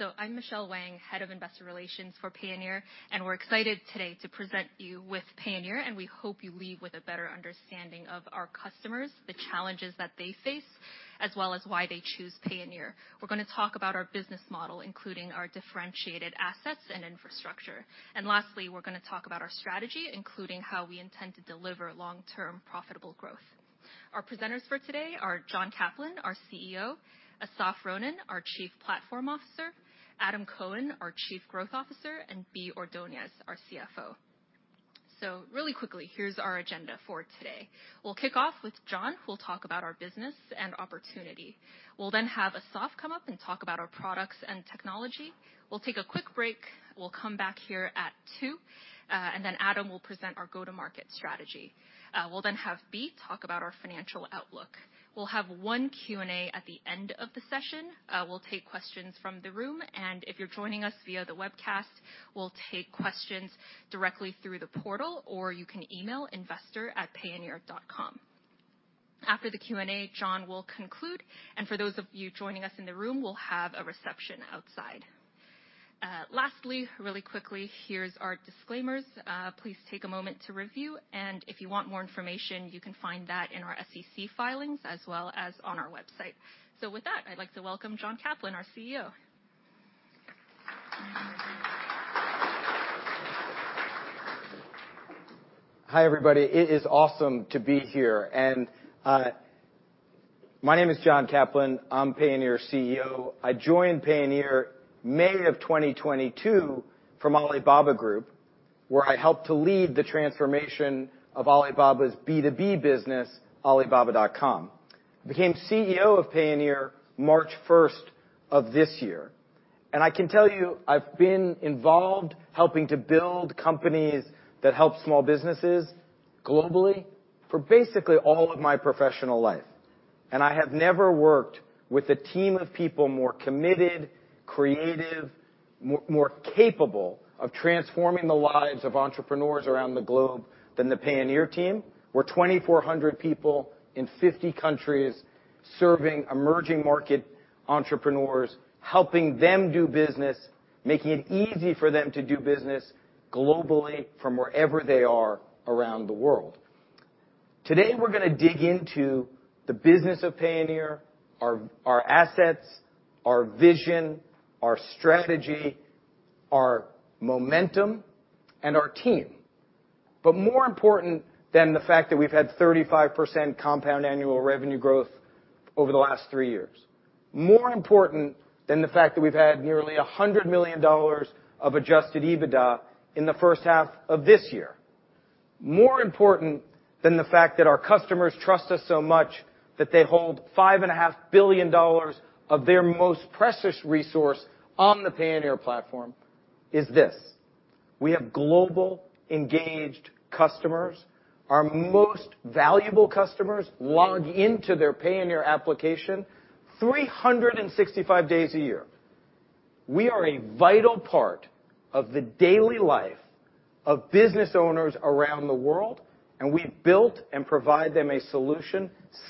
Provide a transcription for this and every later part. So I'm Michelle Wang, Head of Investor Relations for Payoneer, and we're excited today to present you with Payoneer, and we hope you leave with a better understanding of our customers, the challenges that they face, as well as why they choose Payoneer. We're gonna talk about our business model, including our differentiated assets and infrastructure. Lastly, we're gonna talk about our strategy, including how we intend to deliver long-term profitable growth. Our presenters for today are John Caplan, our CEO, Assaf Ronen, our Chief Platform Officer, Adam Cohen, our Chief Growth Officer, and Bea Ordonez, our CFO. So really quickly, here's our agenda for today. We'll kick off with John, who'll talk about our business and opportunity. We'll then have Assaf come up and talk about our products and technology. We'll take a quick break. We'll come back here at 2:00 P.M., and then Adam will present our go-to-market strategy. We'll then have Bea talk about our financial outlook. We'll have one Q&A at the end of the session. We'll take questions from the room, and if you're joining us via the webcast, we'll take questions directly through the portal, or you can email investor@payoneer.com. After the Q&A, John will conclude, and for those of you joining us in the room, we'll have a reception outside. Lastly, really quickly, here's our disclaimers. Please take a moment to review, and if you want more information, you can find that in our SEC filings as well as on our website. So with that, I'd like to welcome John Caplan, our CEO. Hi, everybody. It is awesome to be here, and my name is John Caplan. I'm Payoneer CEO. I joined Payoneer May 2022 from Alibaba Group, where I helped to lead the transformation of Alibaba's B2B business, alibaba.com. Became CEO of Payoneer March 1 of this year. I can tell you, I've been involved helping to build companies that help small businesses globally for basically all of my professional life, and I have never worked with a team of people more committed, creative, more capable of transforming the lives of entrepreneurs around the globe than the Payoneer team, where 2,400 people in 50 countries serving emerging market entrepreneurs, helping them do business, making it easy for them to do business globally from wherever they are around the world. Today, we're gonna dig into the business of Payoneer, our, our assets, our vision, our strategy, our momentum, and our team. But more important than the fact that we've had 35% compound annual revenue growth over the last three years, more important than the fact that we've had nearly $100 million of adjusted EBITDA in the first half of this year, more important than the fact that our customers trust us so much that they hold $5.5 billion of their most precious resource on the Payoneer platform, is this: we have global, engaged customers. Our most valuable customers log into their Payoneer application 365 days a year. We are a vital part of the daily life of business owners around the world, and we've built and provide them a solution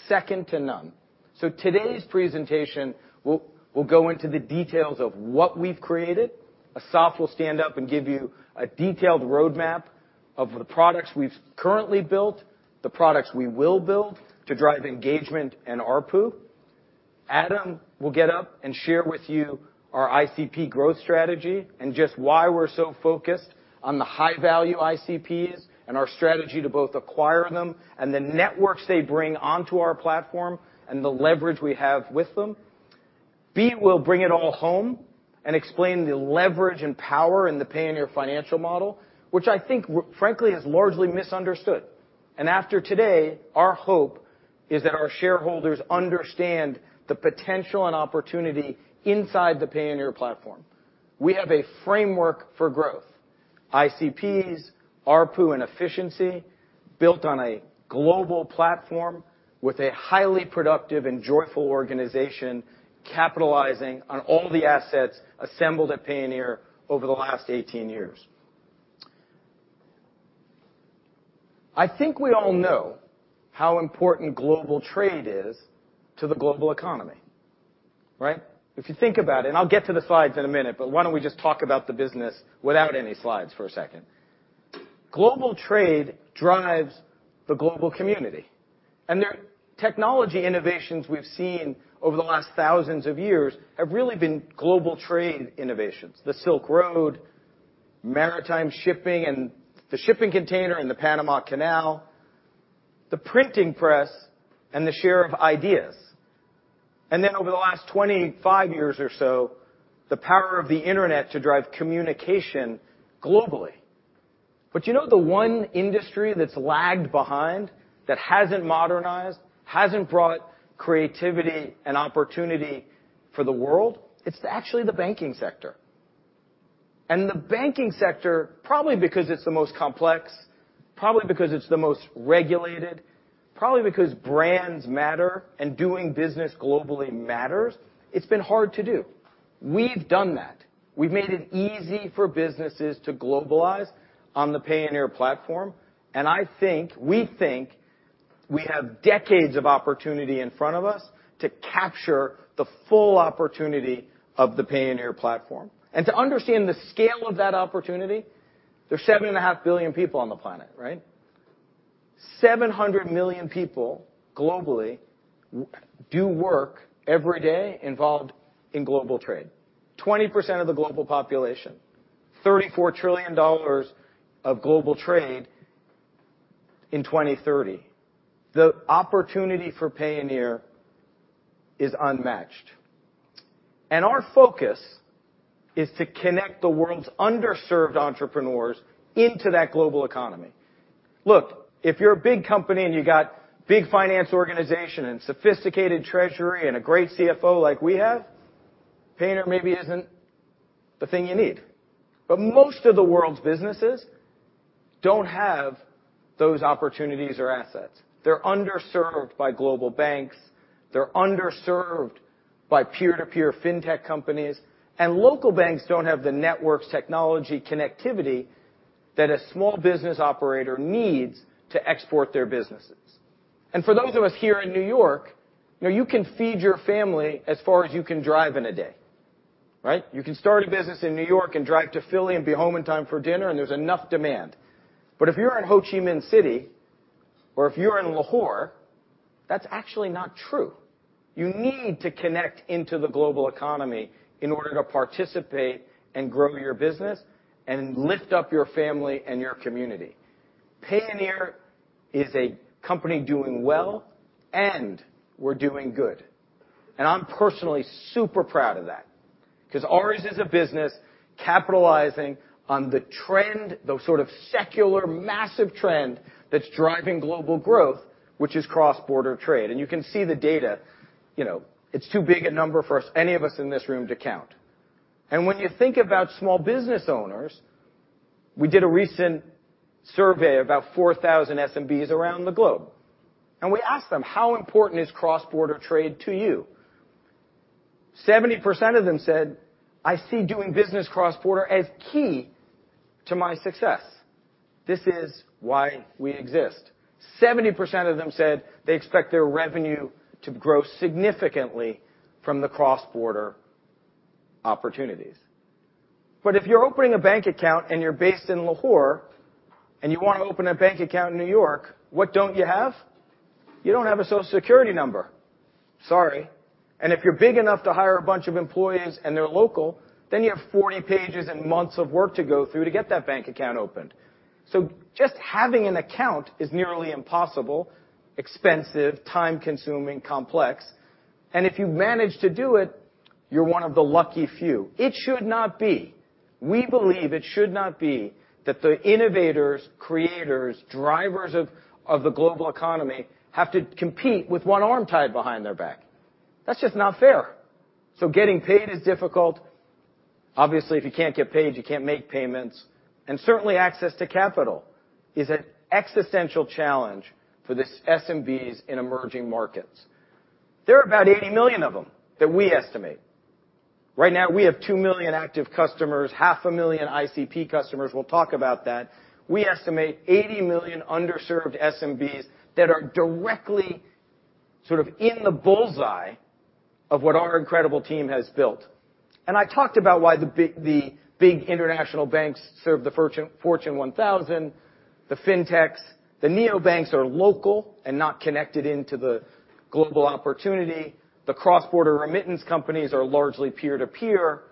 second to none. Today's presentation will go into the details of what we've created. Assaf will stand up and give you a detailed roadmap of the products we've currently built, the products we will build to drive engagement and ARPU. Adam will get up and share with you our ICP growth strategy, and just why we're so focused on the high-value ICPs and our strategy to both acquire them and the networks they bring onto our platform and the leverage we have with them. Bea will bring it all home and explain the leverage and power in the Payoneer financial model, which I think, frankly, is largely misunderstood. After today, our hope is that our shareholders understand the potential and opportunity inside the Payoneer platform. We have a framework for growth, ICPs, ARPU, and efficiency, built on a global platform with a highly productive and joyful organization, capitalizing on all the assets assembled at Payoneer over the last 18 years. I think we all know how important global trade is to the global economy, right? If you think about it, and I'll get to the slides in a minute, but why don't we just talk about the business without any slides for a second? Global trade drives the global community, and there, technology innovations we've seen over the last thousands of years have really been global trade innovations. The Silk Road, maritime shipping, and the shipping container and the Panama Canal, the printing press, and the share of ideas. And then over the last 25 years or so, the power of the Internet to drive communication globally. You know, the one industry that's lagged behind, that hasn't modernized, hasn't brought creativity and opportunity for the world, it's actually the banking sector. The banking sector, probably because it's the most complex, probably because it's the most regulated, probably because brands matter and doing business globally matters, it's been hard to do. We've done that. We've made it easy for businesses to globalize on the Payoneer platform, and I think, we think, we have decades of opportunity in front of us to capture the full opportunity of the Payoneer platform. To understand the scale of that opportunity, there are 7.5 billion people on the planet, right? 700 million people globally do work every day involved in global trade. 20% of the global population, $34 trillion of global trade in 2030. The opportunity for Payoneer is unmatched, and our focus is to connect the world's underserved entrepreneurs into that global economy. Look, if you're a big company, and you got big finance organization, and sophisticated treasury, and a great CFO like we have, Payoneer maybe isn't the thing you need. But most of the world's businesses don't have those opportunities or assets. They're underserved by global banks, they're underserved by peer-to-peer fintech companies, and local banks don't have the networks, technology, connectivity that a small business operator needs to export their businesses. And for those of us here in New York, you know, you can feed your family as far as you can drive in a day, right? You can start a business in New York and drive to Philly and be home in time for dinner, and there's enough demand. But if you're in Ho Chi Minh City or if you're in Lahore, that's actually not true. You need to connect into the global economy in order to participate and grow your business and lift up your family and your community. Payoneer is a company doing well, and we're doing good. And I'm personally super proud of that, 'cause ours is a business capitalizing on the trend, the sort of secular, massive trend that's driving global growth, which is cross-border trade. And you can see the data. You know, it's too big a number for us, any of us in this room to count. And when you think about small business owners, we did a recent survey of about 4,000 SMBs around the globe, and we asked them: How important is cross-border trade to you? 70% of them said, "I see doing business cross-border as key to my success." This is why we exist. 70% of them said they expect their revenue to grow significantly from the cross-border opportunities. But if you're opening a bank account, and you're based in Lahore, and you want to open a bank account in New York, what don't you have? You don't have a Social Security number. Sorry. And if you're big enough to hire a bunch of employees and they're local, then you have 40 pages and months of work to go through to get that bank account opened. So just having an account is nearly impossible, expensive, time-consuming, complex, and if you manage to do it, you're one of the lucky few. It should not be. We believe it should not be that the innovators, creators, drivers of, of the global economy have to compete with one arm tied behind their back. That's just not fair. So getting paid is difficult. Obviously, if you can't get paid, you can't make payments, and certainly access to capital is an existential challenge for the SMBs in emerging markets. There are about 80 million of them that we estimate. Right now, we have 2 million active customers, 500,000 ICP customers. We'll talk about that. We estimate 80 million underserved SMBs that are directly sort of in the bull's-eye of what our incredible team has built. And I talked about why the big, the big international banks serve the Fortune, Fortune 1000, the fintechs. The neobanks are local and not connected into the global opportunity. The cross-border remittance companies are largely peer-to-peer,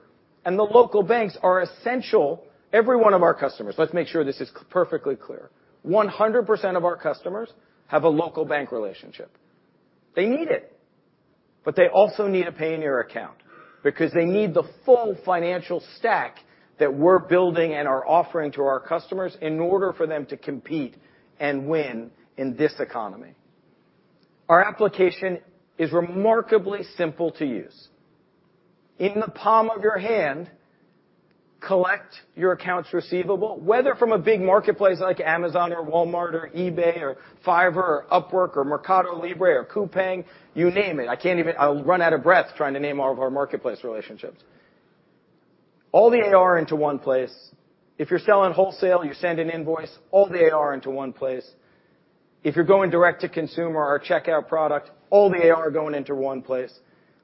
and the local banks are essential. Every one of our customers, let's make sure this is perfectly clear, 100% of our customers have a local bank relationship. They need it, but they also need a Payoneer account because they need the full financial stack that we're building and are offering to our customers in order for them to compete and win in this economy. Our application is remarkably simple to use. In the palm of your hand, collect your accounts receivable, whether from a big marketplace like Amazon or Walmart or eBay or Fiverr or Upwork or Mercado Libre or Coupang, you name it. I can't even... I'll run out of breath trying to name all of our marketplace relationships. All the AR into one place. If you're selling wholesale, you send an invoice, all the AR into one place. If you're going direct to consumer or Checkout product, all the AR going into one place.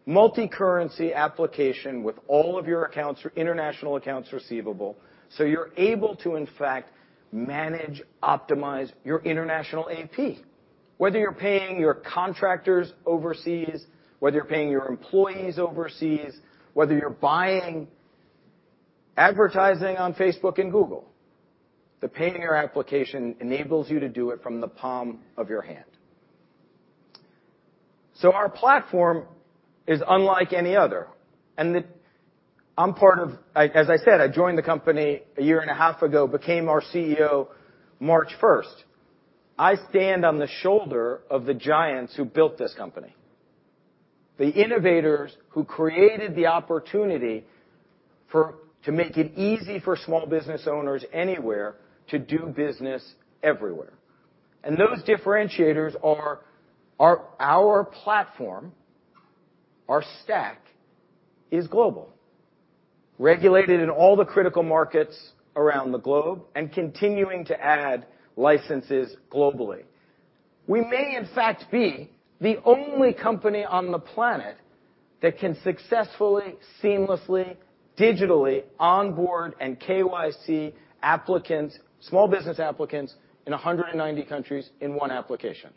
Multicurrency application with all of your accounts or international accounts receivable, so you're able to, in fact, manage, optimize your international AP, whether you're paying your contractors overseas, whether you're paying your employees overseas, whether you're buying advertising on Facebook and Google, the Payoneer application enables you to do it from the palm of your hand. So our platform is unlike any other, and the- I'm part of... I- as I said, I joined the company a year and a half ago, became our CEO March 1st. I stand on the shoulder of the giants who built this company, the innovators who created the opportunity for- to make it easy for small business owners anywhere to do business everywhere. And those differentiators are our, our platform-... Our stack is global, regulated in all the critical markets around the globe and continuing to add licenses globally. We may, in fact, be the only company on the planet that can successfully, seamlessly, digitally onboard and KYC applicants, small business applicants, in 190 countries in one application.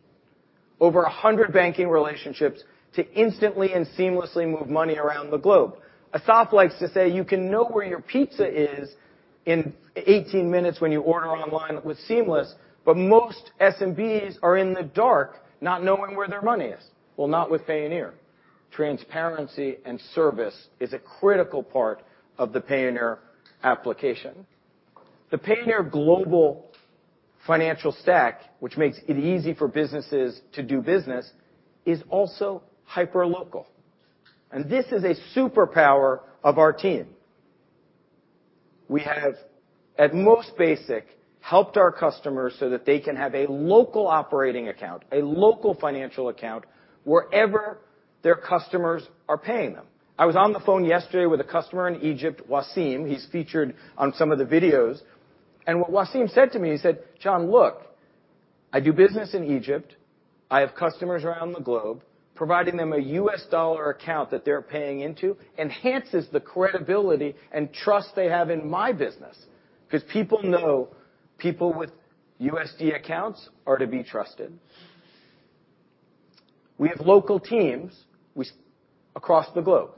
Over 100 banking relationships to instantly and seamlessly move money around the globe. Assaf likes to say, "You can know where your pizza is in 18 minutes when you order online with Seamless, but most SMBs are in the dark, not knowing where their money is." Well, not with Payoneer. Transparency and service is a critical part of the Payoneer application. The Payoneer global financial stack, which makes it easy for businesses to do business, is also hyperlocal, and this is a superpower of our team. We have, at most basic, helped our customers so that they can have a local operating account, a local financial account, wherever their customers are paying them. I was on the phone yesterday with a customer in Egypt, Waseem, he's featured on some of the videos, and what Waseem said to me, he said, "John, look, I do business in Egypt. I have customers around the globe. Providing them a U.S. dollar account that they're paying into enhances the credibility and trust they have in my business, because people know people with USD accounts are to be trusted." We have local teams across the globe.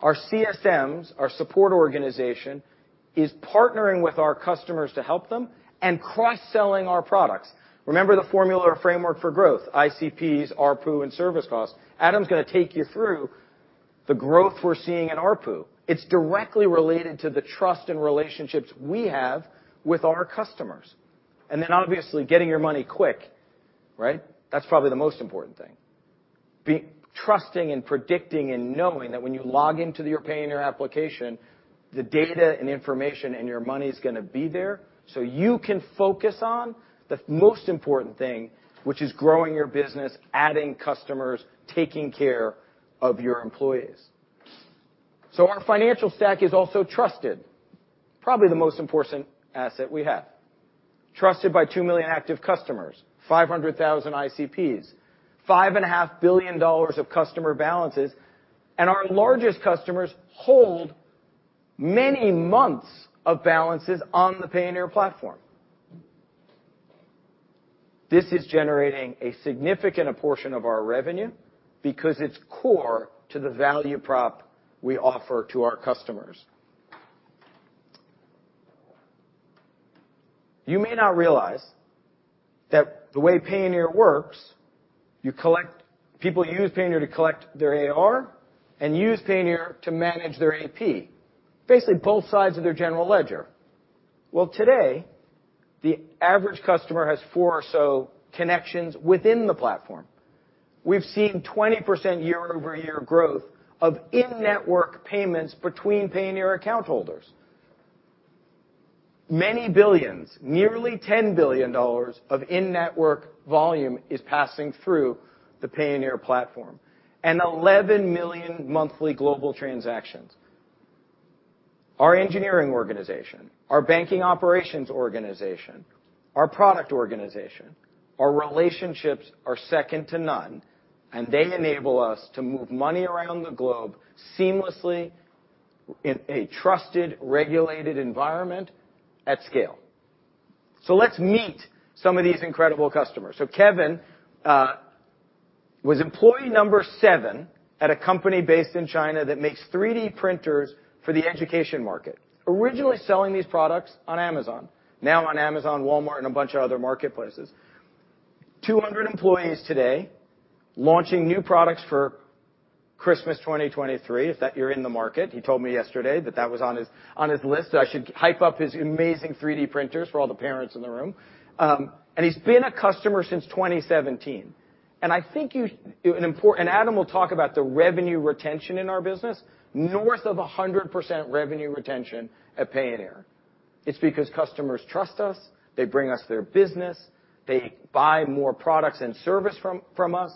Our CSMs, our support organization, is partnering with our customers to help them and cross-selling our products. Remember the formula or framework for growth, ICPs, ARPU, and service costs. Adam's going to take you through the growth we're seeing in ARPU. It's directly related to the trust and relationships we have with our customers. And then obviously, getting your money quick, right? That's probably the most important thing. Being trusting and predictable and knowing that when you log into your Payoneer application, the data and information and your money is going to be there, so you can focus on the most important thing, which is growing your business, adding customers, taking care of your employees. So our financial stack is also trusted. Probably the most important asset we have. Trusted by 2 million active customers, 500,000 ICPs, $5.5 billion of customer balances, and our largest customers hold many months of balances on the Payoneer platform. This is generating a significant portion of our revenue because it's core to the value prop we offer to our customers. You may not realize that the way Payoneer works, you collect... People use Payoneer to collect their AR and use Payoneer to manage their AP, basically both sides of their general ledger. Well, today, the average customer has four or so connections within the platform. We've seen 20% year-over-year growth of in-network payments between Payoneer account holders. Many billions, nearly $10 billion of in-network volume, is passing through the Payoneer platform, and 11 million monthly global transactions. Our engineering organization, our banking operations organization, our product organization, our relationships are second to none, and they enable us to move money around the globe seamlessly in a trusted, regulated environment at scale. Let's meet some of these incredible customers. Kevin was employee number seven at a company based in China that makes 3D printers for the education market. Originally selling these products on Amazon, now on Amazon, Walmart, and a bunch of other marketplaces. 200 employees today, launching new products for Christmas 2023, if that you're in the market. He told me yesterday that that was on his, on his list, so I should hype up his amazing 3D printers for all the parents in the room. He's been a customer since 2017, and I think you- an important... Adam will talk about the revenue retention in our business, north of 100% revenue retention at Payoneer. It's because customers trust us, they bring us their business, they buy more products and service from, from us,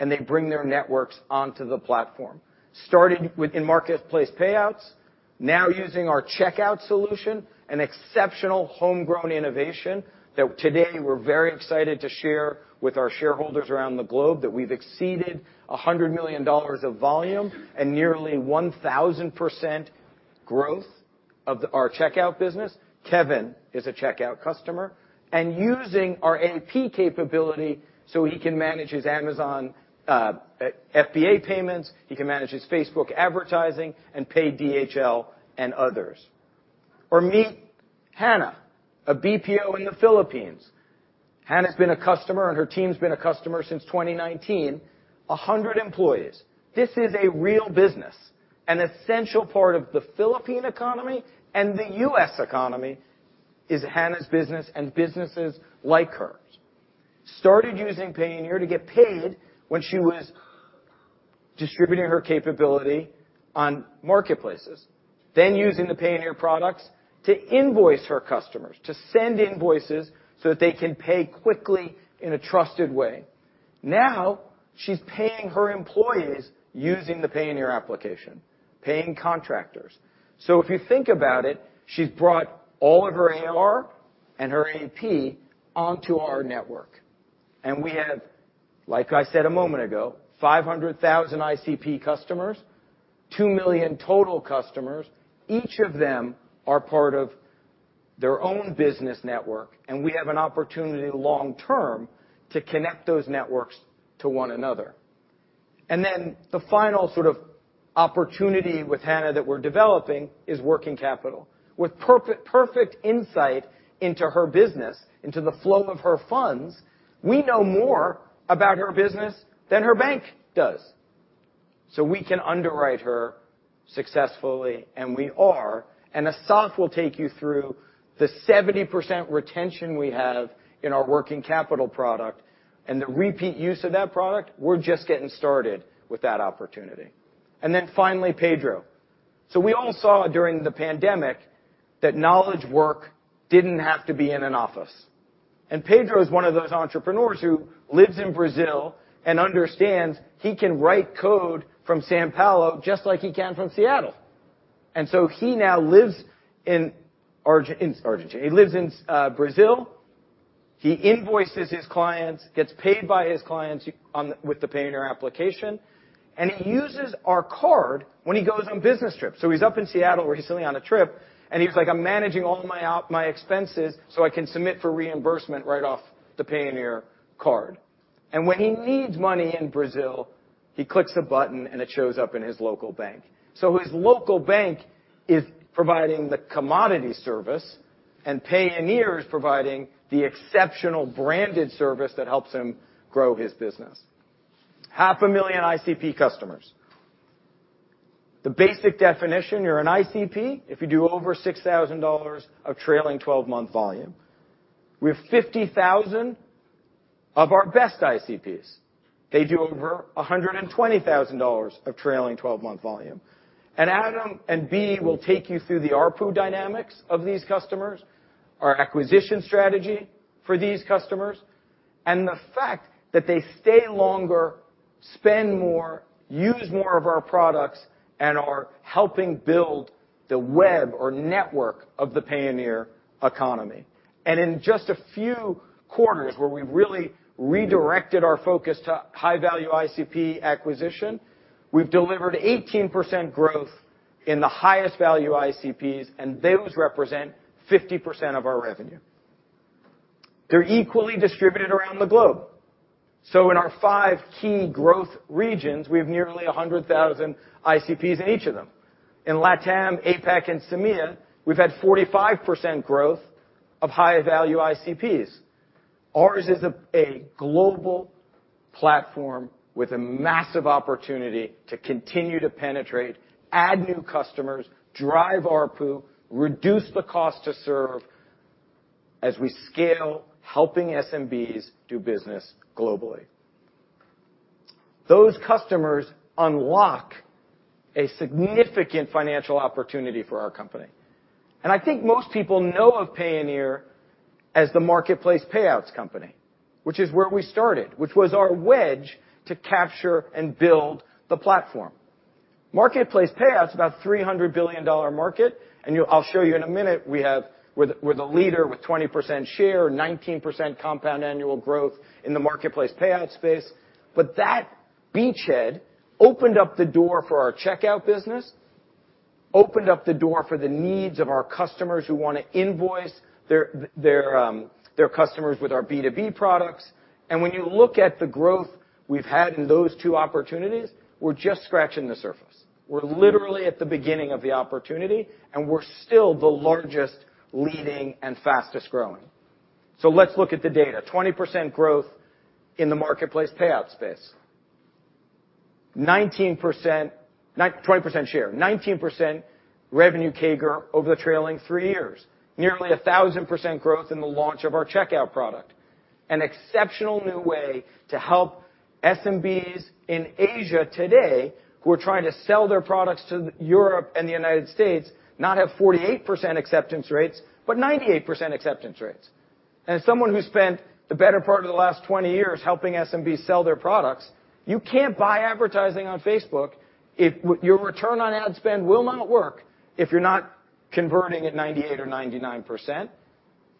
and they bring their networks onto the platform. Starting with in-marketplace payouts, now using our Checkout solution, an exceptional homegrown innovation that today we're very excited to share with our shareholders around the globe that we've exceeded $100 million of volume and nearly 1,000% growth of our Checkout business. Kevin is a Checkout customer, and using our AP capability so he can manage his Amazon FBA payments, he can manage his Facebook advertising and pay DHL and others. Or meet Hannah, a BPO in the Philippines. Hannah's been a customer, and her team's been a customer since 2019, 100 employees. This is a real business. An essential part of the Philippine economy and the U.S. economy is Hannah's business and businesses like hers. Started using Payoneer to get paid when she was distributing her capability on marketplaces. Then, using the Payoneer products to invoice her customers, to send invoices so that they can pay quickly in a trusted way. Now, she's paying her employees using the Payoneer application, paying contractors. So if you think about it, she's brought all of her AR and her AP onto our network, and we have, like I said a moment ago, 500,000 ICP customers, 2 million total customers. Each of them are part of their own business network, and we have an opportunity long-term to connect those networks to one another. And then the final sort of opportunity with Hannah that we're developing is Working Capital. With perfect, perfect insight into her business, into the flow of her funds, we know more about her business than her bank does. So we can underwrite her successfully, and we are, and Assaf will take you through the 70% retention we have in our Working Capital product and the repeat use of that product. We're just getting started with that opportunity. And then finally, Pedro. So we all saw during the pandemic that knowledge work didn't have to be in an office. And Pedro is one of those entrepreneurs who lives in Brazil and understands he can write code from São Paulo just like he can from Seattle. And so he now lives in Argentina. He lives in Brazil. He invoices his clients, gets paid by his clients on, with the Payoneer application, and he uses our card when he goes on business trips. So he's up in Seattle, where he's currently on a trip, and he's like, "I'm managing all my expenses so I can submit for reimbursement right off the Payoneer card." And when he needs money in Brazil, he clicks a button, and it shows up in his local bank. So his local bank is providing the commodity service, and Payoneer is providing the exceptional branded service that helps him grow his business. 500,000 ICP customers. The basic definition, you're an ICP if you do over $6,000 of trailing 12-month volume. We have 50,000 of our best ICPs. They do over $120,000 of trailing 12-month volume. Adam and Bea will take you through the ARPU dynamics of these customers, our acquisition strategy for these customers, and the fact that they stay longer, spend more, use more of our products, and are helping build the web or network of the Payoneer economy. In just a few quarters, where we've really redirected our focus to high-value ICP acquisition, we've delivered 18% growth in the highest value ICPs, and those represent 50% of our revenue. They're equally distributed around the globe. In our five key growth regions, we have nearly 100,000 ICPs in each of them. In LATAM, APAC, and SAMEA, we've had 45% growth of high-value ICPs. Ours is a global platform with a massive opportunity to continue to penetrate, add new customers, drive ARPU, reduce the cost to serve as we scale, helping SMBs do business globally. Those customers unlock a significant financial opportunity for our company. I think most people know of Payoneer as the marketplace payouts company, which is where we started, which was our wedge to capture and build the platform. Marketplace payouts, about $300 billion market, and you- I'll show you in a minute, we have... We're the, we're the leader with 20% share, 19% compound annual growth in the marketplace payout space. That beachhead opened up the door for our Checkout business, opened up the door for the needs of our customers who want to invoice their, their customers with our B2B products. When you look at the growth we've had in those two opportunities, we're just scratching the surface. We're literally at the beginning of the opportunity, and we're still the largest, leading, and fastest-growing. Let's look at the data. 20% growth in the marketplace payout space. 19%, 20% share, 19% revenue CAGR over the trailing three years. Nearly 1,000% growth in the launch of our Checkout product. An exceptional new way to help SMBs in Asia today, who are trying to sell their products to Europe and the United States, not have 48% acceptance rates, but 98% acceptance rates. And as someone who spent the better part of the last 20 years helping SMBs sell their products, you can't buy advertising on Facebook if your return on ad spend will not work if you're not converting at 98% or 99%.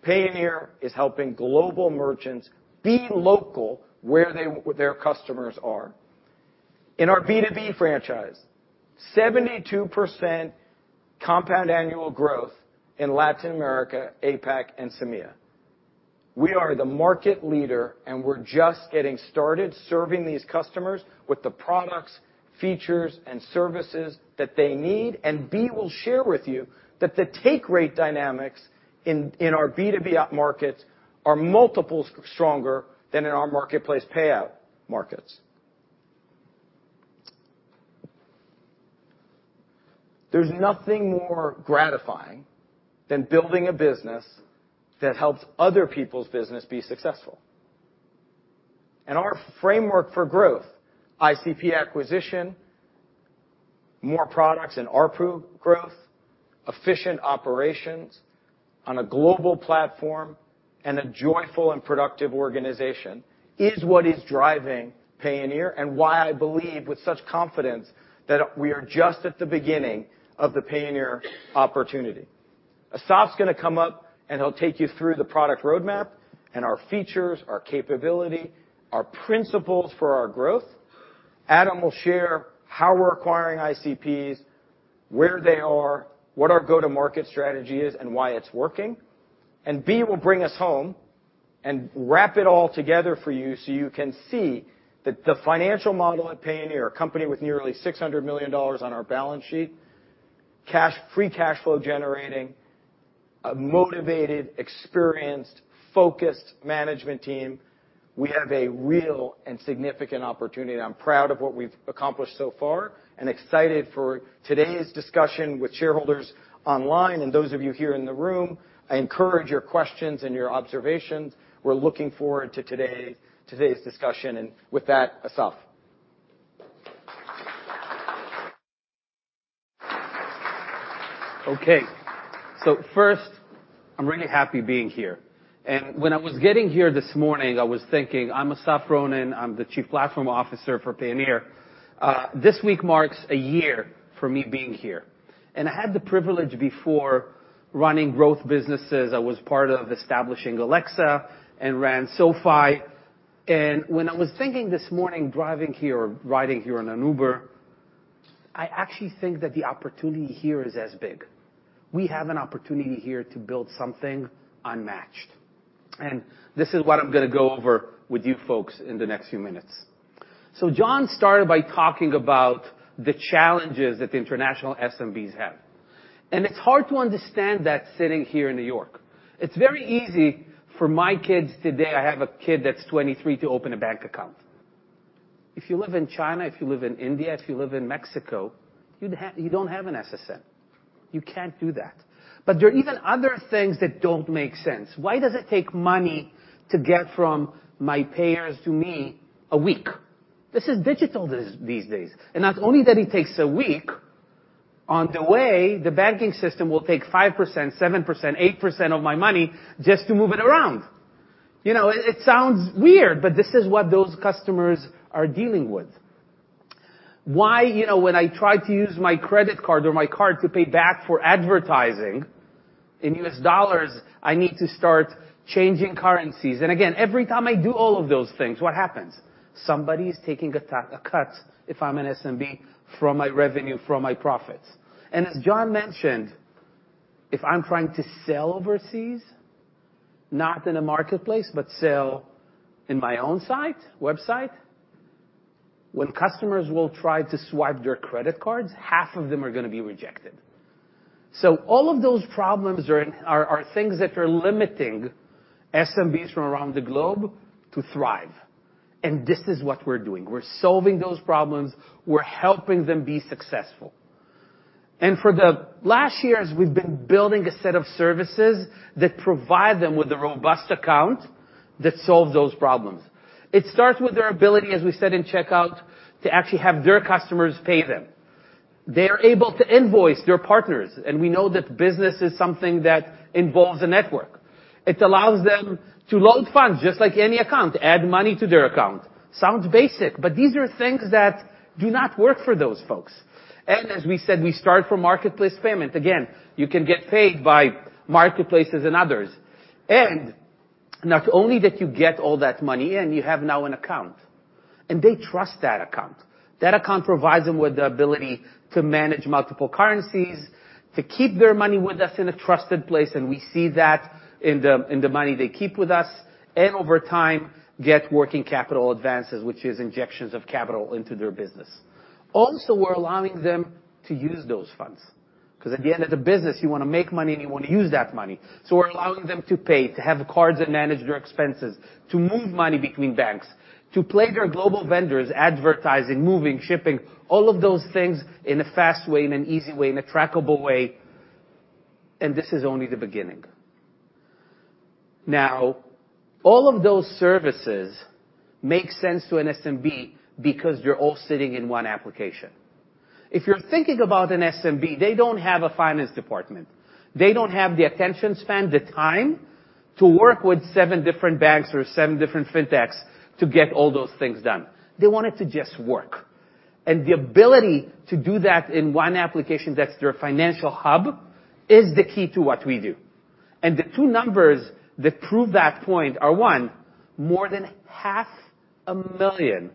Payoneer is helping global merchants be local where they, where their customers are. In our B2B franchise, 72% compound annual growth in Latin America, APAC, and SAMEA. We are the market leader, and we're just getting started serving these customers with the products, features, and services that they need. And Bea will share with you that the take rate dynamics in our B2B markets are multiples stronger than in our marketplace payout markets. There's nothing more gratifying than building a business that helps other people's business be successful... And our framework for growth, ICP acquisition, more products and ARPU growth, efficient operations on a global platform, and a joyful and productive organization, is what is driving Payoneer, and why I believe with such confidence that we are just at the beginning of the Payoneer opportunity. Assaf's gonna come up, and he'll take you through the product roadmap and our features, our capability, our principles for our growth. Adam will share how we're acquiring ICPs, where they are, what our go-to-market strategy is, and why it's working. Bea will bring us home and wrap it all together for you so you can see that the financial model at Payoneer, a company with nearly $600 million on our balance sheet, cash, free cash flow generating, a motivated, experienced, focused management team, we have a real and significant opportunity. I'm proud of what we've accomplished so far and excited for today's discussion with shareholders online and those of you here in the room. I encourage your questions and your observations. We're looking forward to today, today's discussion. With that, Assaf. Okay, so first, I'm really happy being here. And when I was getting here this morning, I was thinking, I'm Assaf Ronen, I'm the Chief Platform Officer for Payoneer. This week marks a year for me being here, and I had the privilege before running growth businesses. I was part of establishing Alexa and ran SoFi. And when I was thinking this morning, driving here, riding here on an Uber, I actually think that the opportunity here is as big. We have an opportunity here to build something unmatched. And this is what I'm gonna go over with you folks in the next few minutes. So John started by talking about the challenges that the international SMBs have, and it's hard to understand that sitting here in New York. It's very easy for my kids today, I have a kid that's 23, to open a bank account. If you live in China, if you live in India, if you live in Mexico, you'd have, you don't have an SSN. You can't do that. But there are even other things that don't make sense. Why does it take money to get from my payers to me a week? This is digital this, these days, and not only that, it takes a week. On the way, the banking system will take 5%, 7%, 8% of my money just to move it around. You know, it, it sounds weird, but this is what those customers are dealing with. Why, you know, when I try to use my credit card or my card to pay back for advertising in U.S. dollars, I need to start changing currencies? And again, every time I do all of those things, what happens? Somebody is taking a cut, if I'm an SMB, from my revenue, from my profits. And as John mentioned, if I'm trying to sell overseas, not in a marketplace, but sell in my own site, website, when customers will try to swipe their credit cards, half of them are gonna be rejected. So all of those problems are things that are limiting SMBs from around the globe to thrive. And this is what we're doing. We're solving those problems, we're helping them be successful. And for the last years, we've been building a set of services that provide them with a robust account that solves those problems. It starts with their ability, as we said, in Checkout, to actually have their customers pay them. They are able to invoice their partners, and we know that business is something that involves a network. It allows them to load funds, just like any account, add money to their account. Sounds basic, but these are things that do not work for those folks. And as we said, we start from marketplace payment. Again, you can get paid by marketplaces and others. And not only that you get all that money in, you have now an account, and they trust that account. That account provides them with the ability to manage multiple currencies, to keep their money with us in a trusted place, and we see that in the money they keep with us, and over time, get Working Capital advances, which is injections of capital into their business. Also, we're allowing them to use those funds, 'cause at the end of the business, you wanna make money, and you wanna use that money. So we're allowing them to pay, to have cards that manage their expenses, to move money between banks, to pay their global vendors, advertising, moving, shipping, all of those things in a fast way, in an easy way, in a trackable way, and this is only the beginning. Now, all of those services make sense to an SMB because they're all sitting in one application. If you're thinking about an SMB, they don't have a finance department. They don't have the attention span, the time, to work with seven different banks or seven different fintechs to get all those things done. They want it to just work. And the ability to do that in one application, that's their financial hub, is the key to what we do. The two numbers that prove that point are: one, more than 500,000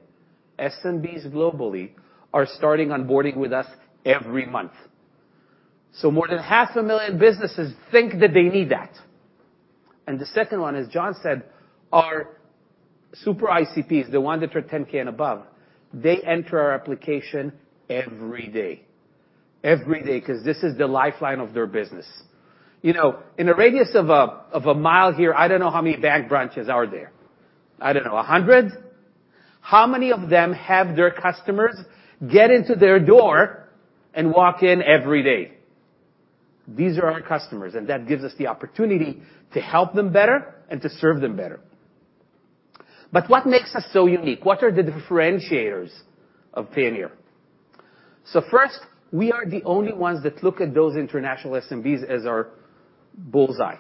SMBs globally are starting onboarding with us every month. More than 500,000 businesses think that they need that. The second one, as John said, our super ICPs, the ones that are $10,000 and above, they enter our application every day. Every day, 'cause this is the lifeline of their business. You know, in a radius of a mile here, I don't know how many bank branches are there. I don't know, 100? How many of them have their customers get into their door and walk in every day? These are our customers, and that gives us the opportunity to help them better and to serve them better. What makes us so unique? What are the differentiators of Payoneer? So first, we are the only ones that look at those international SMBs as our bullseye.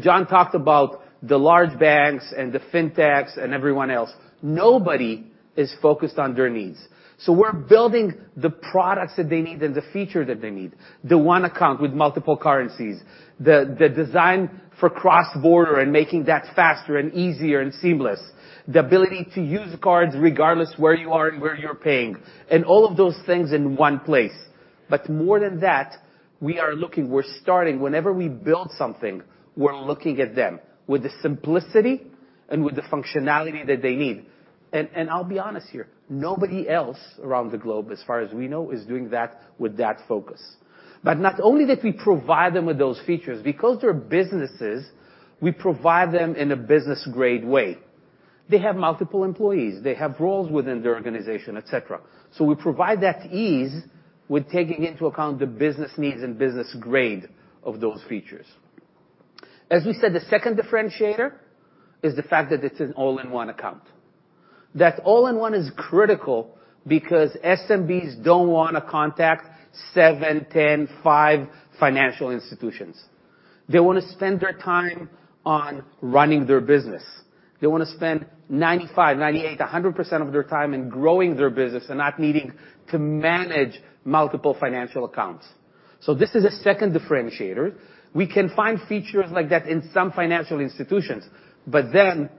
John talked about the large banks and the fintechs and everyone else. Nobody is focused on their needs. So we're building the products that they need and the feature that they need. The one account with multiple currencies, the design for cross-border and making that faster and easier and seamless, the ability to use cards regardless where you are and where you're paying, and all of those things in one place. But more than that, whenever we build something, we're looking at them with the simplicity and with the functionality that they need. I'll be honest here, nobody else around the globe, as far as we know, is doing that with that focus. But not only that we provide them with those features, because they're businesses, we provide them in a business-grade way. They have multiple employees, they have roles within their organization, et cetera. So we provide that ease with taking into account the business needs and business grade of those features. As we said, the second differentiator is the fact that it's an all-in-one account. That all-in-one is critical because SMBs don't wanna contact seven, 10, five financial institutions. They wanna spend their time on running their business. They wanna spend 95%, 98%, 100% of their time in growing their business and not needing to manage multiple financial accounts. So this is a second differentiator. We can find features like that in some financial institutions, but then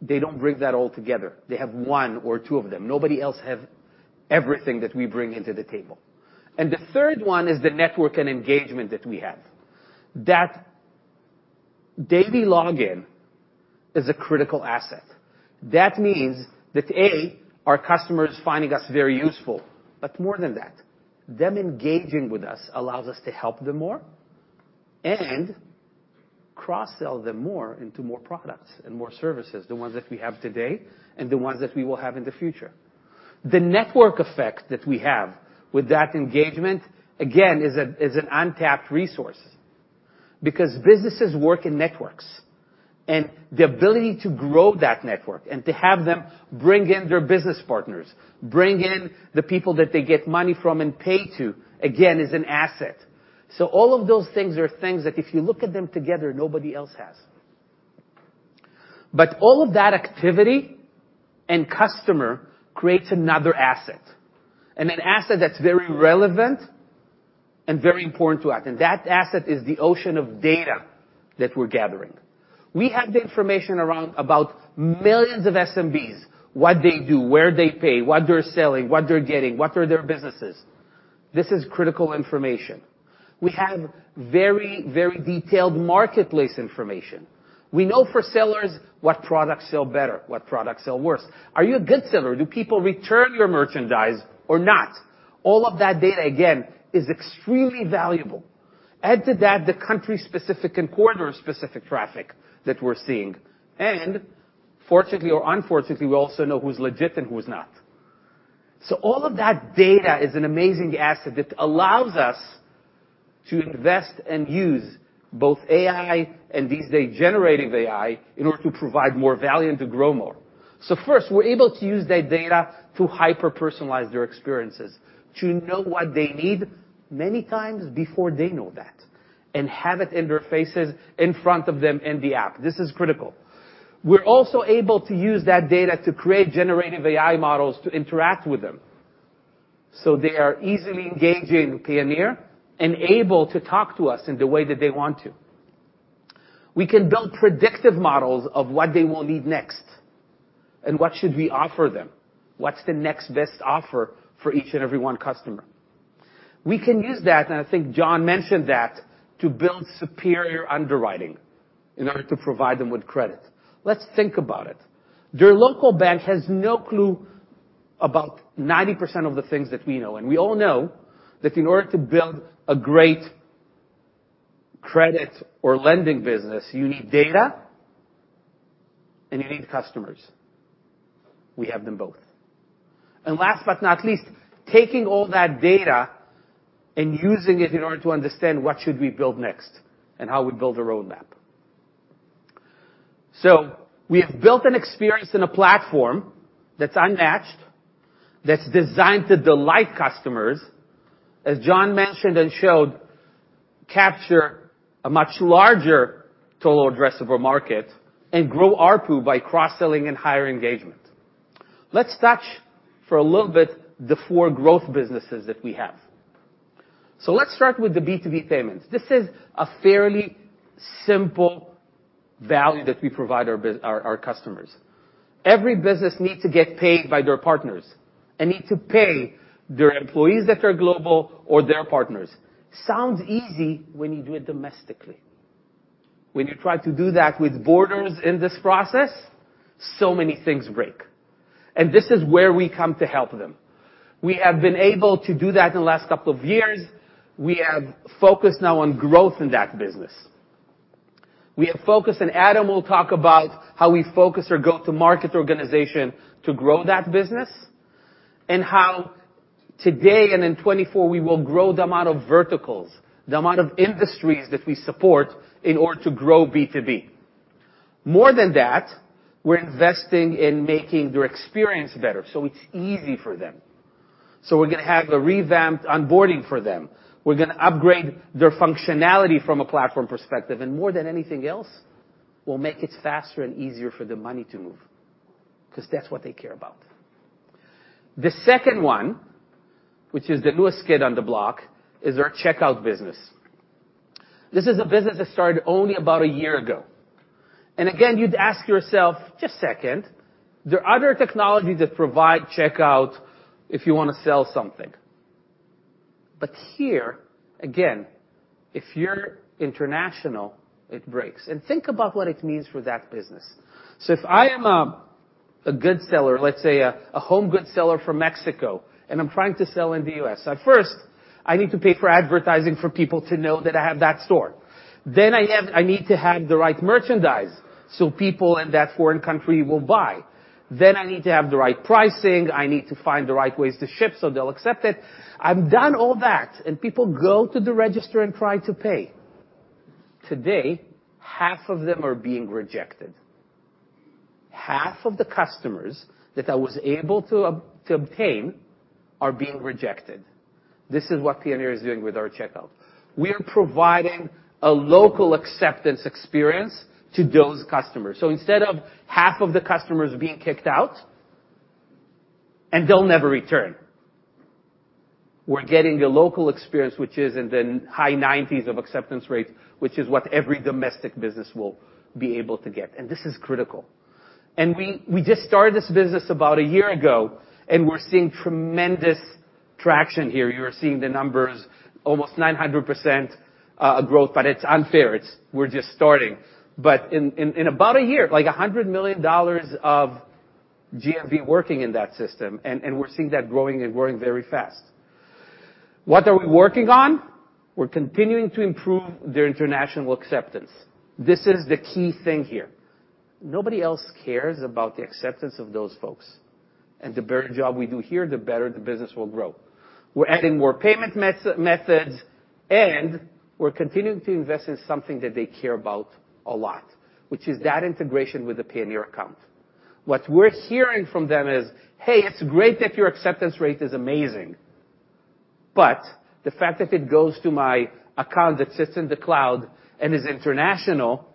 they don't bring that all together. They have one or two of them. Nobody else have everything that we bring into the table. The third one is the network and engagement that we have. That daily login is a critical asset. That means that, A, our customer is finding us very useful, but more than that, them engaging with us allows us to help them more and cross-sell them more into more products and more services, the ones that we have today and the ones that we will have in the future. The network effect that we have with that engagement, again, is an untapped resource because businesses work in networks, and the ability to grow that network and to have them bring in their business partners, bring in the people that they get money from and pay to, again, is an asset. All of those things are things that if you look at them together, nobody else has. But all of that activity and customer creates another asset, and an asset that's very relevant and very important to us, and that asset is the ocean of data that we're gathering. We have the information around about millions of SMBs, what they do, where they pay, what they're selling, what they're getting, what are their businesses. This is critical information. We have very, very detailed marketplace information. We know for sellers, what products sell better, what products sell worse. Are you a good seller? Do people return your merchandise or not? All of that data, again, is extremely valuable. Add to that, the country-specific and quarter-specific traffic that we're seeing. And fortunately or unfortunately, we also know who's legit and who's not. So all of that data is an amazing asset that allows us to invest and use both AI and these days, generative AI, in order to provide more value and to grow more. So first, we're able to use that data to hyper-personalize their experiences, to know what they need many times before they know that, and have those interfaces in front of them in the app. This is critical. We're also able to use that data to create generative AI models to interact with them, so they are easily engaging with Payoneer and able to talk to us in the way that they want to. We can build predictive models of what they will need next and what should we offer them. What's the next best offer for each and every one customer? We can use that, and I think John mentioned that, to build superior underwriting in order to provide them with credit. Let's think about it. Their local bank has no clue about 90% of the things that we know, and we all know that in order to build a great credit or lending business, you need data and you need customers. We have them both. And last but not least, taking all that data and using it in order to understand what should we build next and how we build a roadmap. So we have built an experience and a platform that's unmatched, that's designed to delight customers, as John mentioned and showed, capture a much larger total addressable market, and grow ARPU by cross-selling and higher engagement. Let's touch for a little bit, the four growth businesses that we have. So let's start with the B2B payments. This is a fairly simple value that we provide our customers. Every business needs to get paid by their partners and need to pay their employees that are global or their partners. Sounds easy when you do it domestically. When you try to do that with borders in this process, so many things break. And this is where we come to help them. We have been able to do that in the last couple of years. We have focused now on growth in that business. We have focused, and Adam will talk about how we focus our go-to-market organization to grow that business, and how today and in 2024, we will grow the amount of verticals, the amount of industries that we support in order to grow B2B. More than that, we're investing in making their experience better, so it's easy for them. So we're gonna have a revamped onboarding for them. We're gonna upgrade their functionality from a platform perspective, and more than anything else, we'll make it faster and easier for the money to move, 'cause that's what they care about. The second one, which is the newest kid on the block, is our Checkout business. This is a business that started only about a year ago. And again, you'd ask yourself, "Just a second, there are other technologies that provide Checkout if you wanna sell something." But here, again, if you're international, it breaks. And think about what it means for that business. So if I am a good seller, let's say a home good seller from Mexico, and I'm trying to sell in the U.S., at first, I need to pay for advertising for people to know that I have that store. Then I need to have the right merchandise, so people in that foreign country will buy. Then I need to have the right pricing. I need to find the right ways to ship, so they'll accept it. I've done all that, and people go to the register and try to pay. Today, half of them are being rejected. Half of the customers that I was able to to obtain are being rejected. This is what Payoneer is doing with our Checkout. We are providing a local acceptance experience to those customers. So instead of half of the customers being kicked out, and they'll never return, we're getting a local experience, which is in the high 90s of acceptance rates, which is what every domestic business will be able to get. And this is critical. We just started this business about a year ago, and we're seeing tremendous traction here. You're seeing the numbers, almost 900% growth, but it's unfair. We're just starting. But in about a year, like $100 million of GMV working in that system, and we're seeing that growing and growing very fast. What are we working on? We're continuing to improve their international acceptance. This is the key thing here. Nobody else cares about the acceptance of those folks. And the better job we do here, the better the business will grow. We're adding more payment methods, and we're continuing to invest in something that they care about a lot, which is that integration with the Payoneer account. What we're hearing from them is, "Hey, it's great that your acceptance rate is amazing, but the fact that it goes to my account that sits in the cloud and is international,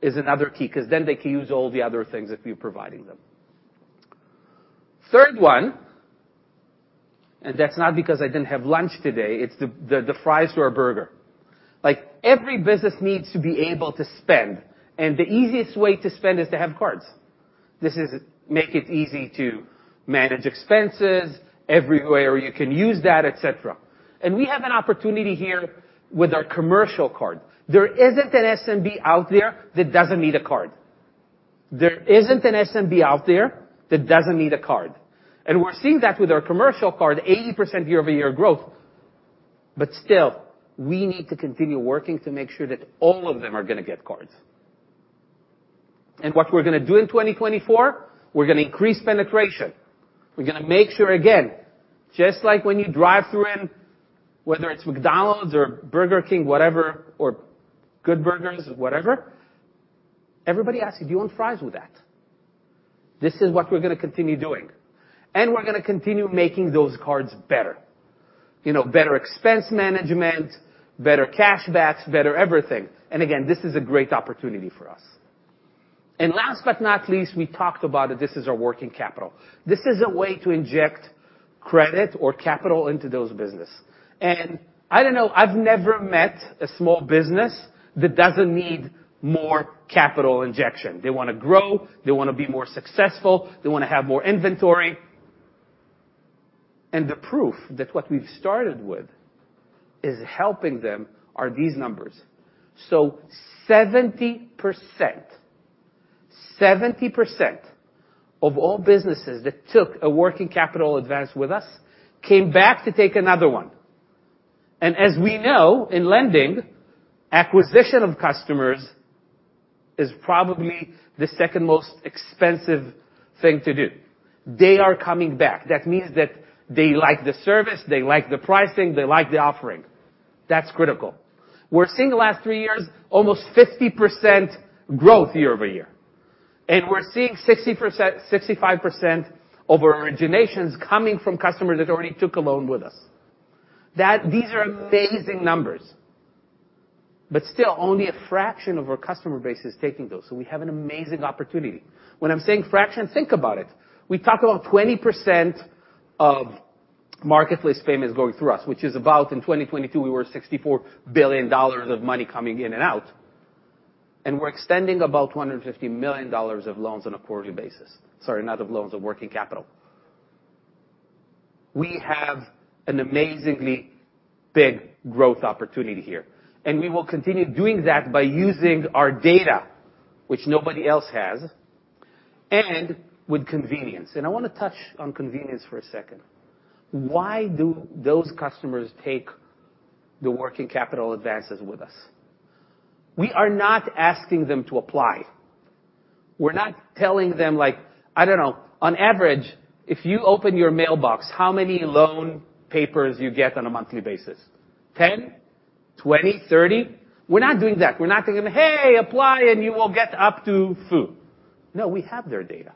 is another key." 'Cause then they can use all the other things that we're providing them. Third one, and that's not because I didn't have lunch today, it's the fries to our burger. Like, every business needs to be able to spend, and the easiest way to spend is to have cards. This is make it easy to manage expenses everywhere you can use that, et cetera. And we have an opportunity here with our commercial card. There isn't an SMB out there that doesn't need a card. There isn't an SMB out there that doesn't need a card. And we're seeing that with our commercial card, 80% year-over-year growth. Still, we need to continue working to make sure that all of them are gonna get cards. What we're gonna do in 2024, we're gonna increase penetration. We're gonna make sure, again, just like when you drive through in, whether it's McDonald's or Burger King, whatever, or Good Burgers, or whatever, everybody asks you, "Do you want fries with that?" This is what we're gonna continue doing. We're gonna continue making those cards better. You know, better expense management, better cash backs, better everything. Again, this is a great opportunity for us. Last but not least, we talked about that this is our Working Capital. This is a way to inject credit or capital into those business. I don't know, I've never met a small business that doesn't need more capital injection. They wanna grow, they wanna be more successful, they wanna have more inventory. And the proof that what we've started with is helping them are these numbers. So 70%, 70% of all businesses that took a Working Capital advance with us came back to take another one. And as we know, in lending, acquisition of customers is probably the second most expensive thing to do. They are coming back. That means that they like the service, they like the pricing, they like the offering. That's critical. We're seeing the last three years, almost 50% growth year-over-year, and we're seeing 60%, 65% of our originations coming from customers that already took a loan with us. That... These are amazing numbers, but still only a fraction of our customer base is taking those. So we have an amazing opportunity. When I'm saying fraction, think about it. We talked about 20% of marketplace payments going through us, which is about, in 2022, we were $64 billion of money coming in and out, and we're extending about $150 million of loans on a quarterly basis. Sorry, not of loans, of Working Capital. We have an amazingly big growth opportunity here, and we will continue doing that by using our data, which nobody else has, and with convenience. I wanna touch on convenience for a second. Why do those customers take the Working Capital advances with us? We are not asking them to apply. We're not telling them, like, I don't know, on average, if you open your mailbox, how many loan papers you get on a monthly basis? 10? 20, 30? We're not doing that. We're not going, "Hey, apply, and you will get up to foo." No, we have their data.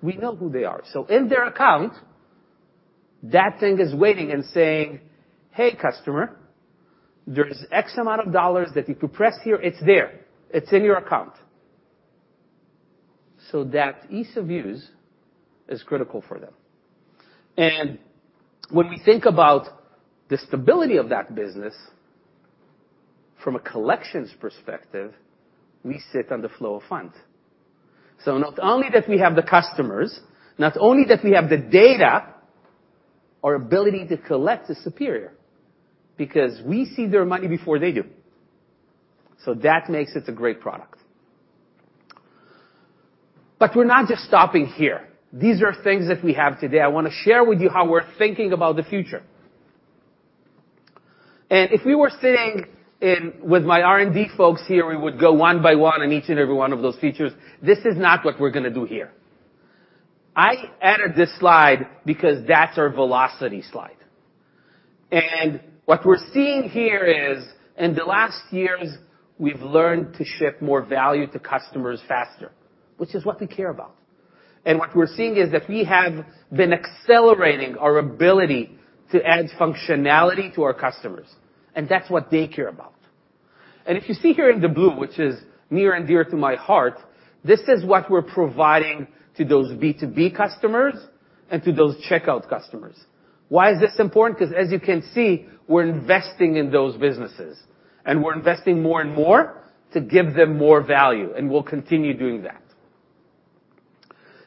We know who they are. So in their account, that thing is waiting and saying, "Hey, customer, there is $X, that if you press here," it's there. It's in your account. So that ease of use is critical for them. And when we think about the stability of that business from a collections perspective, we sit on the flow of funds. So not only that we have the customers, not only that we have the data, our ability to collect is superior because we see their money before they do. So that makes it a great product. But we're not just stopping here. These are things that we have today. I wanna share with you how we're thinking about the future. If we were sitting with my R&D folks here, we would go one by one on each and every one of those features. This is not what we're gonna do here. I added this slide because that's our velocity slide. What we're seeing here is, in the last years, we've learned to ship more value to customers faster, which is what we care about. What we're seeing is that we have been accelerating our ability to add functionality to our customers, and that's what they care about. If you see here in the blue, which is near and dear to my heart, this is what we're providing to those B2B customers and to those Checkout customers. Why is this important? 'Cause as you can see, we're investing in those businesses, and we're investing more and more to give them more value, and we'll continue doing that.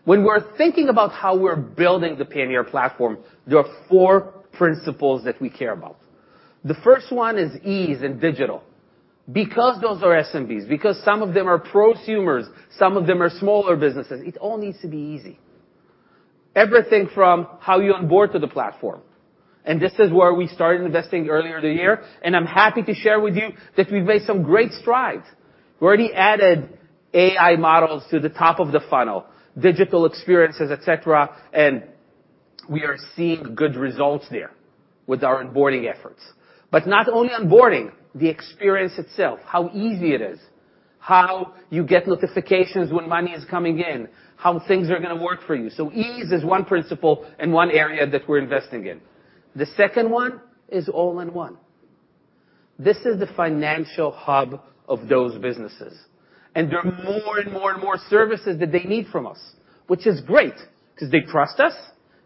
When we're thinking about how we're building the Payoneer platform, there are four principles that we care about. The first one is ease and digital, because those are SMBs, because some of them are prosumers, some of them are smaller businesses. It all needs to be easy. Everything from how you onboard to the platform. This is where we started investing earlier in the year, and I'm happy to share with you that we've made some great strides. We already added AI models to the top of the funnel, digital experiences, et cetera, and we are seeing good results there with our onboarding efforts. But not only onboarding, the experience itself, how easy it is, how you get notifications when money is coming in, how things are gonna work for you. So ease is one principle and one area that we're investing in. The second one is all-in-one. This is the financial hub of those businesses, and there are more and more and more services that they need from us, which is great, 'cause they trust us,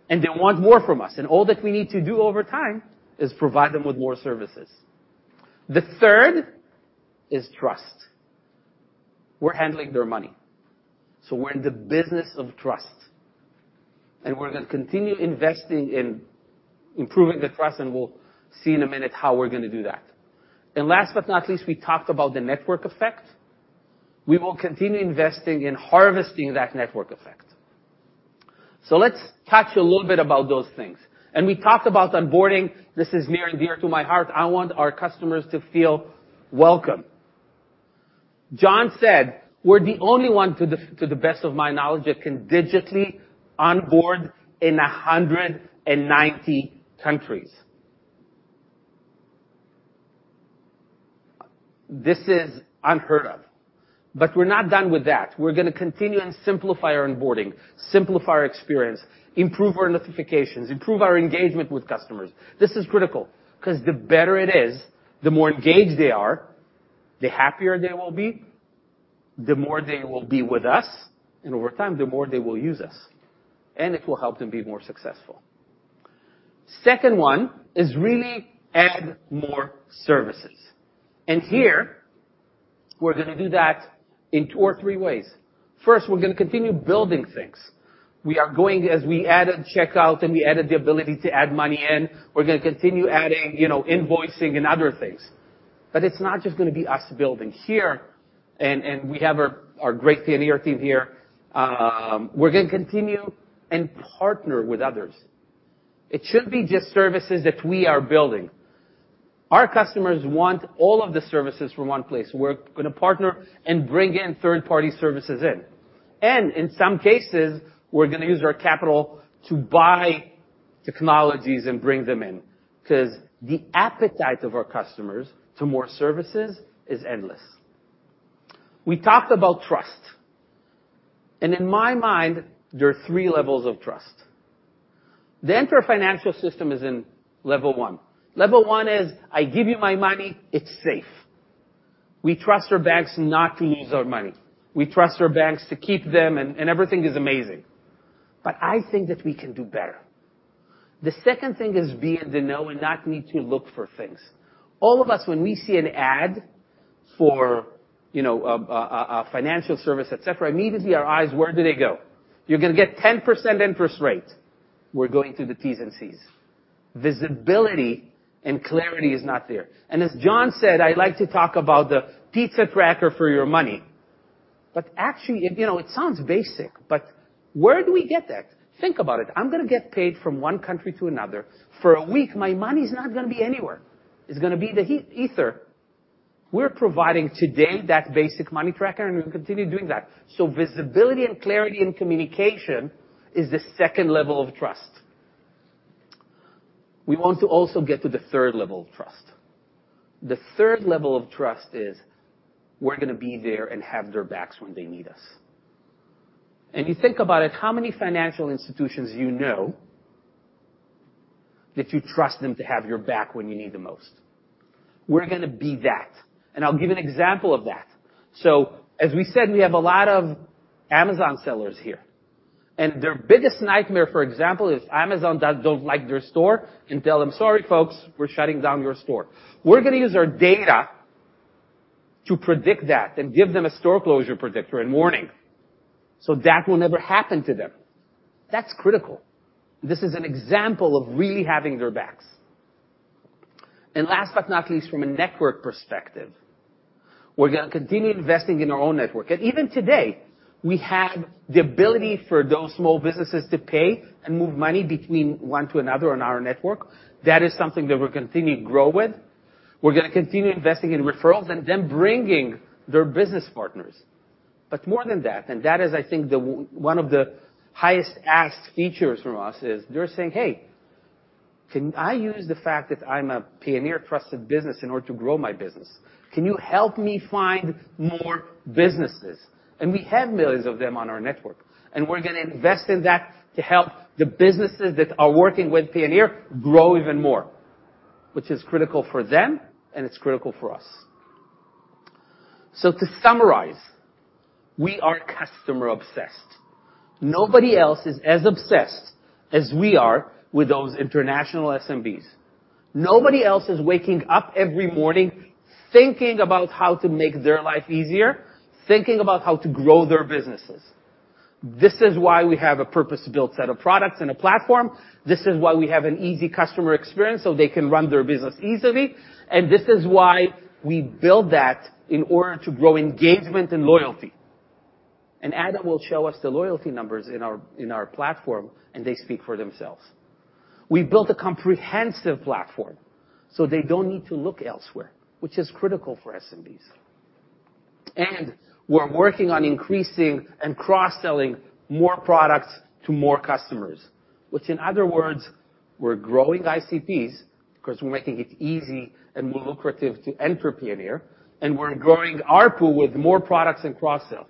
and they want more from us, and all that we need to do over time is provide them with more services. The third is trust. We're handling their money, so we're in the business of trust, and we're gonna continue investing in improving the trust, and we'll see in a minute how we're gonna do that. And last but not least, we talked about the network effect. We will continue investing in harvesting that network effect. So let's touch a little bit about those things. And we talked about onboarding. This is near and dear to my heart. I want our customers to feel welcome. John said we're the only one, to the, to the best of my knowledge, that can digitally onboard in 190 countries. This is unheard of, but we're not done with that. We're gonna continue and simplify our onboarding, simplify our experience, improve our notifications, improve our engagement with customers. This is critical, 'cause the better it is, the more engaged they are, the happier they will be, the more they will be with us, and over time, the more they will use us, and it will help them be more successful. Second one is really add more services. And here we're gonna do that in two or three ways. First, we're gonna continue building things. As we added Checkout and we added the ability to add money in, we're gonna continue adding, you know, invoicing and other things. But it's not just gonna be us building here, and we have our great Payoneer team here. We're gonna continue and partner with others. It shouldn't be just services that we are building. Our customers want all of the services from one place. We're gonna partner and bring in third-party services in. And in some cases, we're gonna use our capital to buy technologies and bring them in, 'cause the appetite of our customers to more services is endless. We talked about trust, and in my mind, there are three levels of trust. The entire financial system is in level one. Level 1 is, I give you my money, it's safe. We trust our banks not to lose our money. We trust our banks to keep them, and everything is amazing. But I think that we can do better. The second thing is be in the know and not need to look for things. All of us, when we see an ad for, you know, a financial service, et cetera, immediately our eyes, where do they go? You're gonna get 10% interest rate. We're going to the T's and C's. Visibility and clarity is not there. And as John said, I like to talk about the pizza tracker for your money, but actually, you know, it sounds basic, but where do we get that? Think about it. I'm going to get paid from one country to another for a week. My money is not going to be anywhere. It's going to be in the ether. We're providing today that basic money tracker, and we'll continue doing that. So visibility and clarity in communication is the second level of trust. We want to also get to the third level of trust. The third level of trust is we're going to be there and have their backs when they need us. And you think about it, how many financial institutions you know that you trust them to have your back when you need the most? We're going to be that, and I'll give an example of that. So as we said, we have a lot of Amazon sellers here, and their biggest nightmare, for example, is Amazon doesn't like their store and tell them, "Sorry, folks, we're shutting down your store." We're going to use our data to predict that and give them a store closure predictor and warning, so that will never happen to them. That's critical. This is an example of really having their backs. Last but not least, from a network perspective, we're going to continue investing in our own network. Even today, we have the ability for those small businesses to pay and move money between one to another on our network. That is something that we're continuing to grow with. We're going to continue investing in referrals and them bringing their business partners. But more than that, and that is I think the one of the highest asked features from us, is they're saying, "Hey, can I use the fact that I'm a Payoneer trusted business in order to grow my business? Can you help me find more businesses?" And we have millions of them on our network, and we're going to invest in that to help the businesses that are working with Payoneer grow even more, which is critical for them, and it's critical for us. So to summarize, we are customer-obsessed. Nobody else is as obsessed as we are with those international SMBs. Nobody else is waking up every morning thinking about how to make their life easier, thinking about how to grow their businesses. This is why we have a purpose-built set of products and a platform. This is why we have an easy customer experience, so they can run their business easily. And this is why we build that in order to grow engagement and loyalty. And Adam will show us the loyalty numbers in our platform, and they speak for themselves. We built a comprehensive platform, so they don't need to look elsewhere, which is critical for SMBs. And we're working on increasing and cross-selling more products to more customers, which, in other words, we're growing ICPs, because we're making it easy and more lucrative to enter Payoneer, and we're growing ARPU with more products and cross-sell.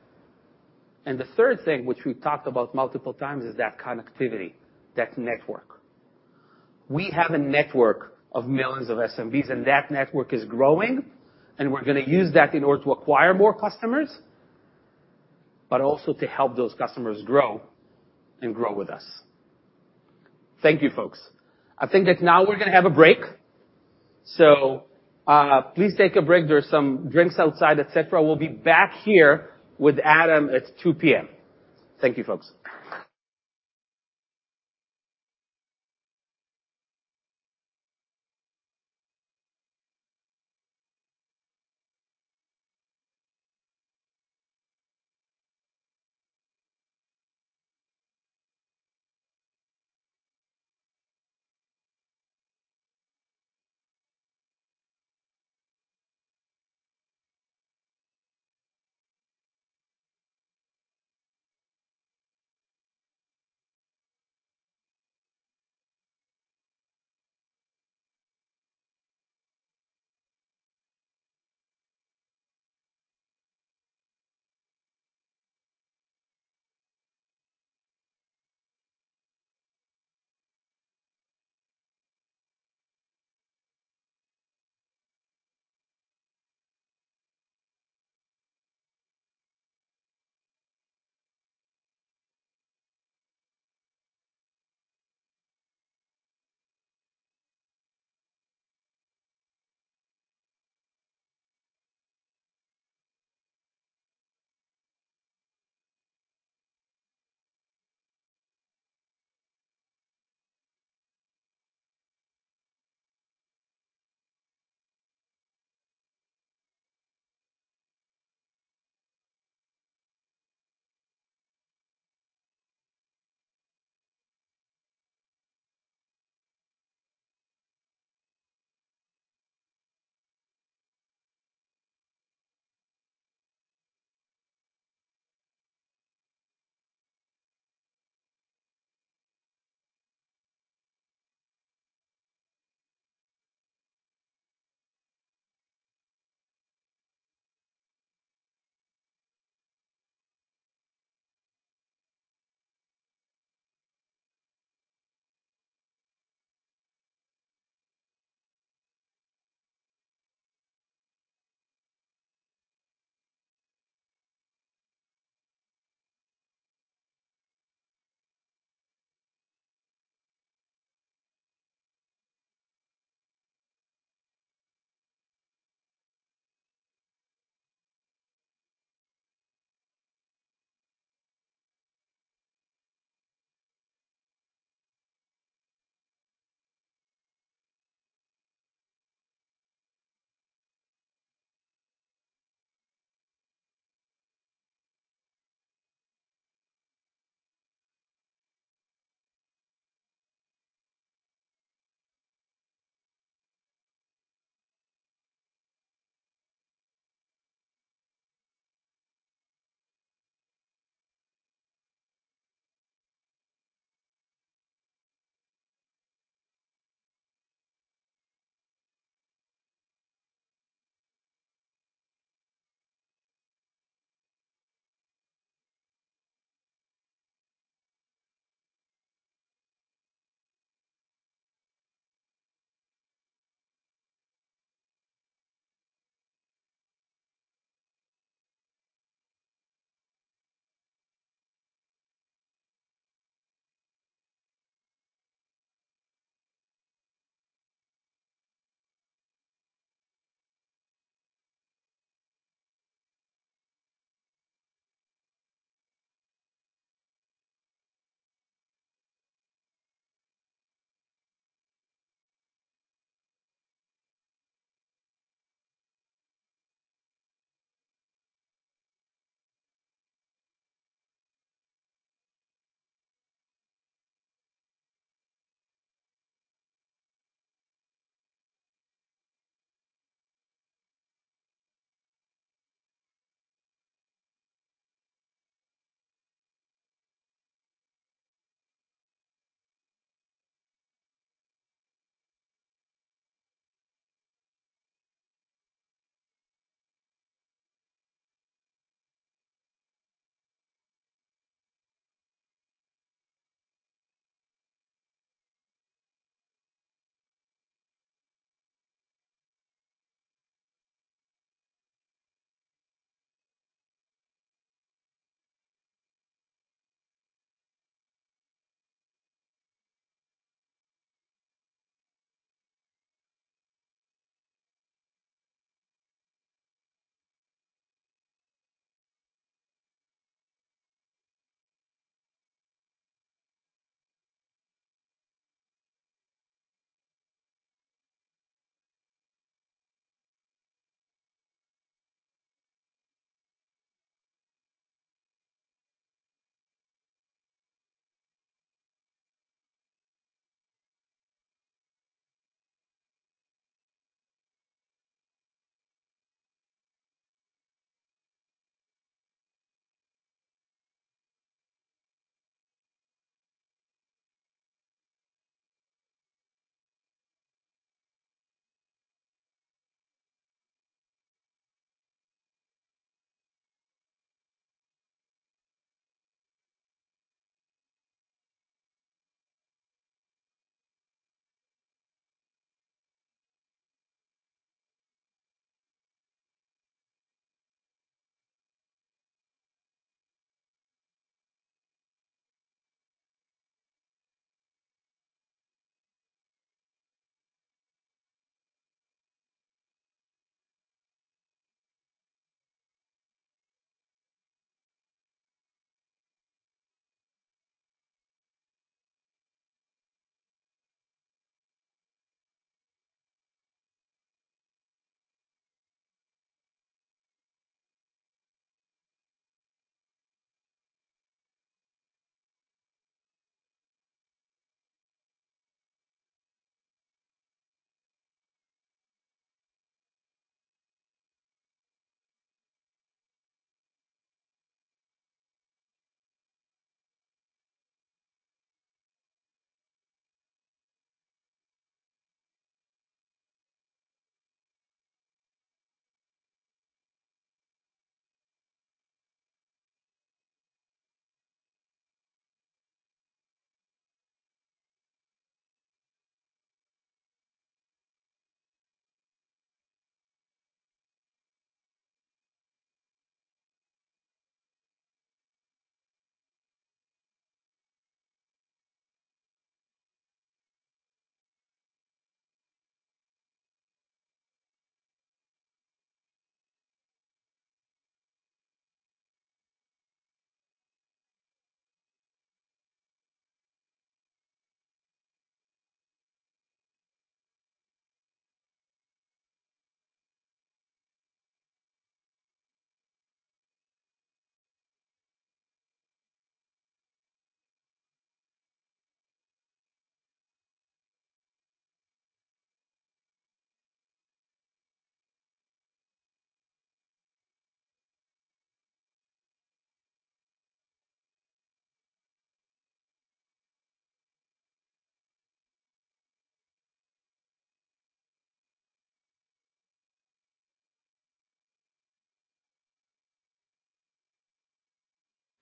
And the third thing, which we've talked about multiple times, is that connectivity, that network. We have a network of millions of SMBs, and that network is growing, and we're going to use that in order to acquire more customers, but also to help those customers grow and grow with us. Thank you, folks. I think that now we're going to have a break, so, please take a break. There are some drinks outside, et cetera. We'll be back here with Adam at 2:00 P.M. Thank you, folks.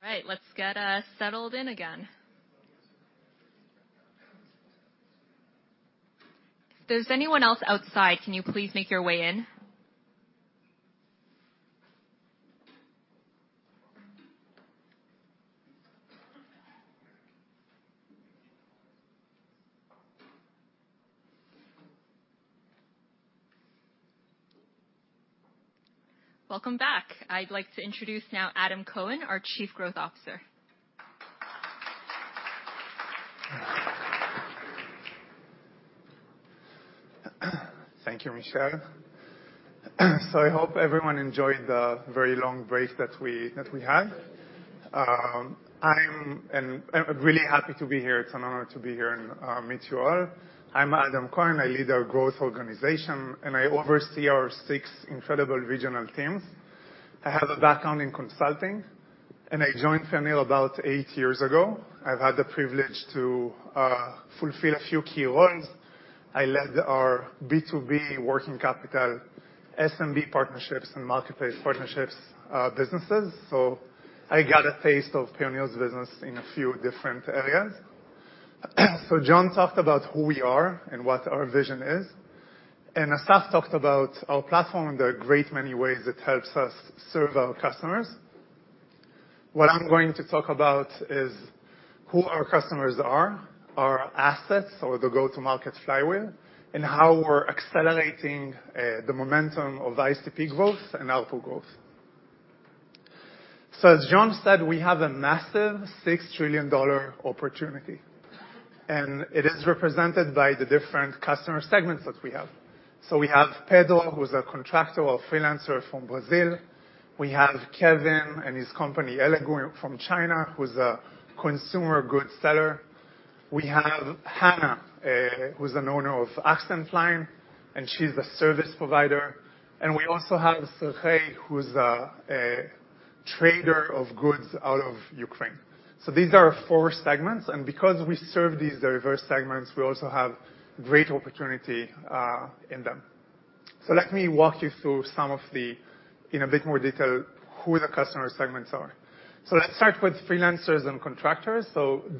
All right, let's get settled in again. If there's anyone else outside, can you please make your way in? Welcome back. I'd like to introduce now Adam Cohen, our Chief Growth Officer. Thank you, Michelle. So I hope everyone enjoyed the very long break that we had. I'm really happy to be here. It's an honor to be here and meet you all. I'm Adam Cohen. I lead our growth organization, and I oversee our six incredible regional teams. I have a background in consulting, and I joined Payoneer about eight years ago. I've had the privilege to fulfill a few key roles. I led our B2B Working Capital, SMB partnerships, and marketplace partnerships businesses. So I got a taste of Payoneer's business in a few different areas. So John talked about who we are and what our vision is, and Assaf talked about our platform and the great many ways it helps us serve our customers.https://editor.inflexiontranscribe.com/static/media/icon-play.39003f0a4baacd961cc853b952165cc5.svg What I'm going to talk about is who our customers are, our assets, or the go-to-market flywheel, and how we're accelerating the momentum of ICP growth and ARPU growth. So as John said, we have a massive $6 trillion opportunity, and it is represented by the different customer segments that we have. So we have Pedro, who's a contractor or freelancer from Brazil. We have Kevin and his company, Elegoo, from China, who's a consumer goods seller. We have Hannah, who's an owner of Accentline, and she's a service provider. And we also have Sergei, who's a trader of goods out of Ukraine. So these are our four segments, and because we serve these diverse segments, we also have great opportunity in them. So let me walk you through some of the... in a bit more detail, who the customer segments are. So let's start with freelancers and contractors.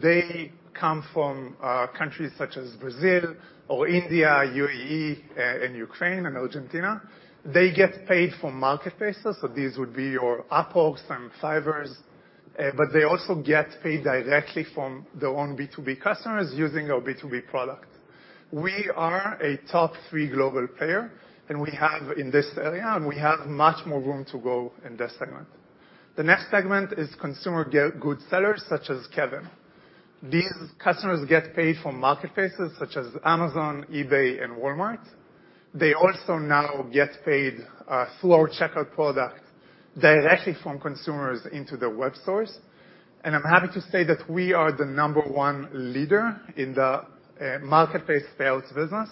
They come from countries such as Brazil or India, UAE, and Ukraine and Argentina. They get paid from marketplaces, so these would be your Upworks and Fiverrs, but they also get paid directly from their own B2B customers using our B2B product. We are a top three global player in this area, and we have much more room to go in this segment. The next segment is consumer goods sellers, such as Kevin. These customers get paid from marketplaces such as Amazon, eBay, and Walmart. They also now get paid through our Checkout product directly from consumers into their web stores. I'm happy to say that we are the number one leader in the marketplace sales business,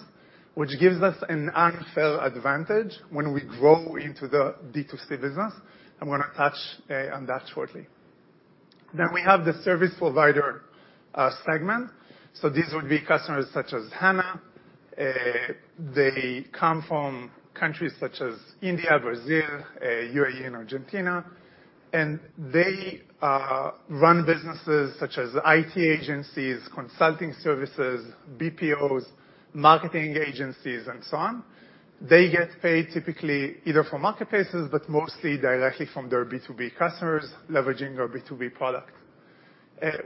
which gives us an unfair advantage when we grow into the D2C business, and I'm gonna touch on that shortly. We have the service provider segment. So these would be customers such as Hannah. They come from countries such as India, Brazil, UAE, and Argentina, and they run businesses such as IT agencies, consulting services, BPOs, marketing agencies, and so on. They get paid typically either from marketplaces, but mostly directly from their B2B customers, leveraging our B2B product.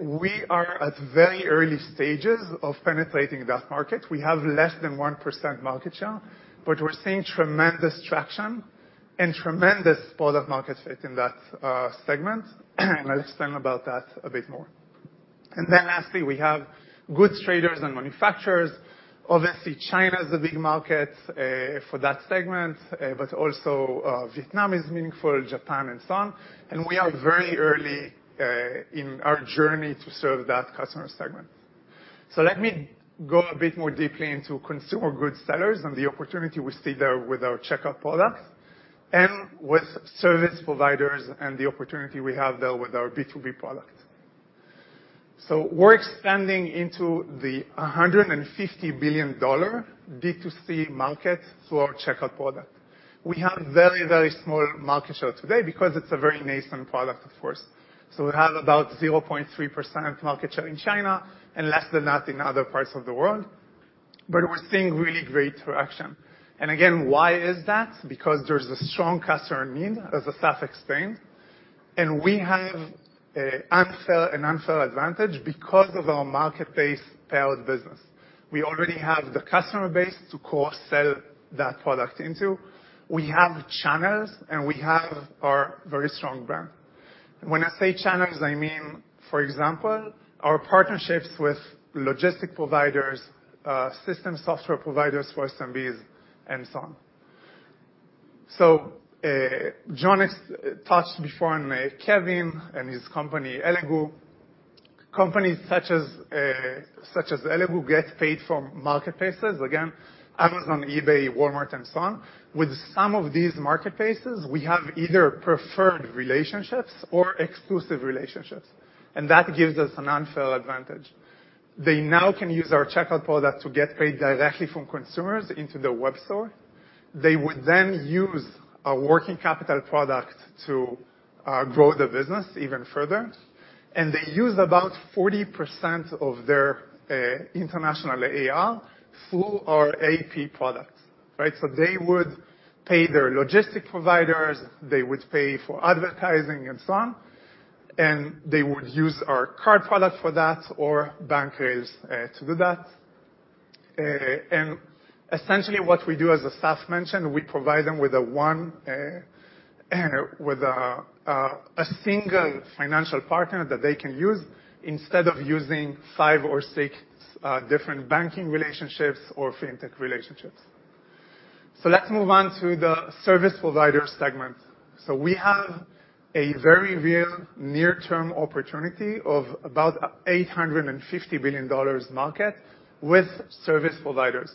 We are at very early stages of penetrating that market. We have less than 1% market share, but we're seeing tremendous traction and tremendous product market fit in that segment, and I'll explain about that a bit more. Then lastly, we have goods traders and manufacturers. Obviously, China is a big market for that segment, but also, Vietnam is meaningful, Japan and so on. We are very early in our journey to serve that customer segment. So let me go a bit more deeply into consumer goods sellers and the opportunity we see there with our Checkout product and with service providers and the opportunity we have there with our B2B product. So we're expanding into the $150 billion D2C market through our Checkout product. We have very, very small market share today because it's a very nascent product, of course. So we have about 0.3% market share in China and less than that in other parts of the world, but we're seeing really great traction. Again, why is that? Because there's a strong customer need, as Assaf explained, and we have a unfair, an unfair advantage because of our marketplace-powered business. We already have the customer base to cross-sell that product into. We have channels, and we have our very strong brand. When I say channels, I mean, for example, our partnerships with logistics providers, system software providers for SMBs, and so on. So, John touched before on Kevin and his company, Elegoo. Companies such as, such as Elegoo, get paid from marketplaces, again, Amazon, eBay, Walmart, and so on. With some of these marketplaces, we have either preferred relationships or exclusive relationships, and that gives us an unfair advantage. They now can use our Checkout product to get paid directly from consumers into their web store. They would then use a Working Capital product to grow the business even further, and they use about 40% of their international AR through our AP products, right? So they would pay their logistics providers, they would pay for advertising and so on, and they would use our card product for that or bank rails to do that. And essentially what we do, as Assaf mentioned, we provide them with a single financial partner that they can use instead of using five or six different banking relationships or fintech relationships. So let's move on to the service provider segment. So we have a very real near-term opportunity of about $850 billion market with service providers.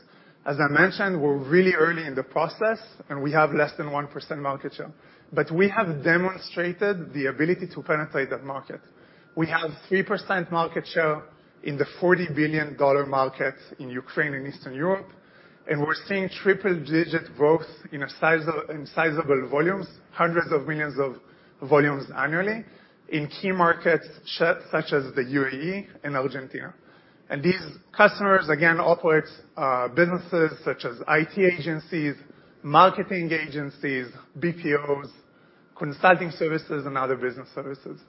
As I mentioned, we're really early in the process, and we have less than 1% market share, but we have demonstrated the ability to penetrate that market. We have 3% market share in the $40 billion market in Ukraine and Eastern Europe, and we're seeing triple-digit growth in sizable volumes, hundreds of millions of volumes annually, in key markets such as the UAE and Argentina. These customers, again, operate businesses such as IT agencies, marketing agencies, BPOs, consulting services, and other business services.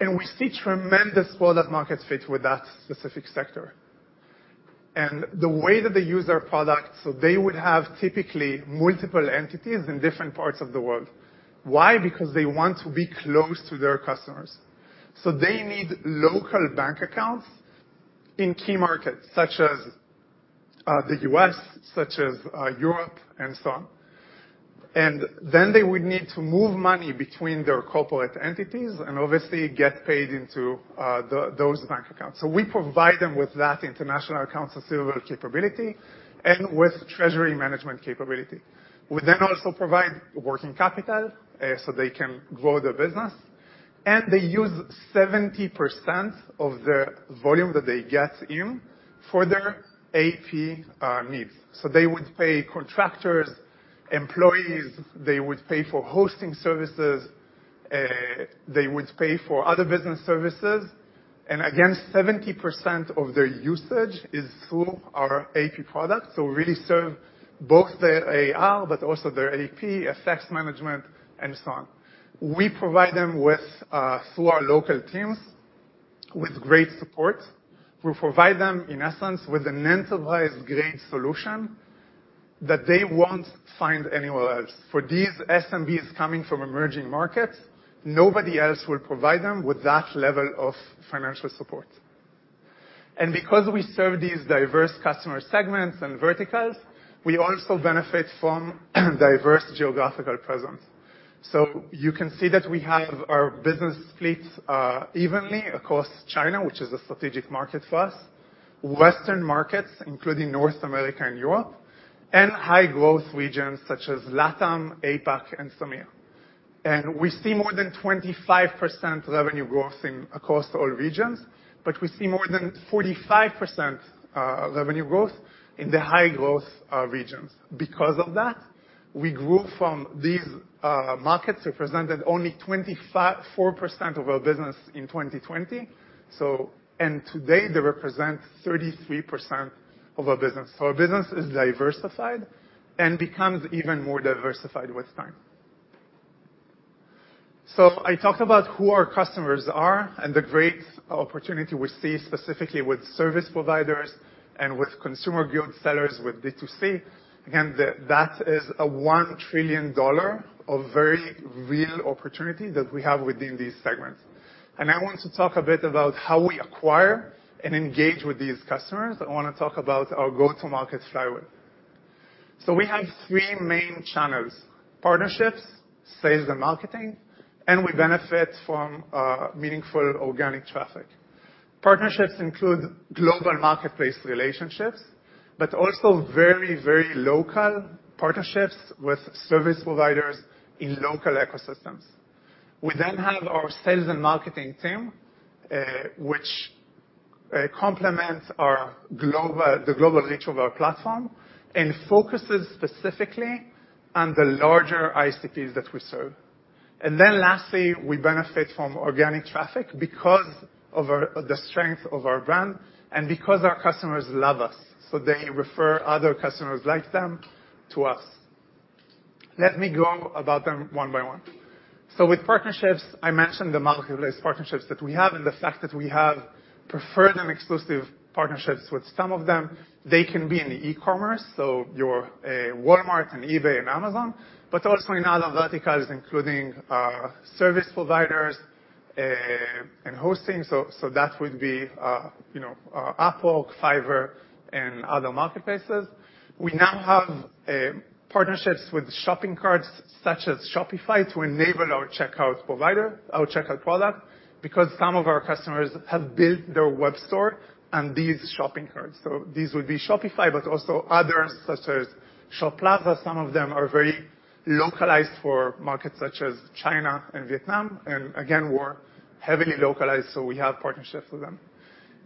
We see tremendous product market fit with that specific sector. The way that they use our product, so they would have typically multiple entities in different parts of the world. Why? Because they want to be close to their customers. So they need local bank accounts in key markets such as, the U.S., such as, Europe, and so on. And then they would need to move money between their corporate entities and obviously get paid into, the, those bank accounts. So we provide them with that international accounts receivable capability and with treasury management capability. We then also provide Working Capital, so they can grow their business, and they use 70% of the volume that they get in for their AP, needs. So they would pay contractors, employees, they would pay for hosting services, they would pay for other business services, and again, 70% of their usage is through our AP product. So we really serve both their AR, but also their AP, assets management, and so on. We provide them with, through our local teams, with great support. We provide them, in essence, with an enterprise-grade solution that they won't find anywhere else. For these SMBs coming from emerging markets, nobody else will provide them with that level of financial support. Because we serve these diverse customer segments and verticals, we also benefit from diverse geographical presence. You can see that we have our business split evenly across China, which is a strategic market for us, Western markets, including North America and Europe, and high-growth regions such as LATAM, APAC, and SAMEA. We see more than 25% revenue growth across all regions, but we see more than 45% revenue growth in the high-growth regions. Because of that, we grew from these markets represented only 24% of our business in 2020. And today, they represent 33% of our business. So our business is diversified and becomes even more diversified with time. So I talked about who our customers are and the great opportunity we see specifically with service providers and with consumer goods sellers, with D2C. Again, that is a $1 trillion, a very real opportunity that we have within these segments. I want to talk a bit about how we acquire and engage with these customers. I want to talk about our go-to-market flywheel. So we have three main channels: partnerships, sales and marketing, and we benefit from meaningful organic traffic. Partnerships include global marketplace relationships, but also very, very local partnerships with service providers in local ecosystems. We then have our sales and marketing team, which complement our global-- the global reach of our platform and focuses specifically on the larger ICPs that we serve. And then lastly, we benefit from organic traffic because of our, the strength of our brand and because our customers love us, so they refer other customers like them to us. Let me go about them one by one. So with partnerships, I mentioned the marketplace partnerships that we have and the fact that we have preferred and exclusive partnerships with some of them. They can be in e-commerce, so your Walmart and eBay and Amazon, but also in other verticals, including service providers and hosting. So, so that would be, you know, Upwork, Fiverr, and other marketplaces. We now have partnerships with shopping carts such as Shopify to enable our Checkout provider, our Checkout product, because some of our customers have built their web store on these shopping carts. So these would be Shopify, but also others, such as Shoplazza. Some of them are very localized for markets such as China and Vietnam, and again, we're heavily localized, so we have partnerships with them.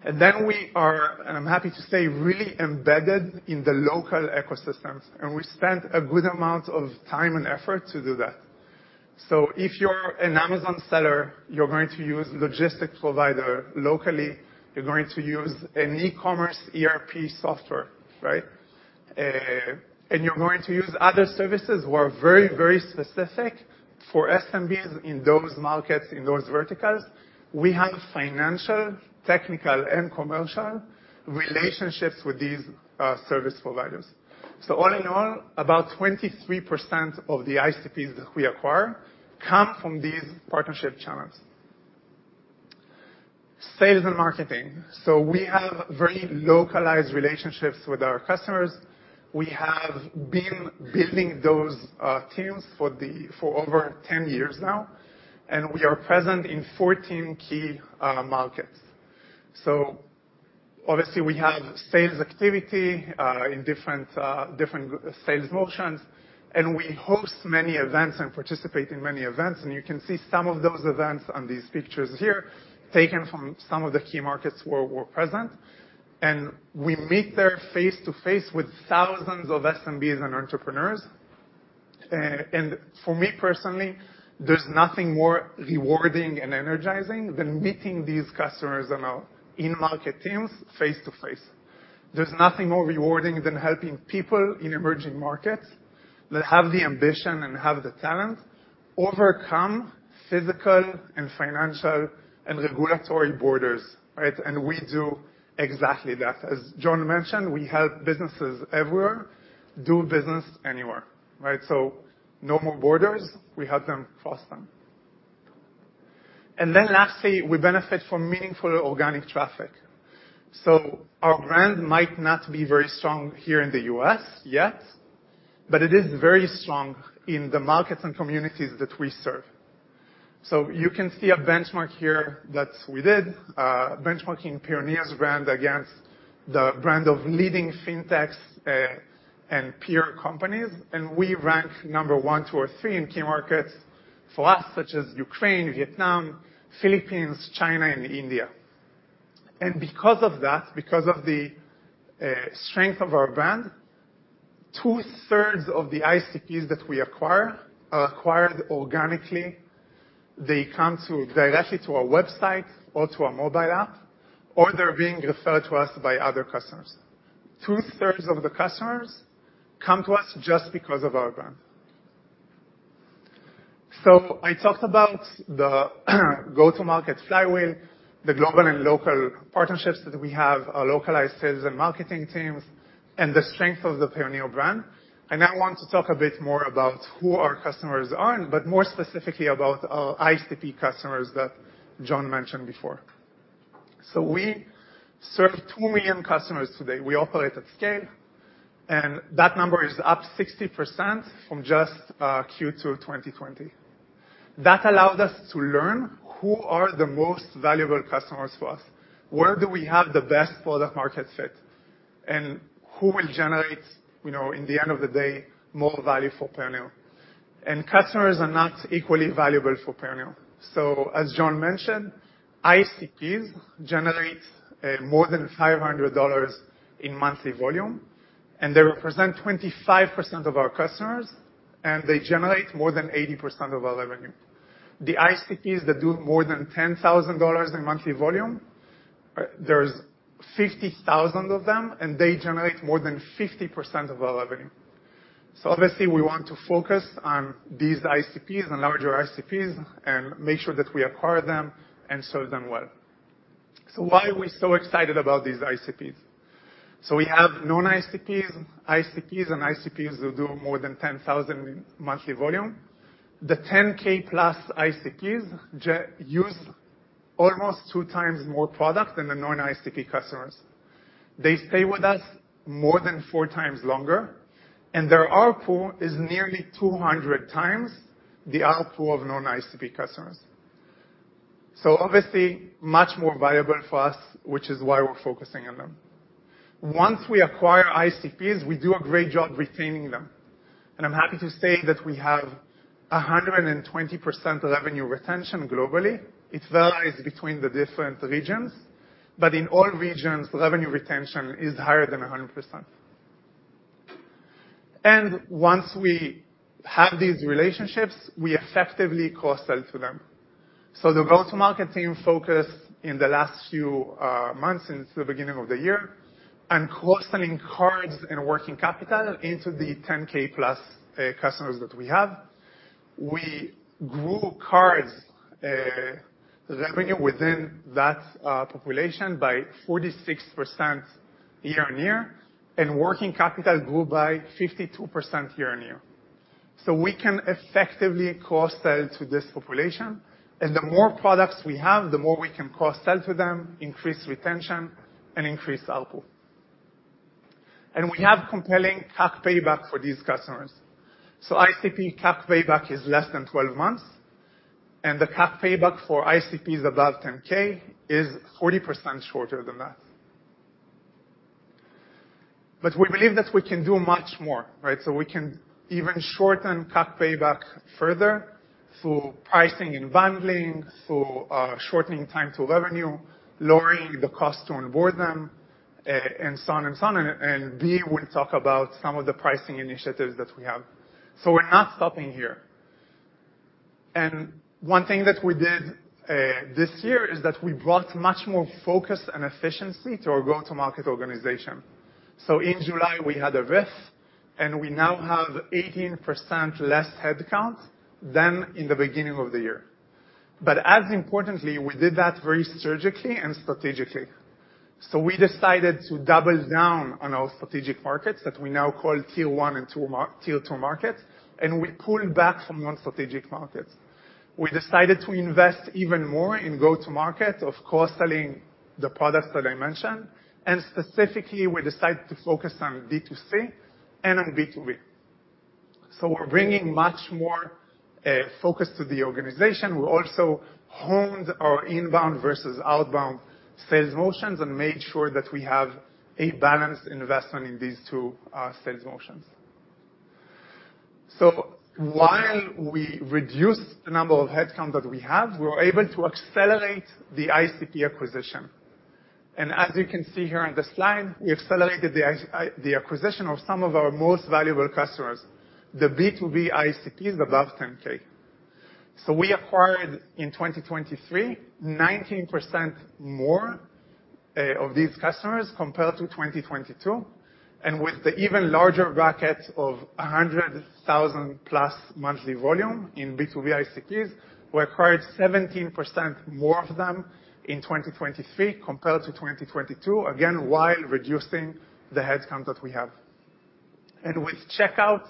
And then we are, and I'm happy to say, really embedded in the local ecosystems, and we spent a good amount of time and effort to do that. So if you're an Amazon seller, you're going to use logistics provider locally, you're going to use an e-commerce ERP software, right? And you're going to use other services who are very, very specific for SMBs in those markets, in those verticals. We have financial, technical, and commercial relationships with these service providers. So all in all, about 23% of the ICPs that we acquire come from these partnership channels. Sales and marketing. So we have very localized relationships with our customers. We have been building those teams for over 10 years now, and we are present in 14 key markets. So obviously, we have sales activity in different sales motions, and we host many events and participate in many events, and you can see some of those events on these pictures here, taken from some of the key markets where we're present. We meet there face-to-face with thousands of SMBs and entrepreneurs. For me, personally, there's nothing more rewarding and energizing than meeting these customers and our in-market teams face-to-face. There's nothing more rewarding than helping people in emerging markets that have the ambition and have the talent, overcome physical and financial and regulatory borders, right? We do exactly that. As John mentioned, we help businesses everywhere, do business anywhere, right? No more borders, we help them cross them. And then lastly, we benefit from meaningful organic traffic. So our brand might not be very strong here in the U.S. yet, but it is very strong in the markets and communities that we serve. So you can see a benchmark here that we did, benchmarking Payoneer's brand against the brand of leading fintechs, and peer companies, and we rank number one, two, or three in key markets for us, such as Ukraine, Vietnam, Philippines, China, and India. And because of that, because of the strength of our brand, 2/3 of the ICPs that we acquire are acquired organically. They come directly to our website or to our mobile app, or they're being referred to us by other customers. Two-thirds of the customers come to us just because of our brand. So I talked about the go-to-market flywheel, the global and local partnerships that we have, our localized sales and marketing teams, and the strength of the Payoneer brand. I now want to talk a bit more about who our customers are, but more specifically about our ICP customers that John mentioned before. So we serve 2 million customers today. We operate at scale, and that number is up 60% from just Q2 2020. That allowed us to learn who are the most valuable customers for us, where do we have the best product market fit, and who will generate, you know, in the end of the day, more value for Payoneer. And customers are not equally valuable for Payoneer. So as John mentioned, ICPs generate more than $500 in monthly volume, and they represent 25% of our customers, and they generate more than 80% of our revenue. The ICPs that do more than $10,000 in monthly volume, there's 50,000 of them, and they generate more than 50% of our revenue. So obviously, we want to focus on these ICPs and larger ICPs and make sure that we acquire them and serve them well. So why are we so excited about these ICPs? So we have non-ICPs, ICPs, and ICPs who do more than $10,000 in monthly volume. The $10,000+ ICPs use almost 2x more product than the non-ICP customers. They stay with us more than 4x longer, and their ARPU is nearly 200x the ARPU of non-ICP customers. So obviously, much more valuable for us, which is why we're focusing on them. Once we acquire ICPs, we do a great job retaining them, and I'm happy to say that we have 120% revenue retention globally. It varies between the different regions, but in all regions, revenue retention is higher than 100%. And once we have these relationships, we effectively cross-sell to them. So the go-to-market team focus in the last few months, since the beginning of the year, on cross-selling cards and Working Capital into the $10,000+ customers that we have. We grew cards revenue within that population by 46% year-on-year, and Working Capital grew by 52% year-on-year. So we can effectively cross-sell to this population, and the more products we have, the more we can cross-sell to them, increase retention, and increase ARPU. We have compelling CAC payback for these customers. So ICP CAC payback is less than 12 months, and the CAC payback for ICPs above $10,000 is 40% shorter than that. But we believe that we can do much more, right? So we can even shorten CAC payback further through pricing and bundling, through shortening time to revenue, lowering the cost to onboard them, and so on and so on. And Bea will talk about some of the pricing initiatives that we have. So we're not stopping here... And one thing that we did this year is that we brought much more focus and efficiency to our go-to-market organization. So in July, we had a RIF, and we now have 18% less headcount than in the beginning of the year. But as importantly, we did that very surgically and strategically. We decided to double down on our strategic markets that we now call Tier 1 and Tier 2 markets, and we pulled back from non-strategic markets. We decided to invest even more in go-to-market, of course, selling the products that I mentioned, and specifically, we decided to focus on B2C and on B2B. We're bringing much more focus to the organization. We also honed our inbound versus outbound sales motions and made sure that we have a balanced investment in these two sales motions. While we reduced the number of headcount that we have, we were able to accelerate the ICP acquisition. As you can see here on the slide, we accelerated the acquisition of some of our most valuable customers, the B2B ICPs above $10,000. So we acquired, in 2023, 19% more of these customers compared to 2022, and with the even larger bracket of 100,000+ monthly volume in B2B ICPs, we acquired 17% more of them in 2023 compared to 2022, again, while reducing the headcount that we have. And with Checkout,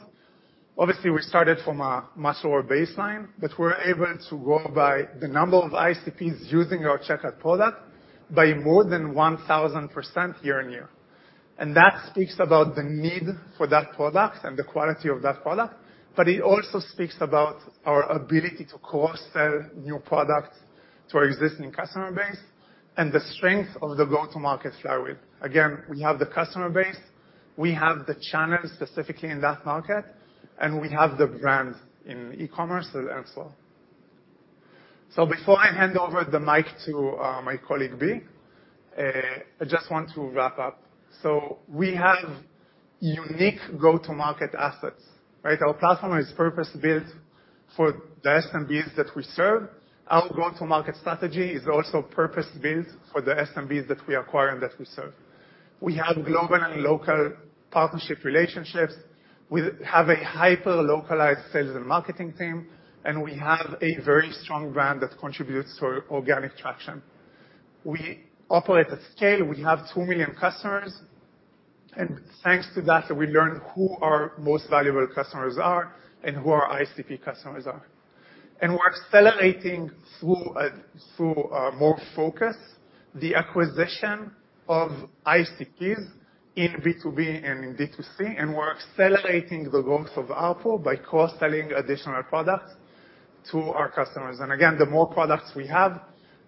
obviously, we started from a much lower baseline, but we're able to grow by the number of ICPs using our Checkout product by more than 1,000% year-on-year. And that speaks about the need for that product and the quality of that product, but it also speaks about our ability to cross-sell new products to our existing customer base and the strength of the go-to-market flywheel. Again, we have the customer base, we have the channels, specifically in that market, and we have the brand in e-commerce as well. So before I hand over the mic to my colleague, Bea, I just want to wrap up. So we have unique go-to-market assets, right? Our platform is purpose-built for the SMBs that we serve. Our go-to-market strategy is also purpose-built for the SMBs that we acquire and that we serve. We have global and local partnership relationships, we have a hyper-localized sales and marketing team, and we have a very strong brand that contributes to organic traction. We operate at scale. We have 2 million customers, and thanks to that, we learned who our most valuable customers are and who our ICP customers are. And we're accelerating through a, through more focus, the acquisition of ICPs in B2B and in B2C, and we're accelerating the growth of ARPU by cross-selling additional products to our customers. And again, the more products we have,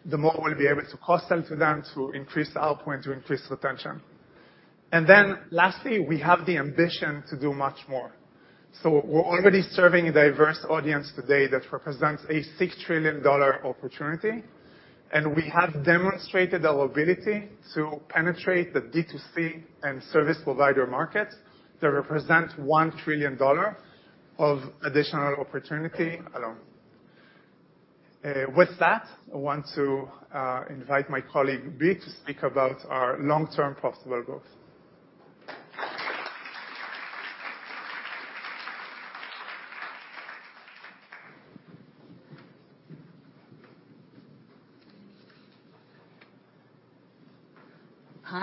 the more we'll be able to cross-sell to them to increase ARPU and to increase retention. And then lastly, we have the ambition to do much more. So we're already serving a diverse audience today that represents a $6 trillion opportunity, and we have demonstrated our ability to penetrate the B2C and service provider markets that represent $1 trillion of additional opportunity alone. With that, I want to invite my colleague, Bea, to speak about our long-term profitable growth.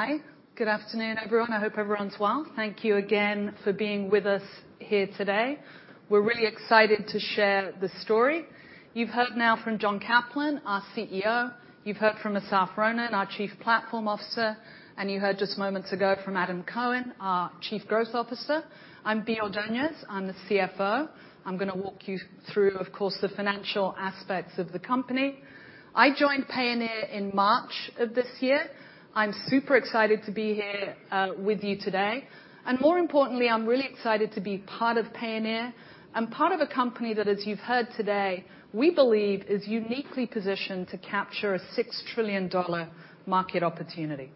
Hi. Good afternoon, everyone. I hope everyone's well. Thank you again for being with us here today. We're really excited to share the story. You've heard now from John Caplan, our CEO, you've heard from Assaf Ronen, our Chief Platform Officer, and you heard just moments ago from Adam Cohen, our Chief Growth Officer. I'm Bea Ordonez, I'm the CFO. I'm going to walk you through, of course, the financial aspects of the company. I joined Payoneer in March of this year. I'm super excited to be here with you today, and more importantly, I'm really excited to be part of Payoneer and part of a company that, as you've heard today, we believe is uniquely positioned to capture a $6 trillion market opportunity.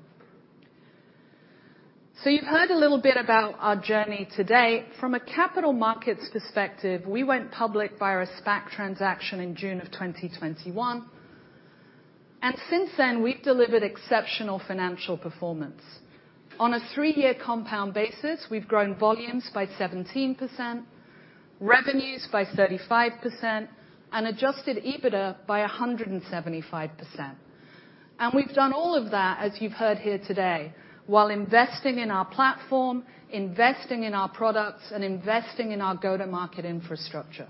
So you've heard a little bit about our journey today. From a capital markets perspective, we went public via a SPAC transaction in June of 2021, and since then, we've delivered exceptional financial performance. On a three-year compound basis, we've grown volumes by 17%, revenues by 35%, and adjusted EBITDA by 175%. We've done all of that, as you've heard here today, while investing in our platform, investing in our products, and investing in our go-to-market infrastructure.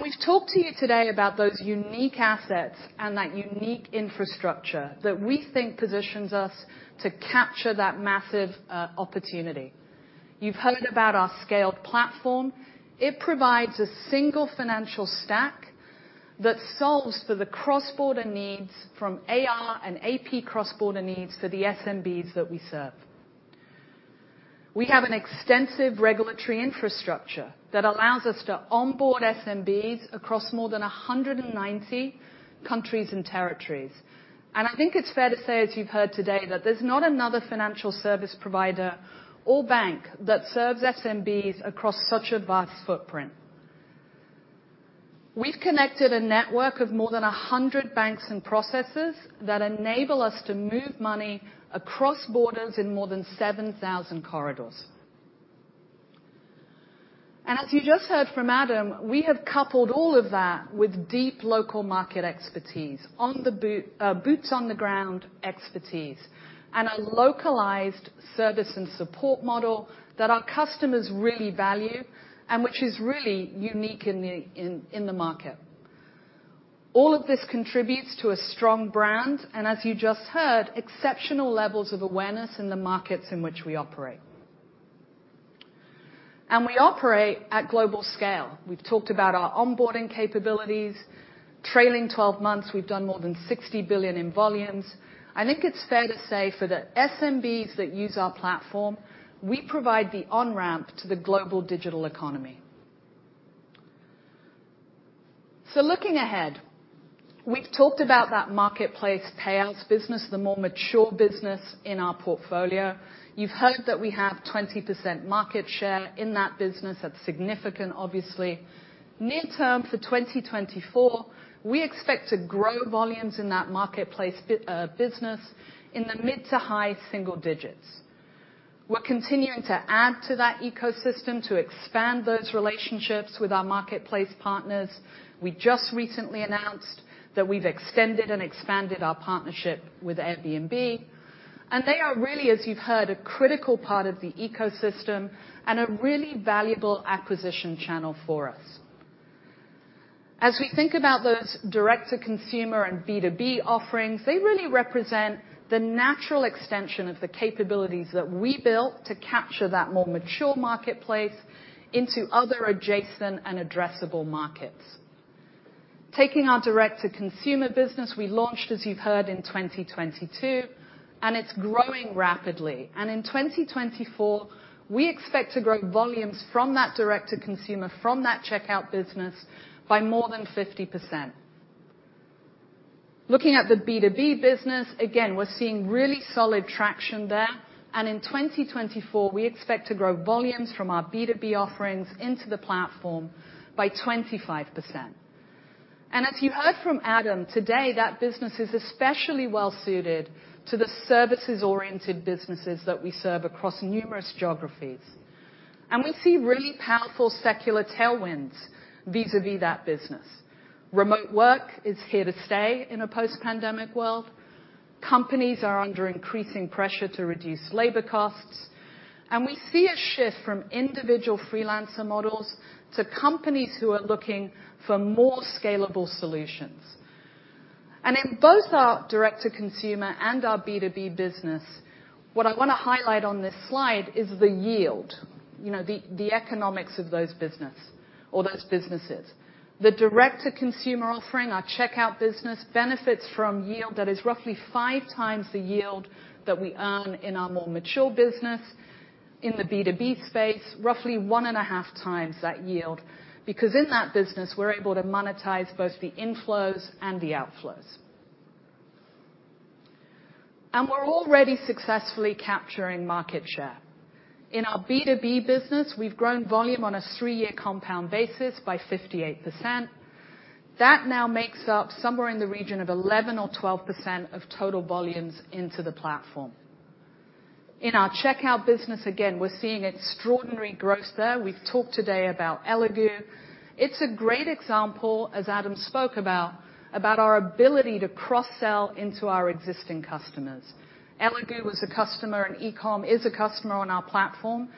We've talked to you today about those unique assets and that unique infrastructure that we think positions us to capture that massive opportunity. You've heard about our scaled platform. It provides a single financial stack that solves for the cross-border needs from AR and AP cross-border needs for the SMBs that we serve. We have an extensive regulatory infrastructure that allows us to onboard SMBs across more than 190 countries and territories. I think it's fair to say, as you've heard today, that there's not another financial service provider or bank that serves SMBs across such a vast footprint. We've connected a network of more than 100 banks and processors that enable us to move money across borders in more than 7,000 corridors. And as you just heard from Adam, we have coupled all of that with deep local market expertise, boots on the ground expertise, and a localized service and support model that our customers really value and which is really unique in the market. All of this contributes to a strong brand, and as you just heard, exceptional levels of awareness in the markets in which we operate. We operate at global scale. We've talked about our onboarding capabilities. Trailing 12 months, we've done more than $60 billion in volumes. I think it's fair to say for the SMBs that use our platform, we provide the on-ramp to the global digital economy. So looking ahead, we've talked about that marketplace payouts business, the more mature business in our portfolio. You've heard that we have 20% market share in that business. That's significant, obviously. near-term, for 2024, we expect to grow volumes in that marketplace business in the mid to high-single digits. We're continuing to add to that ecosystem, to expand those relationships with our marketplace partners. We just recently announced that we've extended and expanded our partnership with Airbnb, and they are really, as you've heard, a critical part of the ecosystem and a really valuable acquisition channel for us. As we think about those direct-to-consumer and B2B offerings, they really represent the natural extension of the capabilities that we built to capture that more mature marketplace into other adjacent and addressable markets. Taking our direct-to-consumer business, we launched, as you've heard, in 2022, and it's growing rapidly. In 2024, we expect to grow volumes from that direct-to-consumer, from that Checkout business, by more than 50%. Looking at the B2B business, again, we're seeing really solid traction there, and in 2024, we expect to grow volumes from our B2B offerings into the platform by 25%. As you heard from Adam, today, that business is especially well-suited to the services-oriented businesses that we serve across numerous geographies. We see really powerful secular tailwinds vis-à-vis that business. Remote work is here to stay in a post-pandemic world. Companies are under increasing pressure to reduce labor costs, and we see a shift from individual freelancer models to companies who are looking for more scalable solutions. And in both our direct-to-consumer and our B2B business, what I want to highlight on this slide is the yield, you know, the economics of those business or those businesses. The direct-to-consumer offering, our Checkout business, benefits from yield that is roughly 5x the yield that we earn in our more mature business. In the B2B space, roughly 1.5x that yield, because in that business, we're able to monetize both the inflows and the outflows. And we're already successfully capturing market share. In our B2B business, we've grown volume on a three-year compound basis by 58%. That now makes up somewhere in the region of 11 or 12% of total volumes into the platform. In our Checkout business, again, we're seeing extraordinary growth there. We've talked today about Elegoo. It's a great example, as Adam spoke about, about our ability to cross-sell into our existing customers. Elegoo was a customer, and e-com is a customer on our platform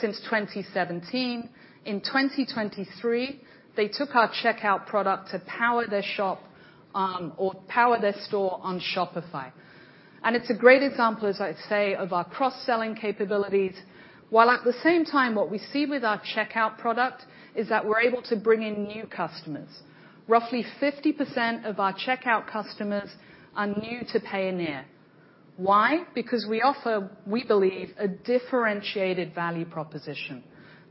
since 2017. In 2023, they took our Checkout product to power their shop, or power their store on Shopify. It's a great example, as I say, of our cross-selling capabilities, while at the same time, what we see with our Checkout product is that we're able to bring in new customers. Roughly 50% of our Checkout customers are new to Payoneer. Why? Because we offer, we believe, a differentiated value proposition.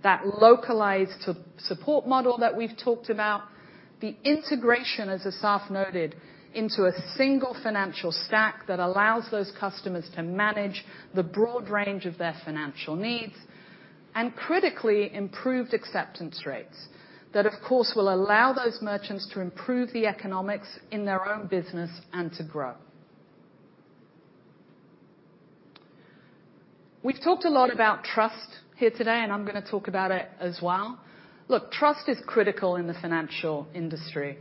That localized to support model that we've talked about, the integration, as Assaf noted, into a single financial stack that allows those customers to manage the broad range of their financial needs, and critically, improved acceptance rates that, of course, will allow those merchants to improve the economics in their own business and to grow. We've talked a lot about trust here today, and I'm going to talk about it as well. Look, trust is critical in the financial industry.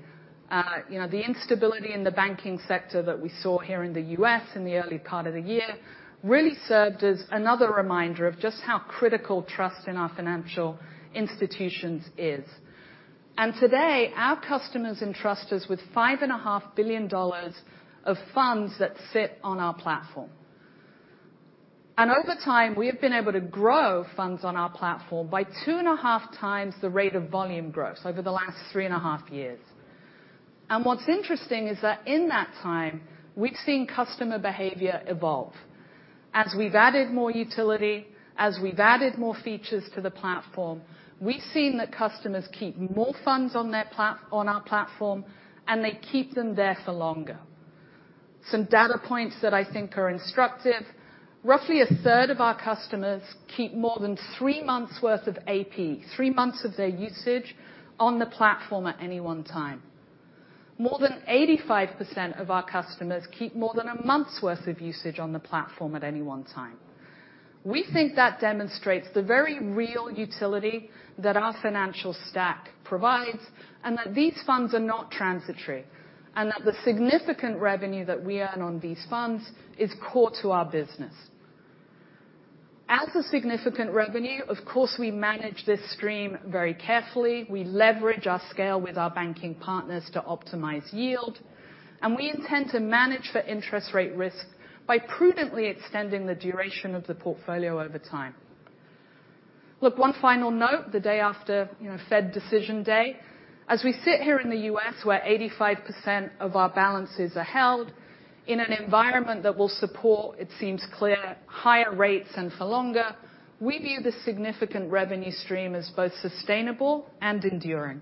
You know, the instability in the banking sector that we saw here in the U.S. in the early part of the year really served as another reminder of just how critical trust in our financial institutions is. Today, our customers entrust us with $5.5 billion of funds that sit on our platform. Over time, we have been able to grow funds on our platform by 2.5x the rate of volume growth over the last 3.5 years. What's interesting is that in that time, we've seen customer behavior evolve. As we've added more utility, as we've added more features to the platform, we've seen that customers keep more funds on our platform, and they keep them there for longer. Some data points that I think are instructive. Roughly 1/3 of our customers keep more than three months' worth of AP, three months of their usage, on the platform at any one time. More than 85% of our customers keep more than a month's worth of usage on the platform at any one time. We think that demonstrates the very real utility that our financial stack provides, and that these funds are not transitory, and that the significant revenue that we earn on these funds is core to our business. As a significant revenue, of course, we manage this stream very carefully. We leverage our scale with our banking partners to optimize yield, and we intend to manage the interest rate risk by prudently extending the duration of the portfolio over time. Look, one final note, the day after, you know, Fed decision day. As we sit here in the U.S., where 85% of our balances are held, in an environment that will support, it seems clear, higher rates and for longer, we view this significant revenue stream as both sustainable and enduring.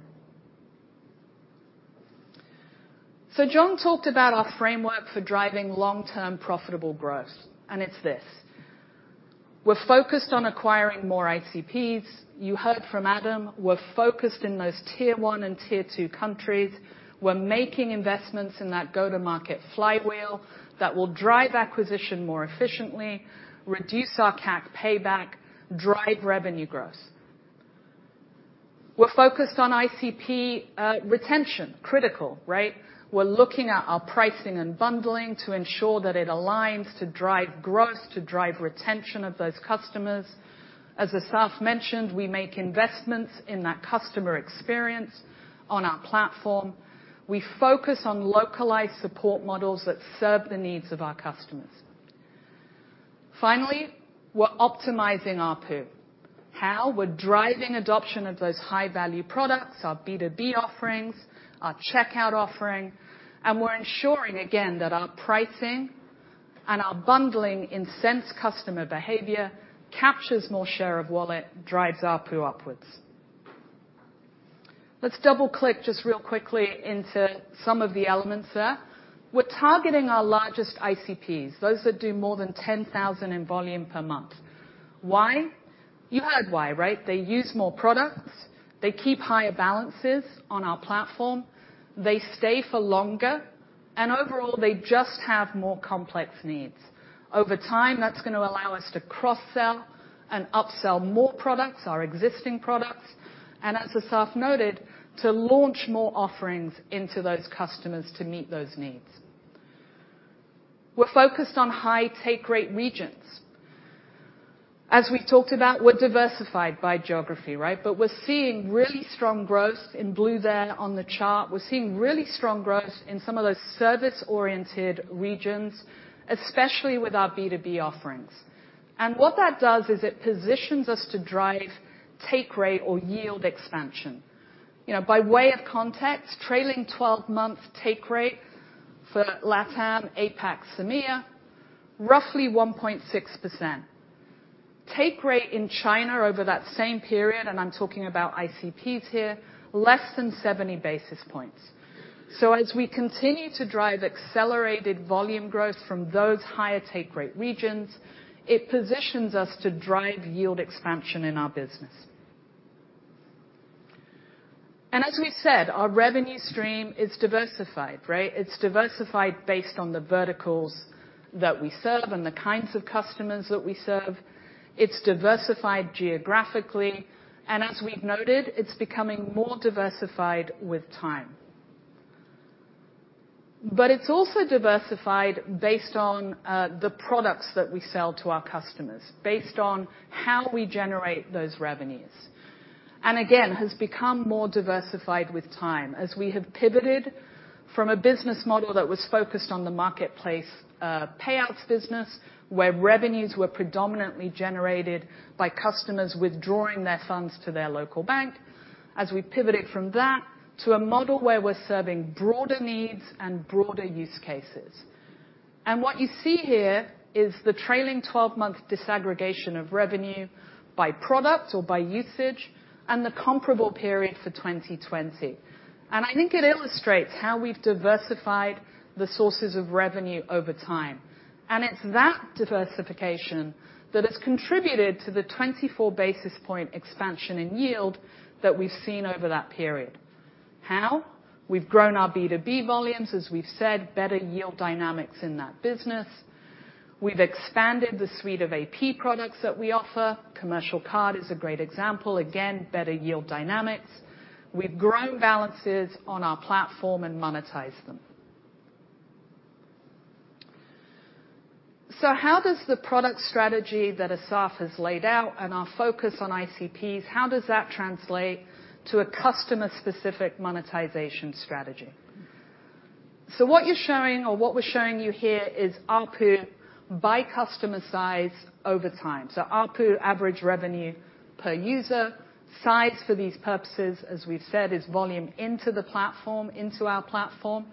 So John talked about our framework for driving long-term profitable growth, and it's this: We're focused on acquiring more ICPs. You heard from Adam, we're focused in those Tier 1 and Tier 2 countries. We're making investments in that go-to-market flywheel that will drive acquisition more efficiently, reduce our CAC payback, drive revenue growth. We're focused on ICP, retention. Critical, right? We're looking at our pricing and bundling to ensure that it aligns to drive growth, to drive retention of those customers. As Assaf mentioned, we make investments in that customer experience on our platform. We focus on localized support models that serve the needs of our customers. Finally, we're optimizing ARPU. How? We're driving adoption of those high-value products, our B2B offerings, our Checkout offering, and we're ensuring, again, that our pricing and our bundling incents customer behavior, captures more share of wallet, drives ARPU upwards. Let's double-click just real quickly into some of the elements there. We're targeting our largest ICPs, those that do more than $10,000 in volume per month. Why? You heard why, right? They use more products, they keep higher balances on our platform, they stay for longer, and overall, they just have more complex needs. Over time, that's gonna allow us to cross-sell and upsell more products, our existing products, and as Assaf noted, to launch more offerings into those customers to meet those needs. We're focused on high take-rate regions. As we talked about, we're diversified by geography, right? But we're seeing really strong growth in blue there on the chart. We're seeing really strong growth in some of those service-oriented regions, especially with our B2B offerings. What that does is it positions us to drive take rate or yield expansion. You know, by way of context, trailing 12-month take rate for LATAM, APAC, SAMEA, roughly 1.6%. Take rate in China over that same period, and I'm talking about ICPs here, less than 70 basis points. So as we continue to drive accelerated volume growth from those higher take rate regions, it positions us to drive yield expansion in our business. And as we said, our revenue stream is diversified, right? It's diversified based on the verticals that we serve and the kinds of customers that we serve. It's diversified geographically, and as we've noted, it's becoming more diversified with time. But it's also diversified based on, the products that we sell to our customers, based on how we generate those revenues. And again, has become more diversified with time, as we have pivoted from a business model that was focused on the marketplace payouts business, where revenues were predominantly generated by customers withdrawing their funds to their local bank, as we pivoted from that to a model where we're serving broader needs and broader use cases. And what you see here is the trailing 12-month disaggregation of revenue by product or by usage, and the comparable period for 2020. And I think it illustrates how we've diversified the sources of revenue over time. And it's that diversification that has contributed to the 24 basis points expansion in yield that we've seen over that period. How? We've grown our B2B volumes, as we've said, better yield dynamics in that business. We've expanded the suite of AP products that we offer. Commercial card is a great example. Again, better yield dynamics. We've grown balances on our platform and monetized them. So how does the product strategy that Assaf has laid out and our focus on ICPs, how does that translate to a customer-specific monetization strategy? So what you're showing, or what we're showing you here, is ARPU by customer size over time. So ARPU, average revenue per user. Size, for these purposes, as we've said, is volume into the platform, into our platform.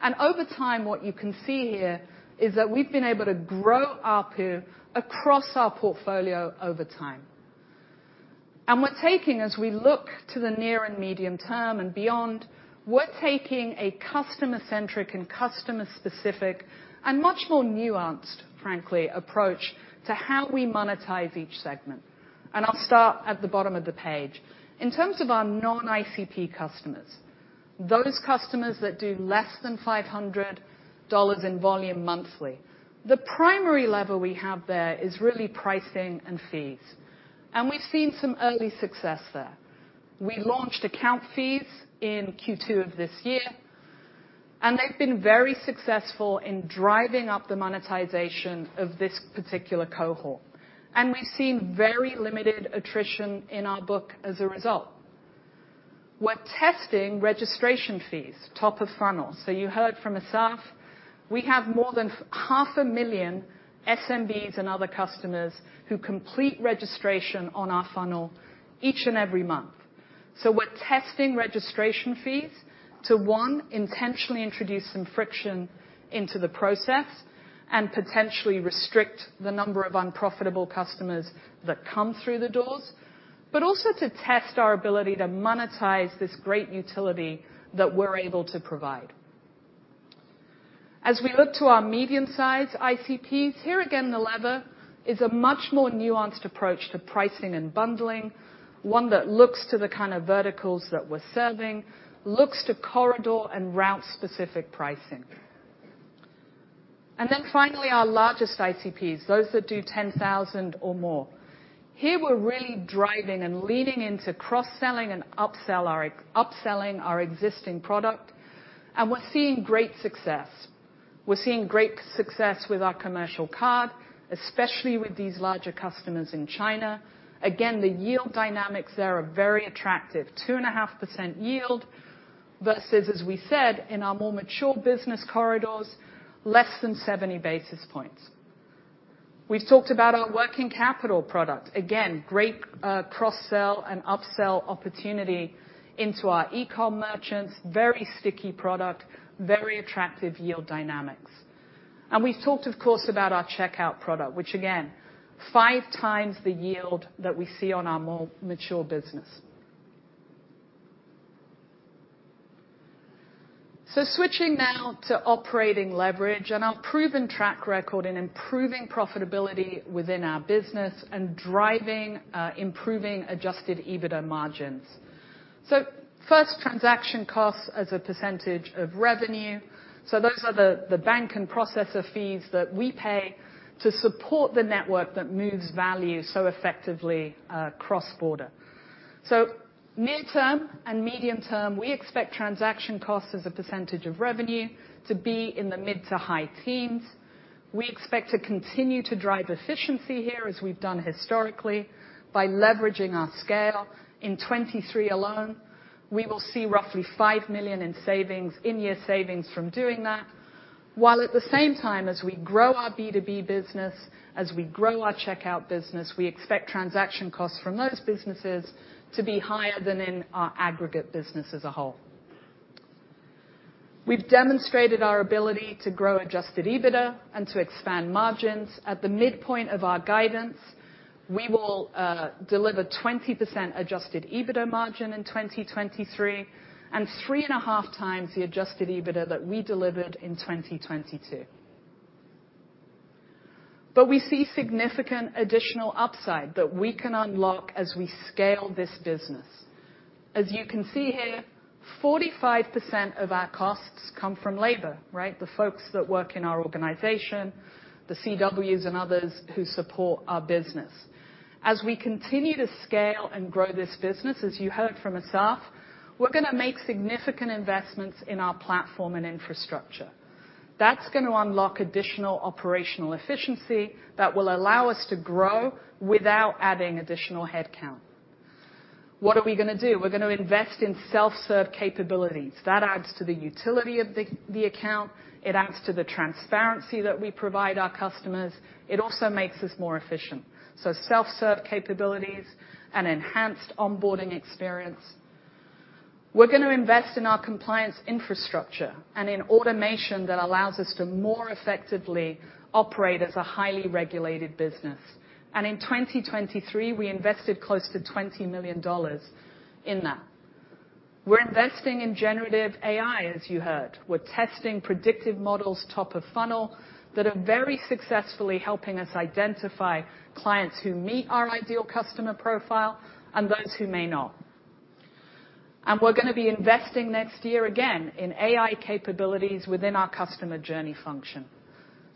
And over time, what you can see here is that we've been able to grow ARPU across our portfolio over time. And we're taking, as we look to the near and medium term and beyond, we're taking a customer-centric and customer-specific, and much more nuanced, frankly, approach to how we monetize each segment. And I'll start at the bottom of the page. In terms of our non-ICP customers, those customers that do less than $500 in volume monthly, the primary lever we have there is really pricing and fees, and we've seen some early success there. We launched account fees in Q2 of this year, and they've been very successful in driving up the monetization of this particular cohort, and we've seen very limited attrition in our book as a result. We're testing registration fees, top of funnel. So you heard from Assaf, we have more than 500,000 SMBs and other customers who complete registration on our funnel each and every month. So we're testing registration fees to, one, intentionally introduce some friction into the process and potentially restrict the number of unprofitable customers that come through the doors, but also to test our ability to monetize this great utility that we're able to provide. As we look to our medium-sized ICPs, here again, the lever is a much more nuanced approach to pricing and bundling, one that looks to the kind of verticals that we're serving, looks to corridor and route-specific pricing. Finally, our largest ICPs, those that do $10,000 or more. Here, we're really driving and leaning into cross-selling and upselling our existing product, and we're seeing great success. We're seeing great success with our commercial card, especially with these larger customers in China. Again, the yield dynamics there are very attractive. 2.5% yield versus, as we said, in our more mature business corridors, less than 70 basis points. We've talked about our Working Capital product. Again, great cross-sell and upsell opportunity into our e-com merchants, very sticky product, very attractive yield dynamics. We've talked, of course, about our Checkout product, which again, 5x the yield that we see on our more mature business. Switching now to operating leverage and our proven track record in improving profitability within our business and driving improving adjusted EBITDA margins. First, transaction costs as a percentage of revenue. Those are the bank and processor fees that we pay to support the network that moves value so effectively cross-border. near-term and medium term, we expect transaction costs as a percentage of revenue to be in the mid to high teens. We expect to continue to drive efficiency here, as we've done historically, by leveraging our scale. In 2023 alone, we will see roughly $5 million in savings, in-year savings from doing that, while at the same time, as we grow our B2B business, as we grow our Checkout business, we expect transaction costs from those businesses to be higher than in our aggregate business as a whole. We've demonstrated our ability to grow adjusted EBITDA and to expand margins. At the midpoint of our guidance, we will deliver 20% adjusted EBITDA margin in 2023, and 3.5x the adjusted EBITDA that we delivered in 2022. We see significant additional upside that we can unlock as we scale this business. As you can see here, 45% of our costs come from labor, right? The folks that work in our organization, the CWs and others who support our business. As we continue to scale and grow this business, as you heard from Assaf, we're gonna make significant investments in our platform and infrastructure. That's going to unlock additional operational efficiency that will allow us to grow without adding additional headcount. What are we gonna do? We're gonna invest in self-serve capabilities. That adds to the utility of the account. It adds to the transparency that we provide our customers. It also makes us more efficient, so self-serve capabilities and enhanced onboarding experience. We're gonna invest in our compliance infrastructure and in automation that allows us to more effectively operate as a highly regulated business. In 2023, we invested close to $20 million in that. We're investing in generative AI, as you heard. We're testing predictive models, top of funnel, that are very successfully helping us identify clients who meet our ideal customer profile and those who may not. We're gonna be investing next year again in AI capabilities within our customer journey function.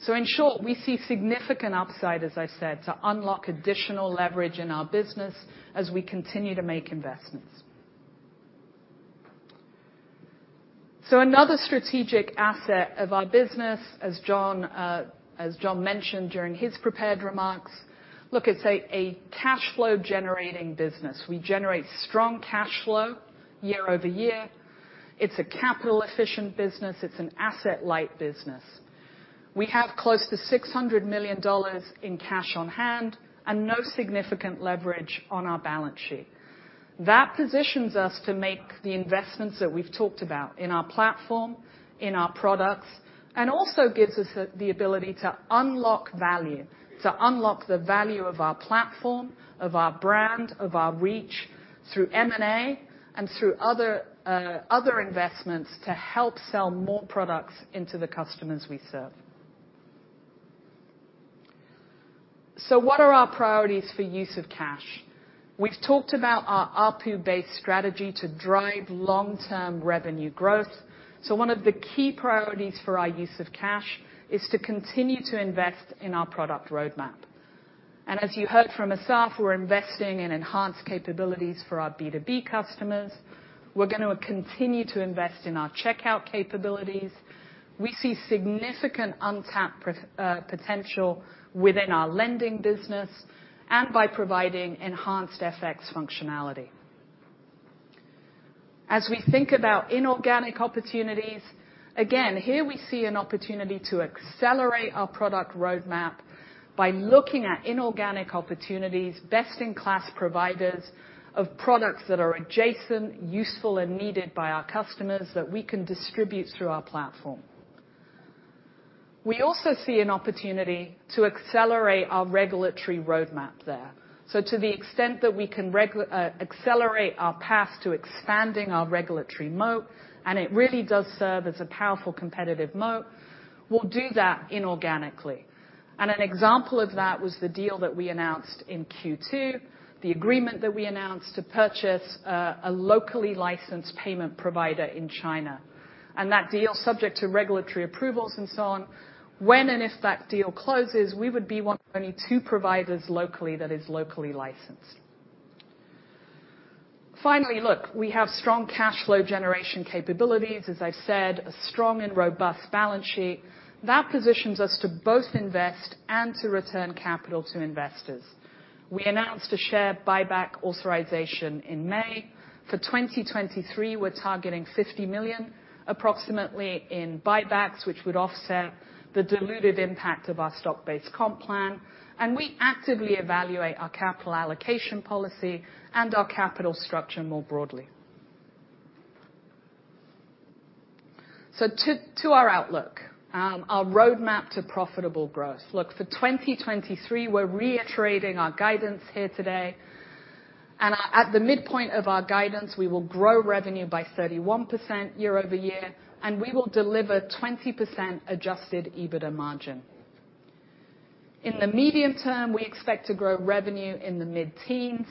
So in short, we see significant upside, as I said, to unlock additional leverage in our business as we continue to make investments. So another strategic asset of our business, as John mentioned during his prepared remarks, look, it's a cash flow generating business. We generate strong cash flow year-over-year. It's a capital-efficient business. It's an asset-light business. We have close to $600 million in cash on hand and no significant leverage on our balance sheet. That positions us to make the investments that we've talked about in our platform, in our products, and also gives us the, the ability to unlock value, to unlock the value of our platform, of our brand, of our reach, through M&A and through other, other investments to help sell more products into the customers we serve. So what are our priorities for use of cash? We've talked about our ARPU-based strategy to drive long-term revenue growth. So one of the key priorities for our use of cash is to continue to invest in our product roadmap. And as you heard from Assaf, we're investing in enhanced capabilities for our B2B customers. We're gonna continue to invest in our Checkout capabilities. We see significant untapped potential within our lending business and by providing enhanced FX functionality. As we think about inorganic opportunities, again, here we see an opportunity to accelerate our product roadmap by looking at inorganic opportunities, best-in-class providers of products that are adjacent, useful, and needed by our customers that we can distribute through our platform. We also see an opportunity to accelerate our regulatory roadmap there. So to the extent that we can accelerate our path to expanding our regulatory moat, and it really does serve as a powerful competitive moat, we'll do that inorganically. And an example of that was the deal that we announced in Q2, the agreement that we announced to purchase a locally licensed payment provider in China. And that deal, subject to regulatory approvals and so on, when and if that deal closes, we would be one of only two providers locally that is locally licensed. Finally, look, we have strong cash flow generation capabilities, as I've said, a strong and robust balance sheet. That positions us to both invest and to return capital to investors. We announced a share buyback authorization in May. For 2023, we're targeting $50 million, approximately, in buybacks, which would offset the diluted impact of our stock-based comp plan, and we actively evaluate our capital allocation policy and our capital structure more broadly. So to our outlook, our roadmap to profitable growth. Look, for 2023, we're reiterating our guidance here today, and at the midpoint of our guidance, we will grow revenue by 31% year-over-year, and we will deliver 20% adjusted EBITDA margin. In the medium term, we expect to grow revenue in the mid-teens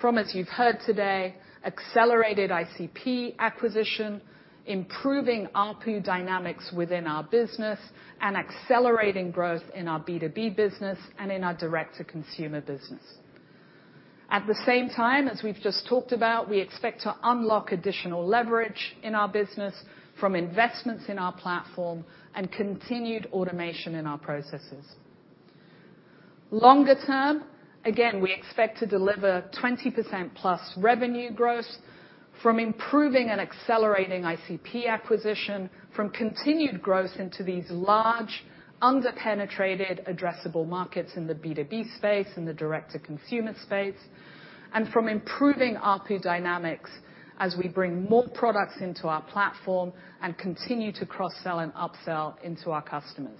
from, as you've heard today, accelerated ICP acquisition, improving ARPU dynamics within our business, and accelerating growth in our B2B business and in our direct-to-consumer business. At the same time, as we've just talked about, we expect to unlock additional leverage in our business from investments in our platform and continued automation in our processes. Longer term, again, we expect to deliver 20%+ revenue growth from improving and accelerating ICP acquisition, from continued growth into these large, under-penetrated, addressable markets in the B2B space and the direct-to-consumer space, and from improving ARPU dynamics as we bring more products into our platform and continue to cross-sell and upsell into our customers.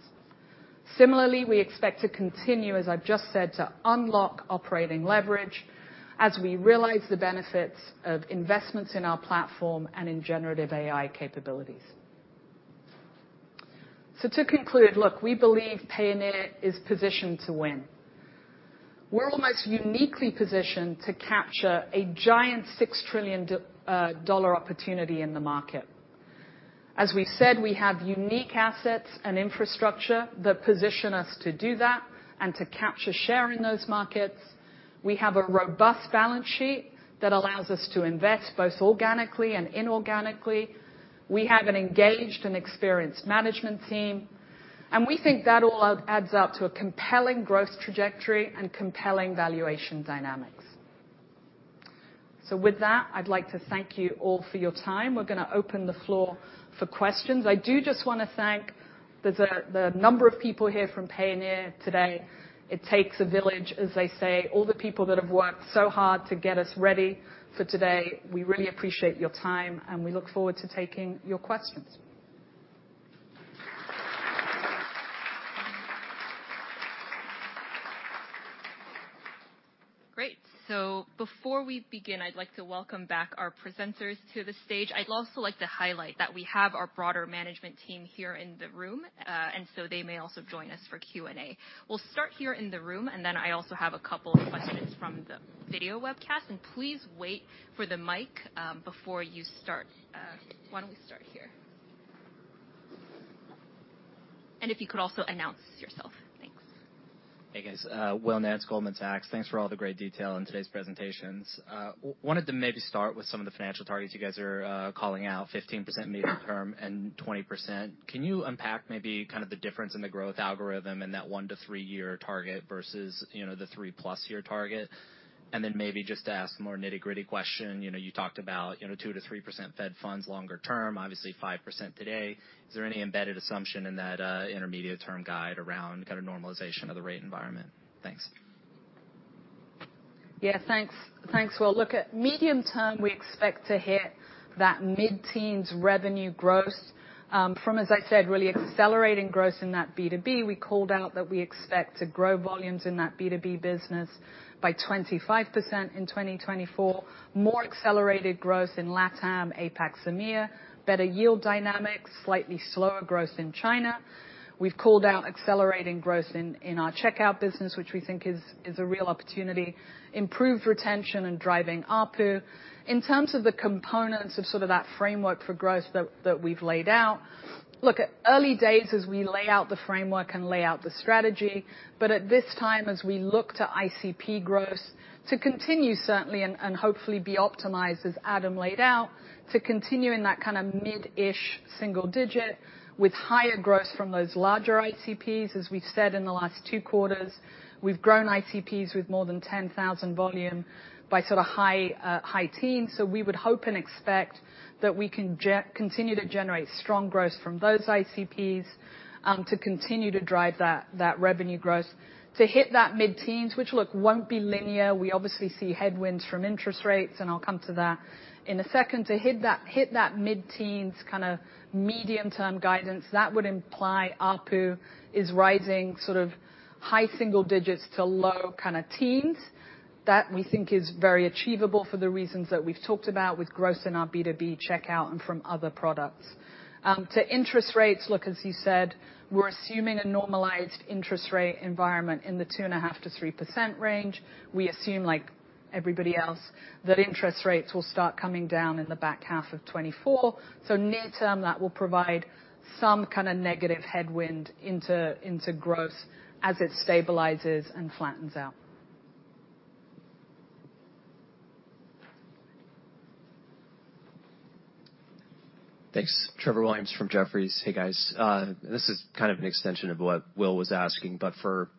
Similarly, we expect to continue, as I've just said, to unlock operating leverage as we realize the benefits of investments in our platform and in generative AI capabilities. So to conclude, look, we believe Payoneer is positioned to win. We're almost uniquely positioned to capture a giant $6 trillion opportunity in the market. As we said, we have unique assets and infrastructure that position us to do that and to capture share in those markets. We have a robust balance sheet that allows us to invest both organically and inorganically. We have an engaged and experienced management team, and we think that all adds up to a compelling growth trajectory and compelling valuation dynamics. So with that, I'd like to thank you all for your time. We're gonna open the floor for questions. I do just want to thank the number of people here from Payoneer today. It takes a village, as they say. All the people that have worked so hard to get us ready for today, we really appreciate your time, and we look forward to taking your questions. Great. So before we begin, I'd like to welcome back our presenters to the stage. I'd also like to highlight that we have our broader management team here in the room, and so they may also join us for Q&A. We'll start here in the room, and then I also have a couple of questions from the video webcast. Please wait for the mic before you start. Why don't we start here? If you could also announce yourself. Thanks. Hey, guys, Will Nance, Goldman Sachs. Thanks for all the great detail in today's presentations. Wanted to maybe start with some of the financial targets you guys are calling out, 15% medium term and 20%. Can you unpack maybe kind of the difference in the growth algorithm in that one to three-year target versus, you know, the 3+ year target? And then maybe just to ask a more nitty-gritty question, you know, you talked about, you know, 2%-3% Fed funds longer term, obviously 5% today. Is there any embedded assumption in that intermediate term guide around kind of normalization of the rate environment? Thanks. Yeah, thanks. Thanks, Will. Look, at medium term, we expect to hit that mid-teens revenue growth from, as I said, really accelerating growth in that B2B. We called out that we expect to grow volumes in that B2B business by 25% in 2024. More accelerated growth in LATAM, APAC, SAMEA, better yield dynamics, slightly slower growth in China. We've called out accelerating growth in, in our Checkout business, which we think is, is a real opportunity, improved retention and driving ARPU. In terms of the components of sort of that framework for growth that we've laid out, look, at early days, as we lay out the framework and lay out the strategy, but at this time, as we look to ICP growth, to continue, certainly, and hopefully be optimized, as Adam laid out, to continue in that kind of mid-ish single-digit with higher growth from those larger ICPs. As we've said in the last two quarters, we've grown ICPs with more than $10,000 volume by sort of high, high teens. We would hope and expect that we can continue to generate strong growth from those ICPs, to continue to drive that revenue growth. To hit that mid-teens, which, look, won't be linear, we obviously see headwinds from interest rates, and I'll come to that in a second. To hit that, hit that mid-teens kind of medium-term guidance, that would imply ARPU is rising sort of high single digits to low kind of teens. That, we think, is very achievable for the reasons that we've talked about with growth in our B2B Checkout and from other products. To interest rates, look, as you said, we're assuming a normalized interest rate environment in the 2.5%-3% range. We assume, like everybody else, that interest rates will start coming down in the back half of 2024. So near-term, that will provide some kind of negative headwind into, into growth as it stabilizes and flattens out. Thanks. Trevor Williams from Jefferies. Hey, guys. This is kind of an extension of what Will was asking, but for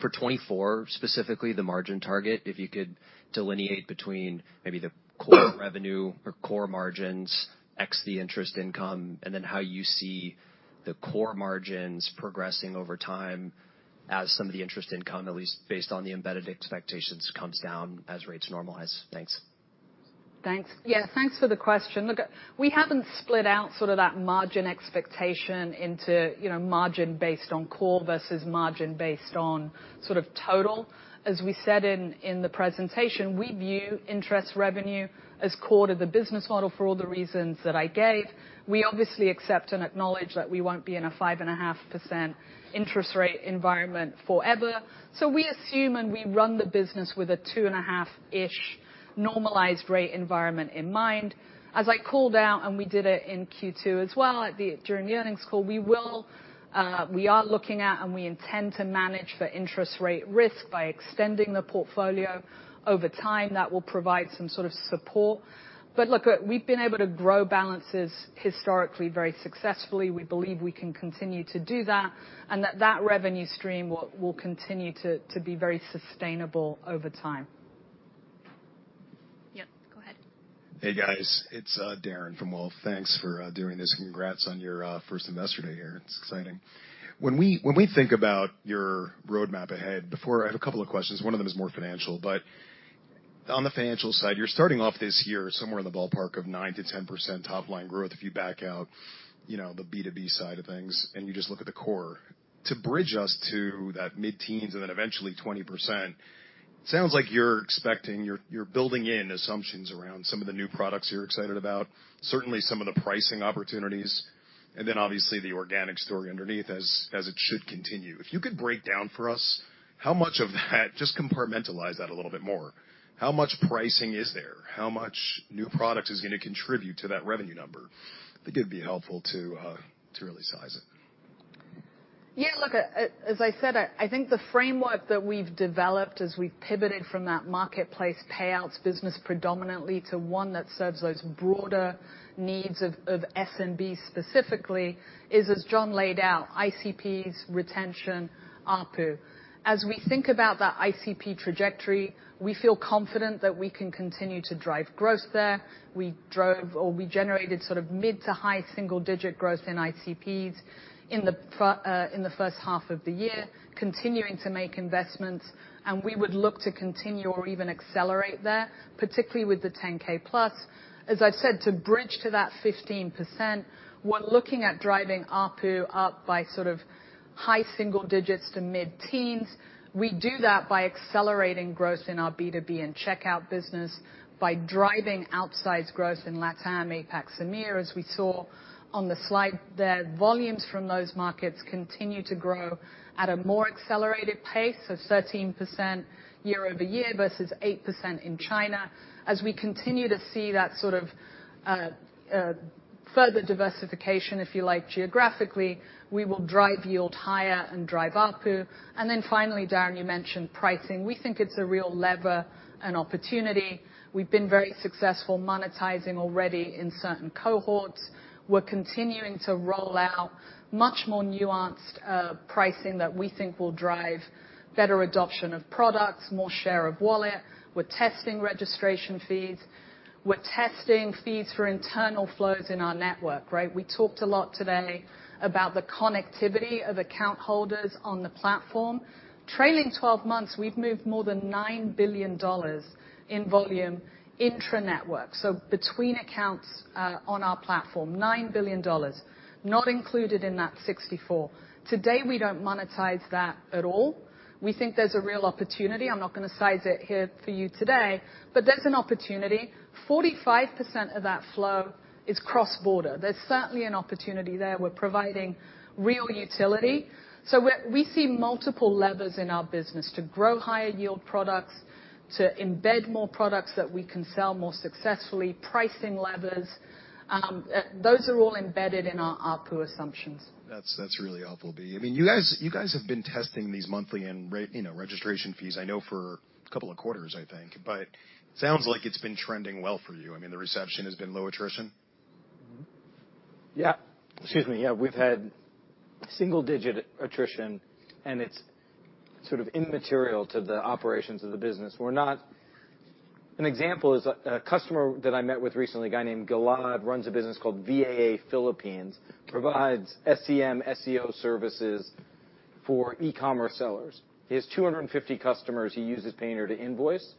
2024, specifically, the margin target, if you could delineate between maybe the core revenue or core margins, ex the interest income, and then how you see the core margins progressing over time as some of the interest income, at least based on the embedded expectations, comes down as rates normalize. Thanks. Thanks. Yeah, thanks for the question. Look, we haven't split out sort of that margin expectation into, you know, margin based on core versus margin based on sort of total. As we said in the presentation, we view interest revenue as core to the business model for all the reasons that I gave. We obviously accept and acknowledge that we won't be in a 5.5% interest rate environment forever. So we assume, and we run the business with a 2.5%-ish normalized rate environment in mind. As I called out, and we did it in Q2 as well, during the earnings call, we will, we are looking at, and we intend to manage for interest rate risk by extending the portfolio over time. That will provide some sort of support. But look, we've been able to grow balances historically, very successfully. We believe we can continue to do that, and that that revenue stream will, will continue to, to be very sustainable over time. Yep, go ahead. Hey, guys. It's Darrin from Wolfe. Thanks for doing this. Congrats on your first Investor Day here. It's exciting. When we think about your roadmap ahead... Before, I have a couple of questions. One of them is more financial, but on the financial side, you're starting off this year somewhere in the ballpark of 9%-10% top-line growth, if you back out, you know, the B2B side of things, and you just look at the core. To bridge us to that mid-teens and then eventually 20%, sounds like you're expecting... You're building in assumptions around some of the new products you're excited about, certainly some of the pricing opportunities, and then obviously, the organic story underneath, as it should continue. If you could break down for us, how much of that, just compartmentalize that a little bit more, how much pricing is there? How much new product is going to contribute to that revenue number? I think it'd be helpful to, to really size it. Yeah, look, as I said, I think the framework that we've developed as we've pivoted from that marketplace payouts business predominantly to one that serves those broader needs of SMB specifically is, as John laid out, ICPs, retention, ARPU. As we think about that ICP trajectory, we feel confident that we can continue to drive growth there. We drove or we generated sort of mid to high single-digit growth in ICPs in the first half of the year, continuing to make investments, and we would look to continue or even accelerate there, particularly with the $10,000+. As I've said, to bridge to that 15%, we're looking at driving ARPU up by sort of high single digits to mid-teens. We do that by accelerating growth in our B2B and Checkout business, by driving outsized growth in LATAM, APAC, SAMEA. As we saw on the slide there, volumes from those markets continue to grow at a more accelerated pace of 13% year-over-year, versus 8% in China. As we continue to see that sort of further diversification, if you like, geographically, we will drive yield higher and drive ARPU. And then finally, Darren, you mentioned pricing. We think it's a real lever and opportunity. We've been very successful monetizing already in certain cohorts. We're continuing to roll out much more nuanced pricing that we think will drive better adoption of products, more share of wallet. We're testing registration fees. We're testing fees for internal flows in our network, right? We talked a lot today about the connectivity of account holders on the platform. Trailing 12 months, we've moved more than $9 billion in volume intra-network, so between accounts on our platform, $9 billion, not included in that $64 billion. Today, we don't monetize that at all. We think there's a real opportunity. I'm not going to size it here for you today, but there's an opportunity. 45% of that flow is cross-border. There's certainly an opportunity there. We're providing real utility. So we see multiple levers in our business to grow higher yield products, to embed more products that we can sell more successfully, pricing levers, those are all embedded in our ARPU assumptions. That's, that's really helpful, Bea. I mean, you guys, you guys have been testing these monthly and, you know, registration fees, I know, for a couple of quarters, I think, but it sounds like it's been trending well for you. I mean, the reception has been low attrition? Mm-hmm. Yeah. Excuse me. Yeah, we've had single-digit attrition, and it's sort of immaterial to the operations of the business. We're not... An example is a customer that I met with recently, a guy named Gilad, runs a business called VAA Philippines, provides SCM, SEO services for e-commerce sellers. He has 250 customers. He uses Payoneer to invoice,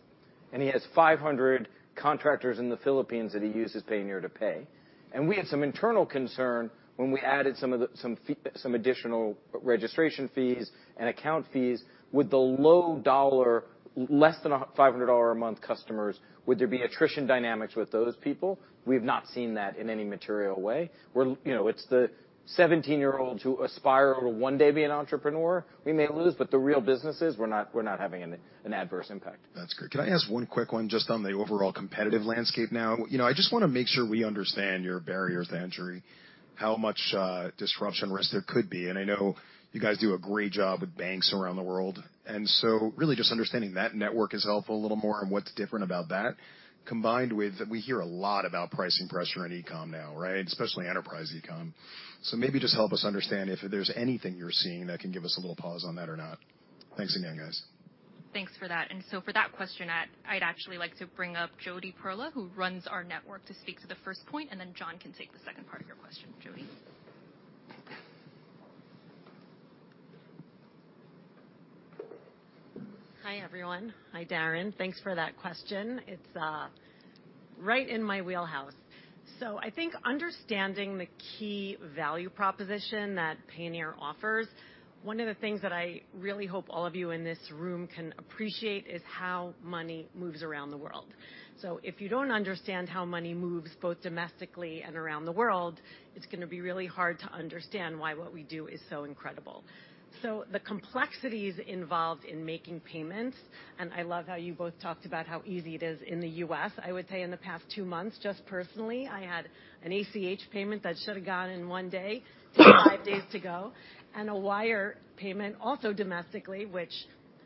and he has 500 contractors in the Philippines that he uses Payoneer to pay. And we had some internal concern when we added some additional registration fees and account fees. With the low dollar, less than a $500-a-month customers, would there be attrition dynamics with those people? We've not seen that in any material way. We're, you know, it's the 17-year-olds who aspire to one day be an entrepreneur. We may lose, but the real businesses, we're not having an adverse impact. That's great. Can I ask one quick one just on the overall competitive landscape now? You know, I just want to make sure we understand your barriers to entry, how much disruption risk there could be. And I know you guys do a great job with banks around the world, and so really just understanding that network is helpful a little more and what's different about that, combined with we hear a lot about pricing pressure in e-com now, right? Especially enterprise e-com. So maybe just help us understand if there's anything you're seeing that can give us a little pause on that or not. Thanks again, guys. Thanks for that. And so for that question, I'd actually like to bring up Jody Perla, who runs our network, to speak to the first point, and then John can take the second part of your question. Jody? Hi, everyone. Hi, Darren. Thanks for that question. It's right in my wheelhouse. So I think understanding the key value proposition that Payoneer offers, one of the things that I really hope all of you in this room can appreciate is how money moves around the world. So if you don't understand how money moves, both domestically and around the world, it's going to be really hard to understand why what we do is so incredible. So the complexities involved in making payments, and I love how you both talked about how easy it is in the U.S. I would say in the past two months, just personally, I had an ACH payment that should have gone in one day, took five days to go, and a wire payment, also domestically, which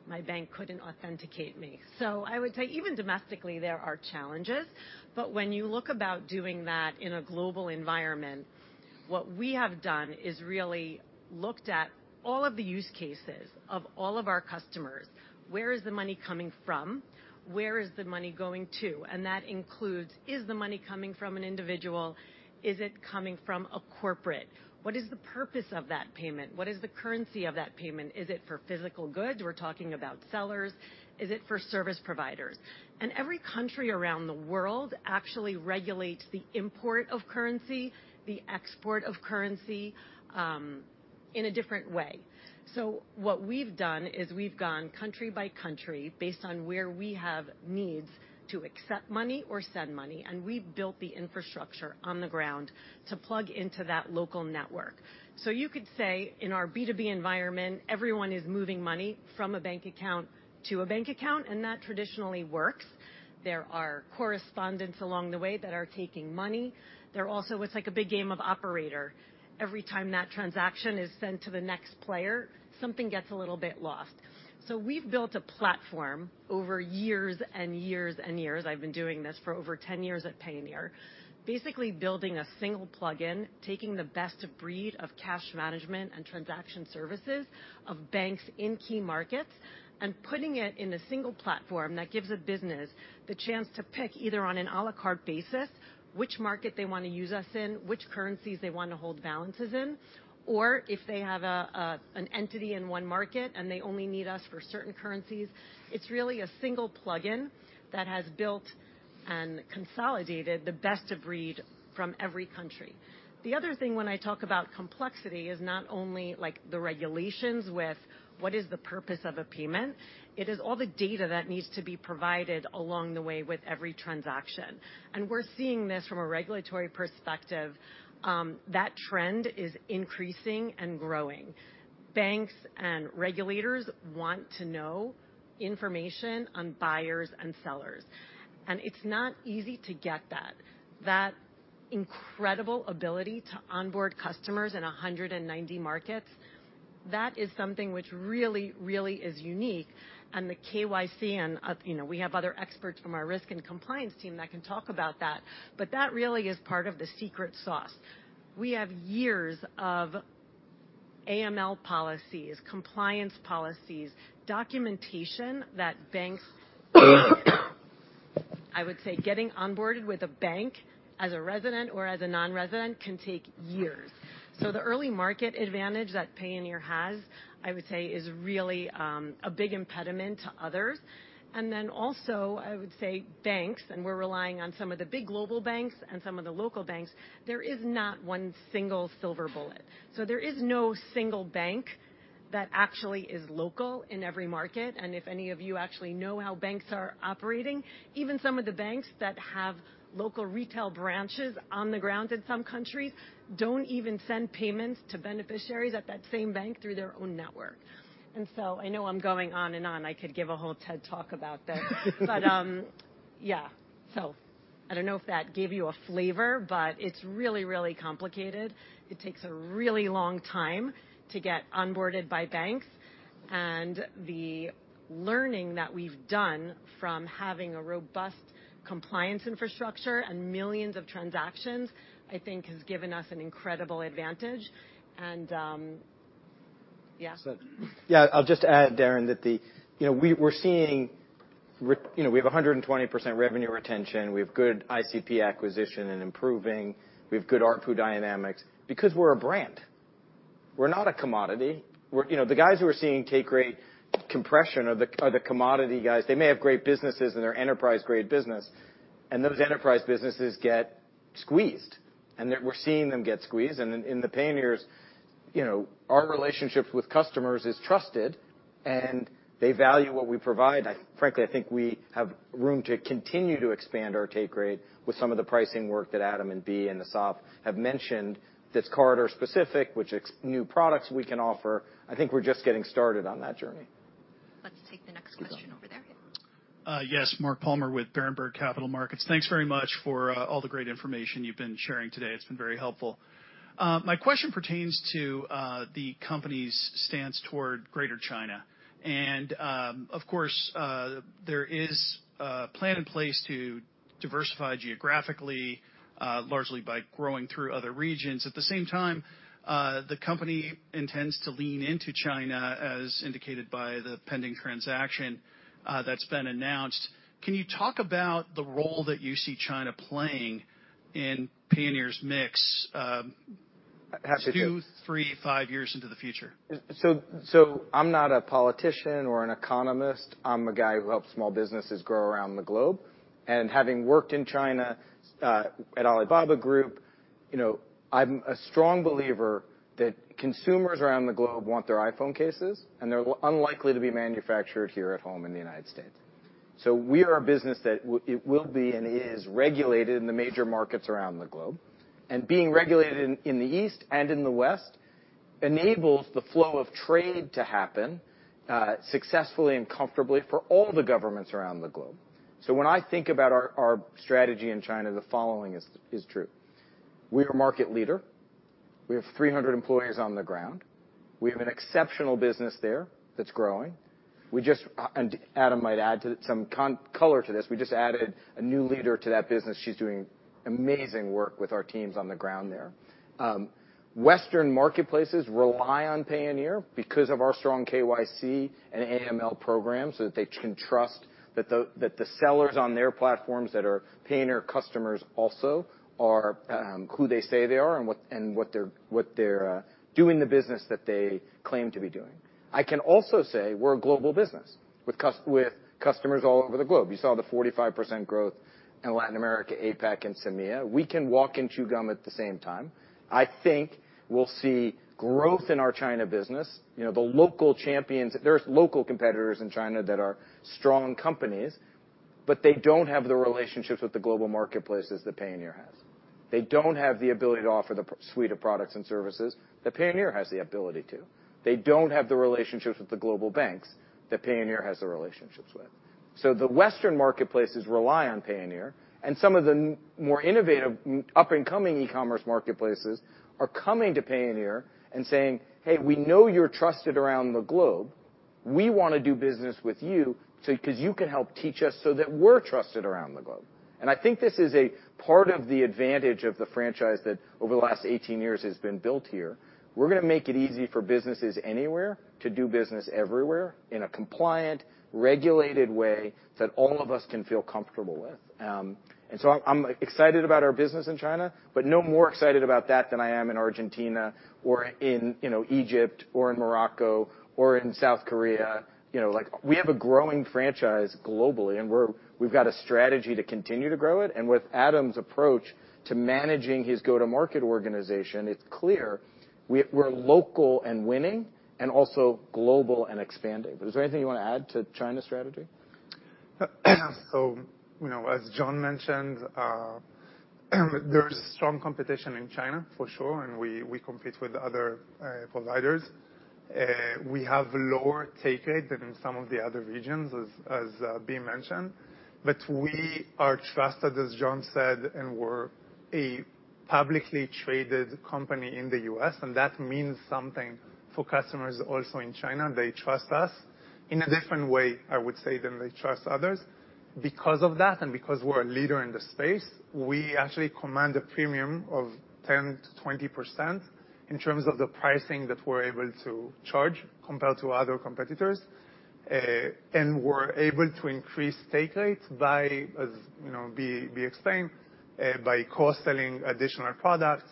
my bank couldn't authenticate me. So I would say even domestically, there are challenges, but when you look about doing that in a global environment, what we have done is really looked at all of the use cases of all of our customers. Where is the money coming from? Where is the money going to? And that includes, is the money coming from an individual? Is it coming from a corporate? What is the purpose of that payment? What is the currency of that payment? Is it for physical goods? We're talking about sellers. Is it for service providers? And every country around the world actually regulates the import of currency, the export of currency, in a different way. So what we've done is we've gone country by country based on where we have needs to accept money or send money, and we've built the infrastructure on the ground to plug into that local network. So you could say in our B2B environment, everyone is moving money from a bank account to a bank account, and that traditionally works. There are correspondents along the way that are taking money. There also... It's like a big game of operator. Every time that transaction is sent to the next player, something gets a little bit lost. So we've built a platform over years and years and years. I've been doing this for over 10 years at Payoneer. Basically building a single plugin, taking the best-of-breed of cash management and transaction services of banks in key markets, and putting it in a single platform that gives a business the chance to pick either on an à la carte basis, which market they want to use us in, which currencies they want to hold balances in, or if they have an entity in one market and they only need us for certain currencies. It's really a single plugin that has built and consolidated the best-of-breed from every country. The other thing when I talk about complexity is not only like the regulations with what is the purpose of a payment, it is all the data that needs to be provided along the way with every transaction. And we're seeing this from a regulatory perspective, that trend is increasing and growing. Banks and regulators want to know information on buyers and sellers, and it's not easy to get that. That incredible ability to onboard customers in 190 markets. That is something which really, really is unique, and the KYC and, you know, we have other experts from our risk and compliance team that can talk about that, but that really is part of the secret sauce. We have years of AML policies, compliance policies, documentation that banks. I would say getting onboarded with a bank as a resident or as a non-resident can take years. So the early market advantage that Payoneer has, I would say, is really a big impediment to others. And then also, I would say banks, and we're relying on some of the big global banks and some of the local banks, there is not one single silver bullet. So there is no single bank that actually is local in every market, and if any of you actually know how banks are operating, even some of the banks that have local retail branches on the ground in some countries, don't even send payments to beneficiaries at that same bank through their own network. And so I know I'm going on and on. I could give a whole TED Talk about this. But, yeah. So I don't know if that gave you a flavor, but it's really, really complicated. It takes a really long time to get onboarded by banks, and the learning that we've done from having a robust compliance infrastructure and millions of transactions, I think, has given us an incredible advantage. And, yeah. Yeah, I'll just add, Darren, that the... You know, we're seeing re, you know, we have 120% revenue retention, we have good ICP acquisition and improving, we have good ARPU dynamics because we're a brand. We're not a commodity. We're-- You know, the guys who are seeing take rate compression are the, are the commodity guys. They may have great businesses, and they're enterprise-grade business, and those enterprise businesses get squeezed, and we're seeing them get squeezed. In Payoneer's, you know, our relationships with customers is trusted, and they value what we provide. I-- frankly, I think we have room to continue to expand our take rate with some of the pricing work that Adam, and Bea, and Assaf have mentioned, that's corridor specific, which ex- new products we can offer. I think we're just getting started on that journey. Let's take the next question over there. Yes, Mark Palmer with Berenberg Capital Markets. Thanks very much for all the great information you've been sharing today. It's been very helpful. My question pertains to the company's stance toward Greater China. And, of course, there is a plan in place to diversify geographically, largely by growing through other regions. At the same time, the company intends to lean into China, as indicated by the pending transaction that's been announced. Can you talk about the role that you see China playing in Payoneer's mix, two, three, five years into the future? So I'm not a politician or an economist. I'm a guy who helps small businesses grow around the globe. Having worked in China at Alibaba Group, you know, I'm a strong believer that consumers around the globe want their iPhone cases, and they're unlikely to be manufactured here at home in the United States. So we are a business that it will be and is regulated in the major markets around the globe, and being regulated in the East and in the West enables the flow of trade to happen successfully and comfortably for all the governments around the globe. So when I think about our strategy in China, the following is true: We are market leader. We have 300 employees on the ground. We have an exceptional business there that's growing. We just... And Adam might add some color to this, we just added a new leader to that business. She's doing amazing work with our teams on the ground there. Western marketplaces rely on Payoneer because of our strong KYC and AML program, so that they can trust that the sellers on their platforms that are Payoneer customers also are who they say they are and what they're doing the business that they claim to be doing. I can also say we're a global business with customers all over the globe. You saw the 45% growth in Latin America, APAC, and SAMEA. We can walk and chew gum at the same time. I think we'll see growth in our China business. You know, the local champions, there's local competitors in China that are strong companies, but they don't have the relationships with the global marketplaces that Payoneer has. They don't have the ability to offer the suite of products and services that Payoneer has the ability to. They don't have the relationships with the global banks that Payoneer has the relationships with. So the Western marketplaces rely on Payoneer, and some of the more innovative, up-and-coming e-commerce marketplaces are coming to Payoneer and saying: "Hey, we know you're trusted around the globe. We want to do business with you, so because you can help teach us so that we're trusted around the globe." And I think this is a part of the advantage of the franchise that over the last 18 years has been built here. We're going to make it easy for businesses anywhere to do business everywhere, in a compliant, regulated way that all of us can feel comfortable with. And so I'm, I'm excited about our business in China, but no more excited about that than I am in Argentina or in, you know, Egypt or in Morocco or in South Korea. You know, like, we have a growing franchise globally, and we've got a strategy to continue to grow it. And with Adam's approach to managing his go-to-market organization, it's clear we're local and winning, and also global and expanding. Is there anything you want to add to China strategy? So, you know, as John mentioned, there's strong competition in China, for sure, and we compete with other providers. We have lower take rate than in some of the other regions, as being mentioned. But we are trusted, as John said, and we're a publicly traded company in the U.S., and that means something for customers also in China. They trust us in a different way, I would say, than they trust others. Because of that, and because we're a leader in the space, we actually command a premium of 10%-20% in terms of the pricing that we're able to charge compared to other competitors. And we're able to increase take rates by, as you know, we explained, by cross-selling additional products,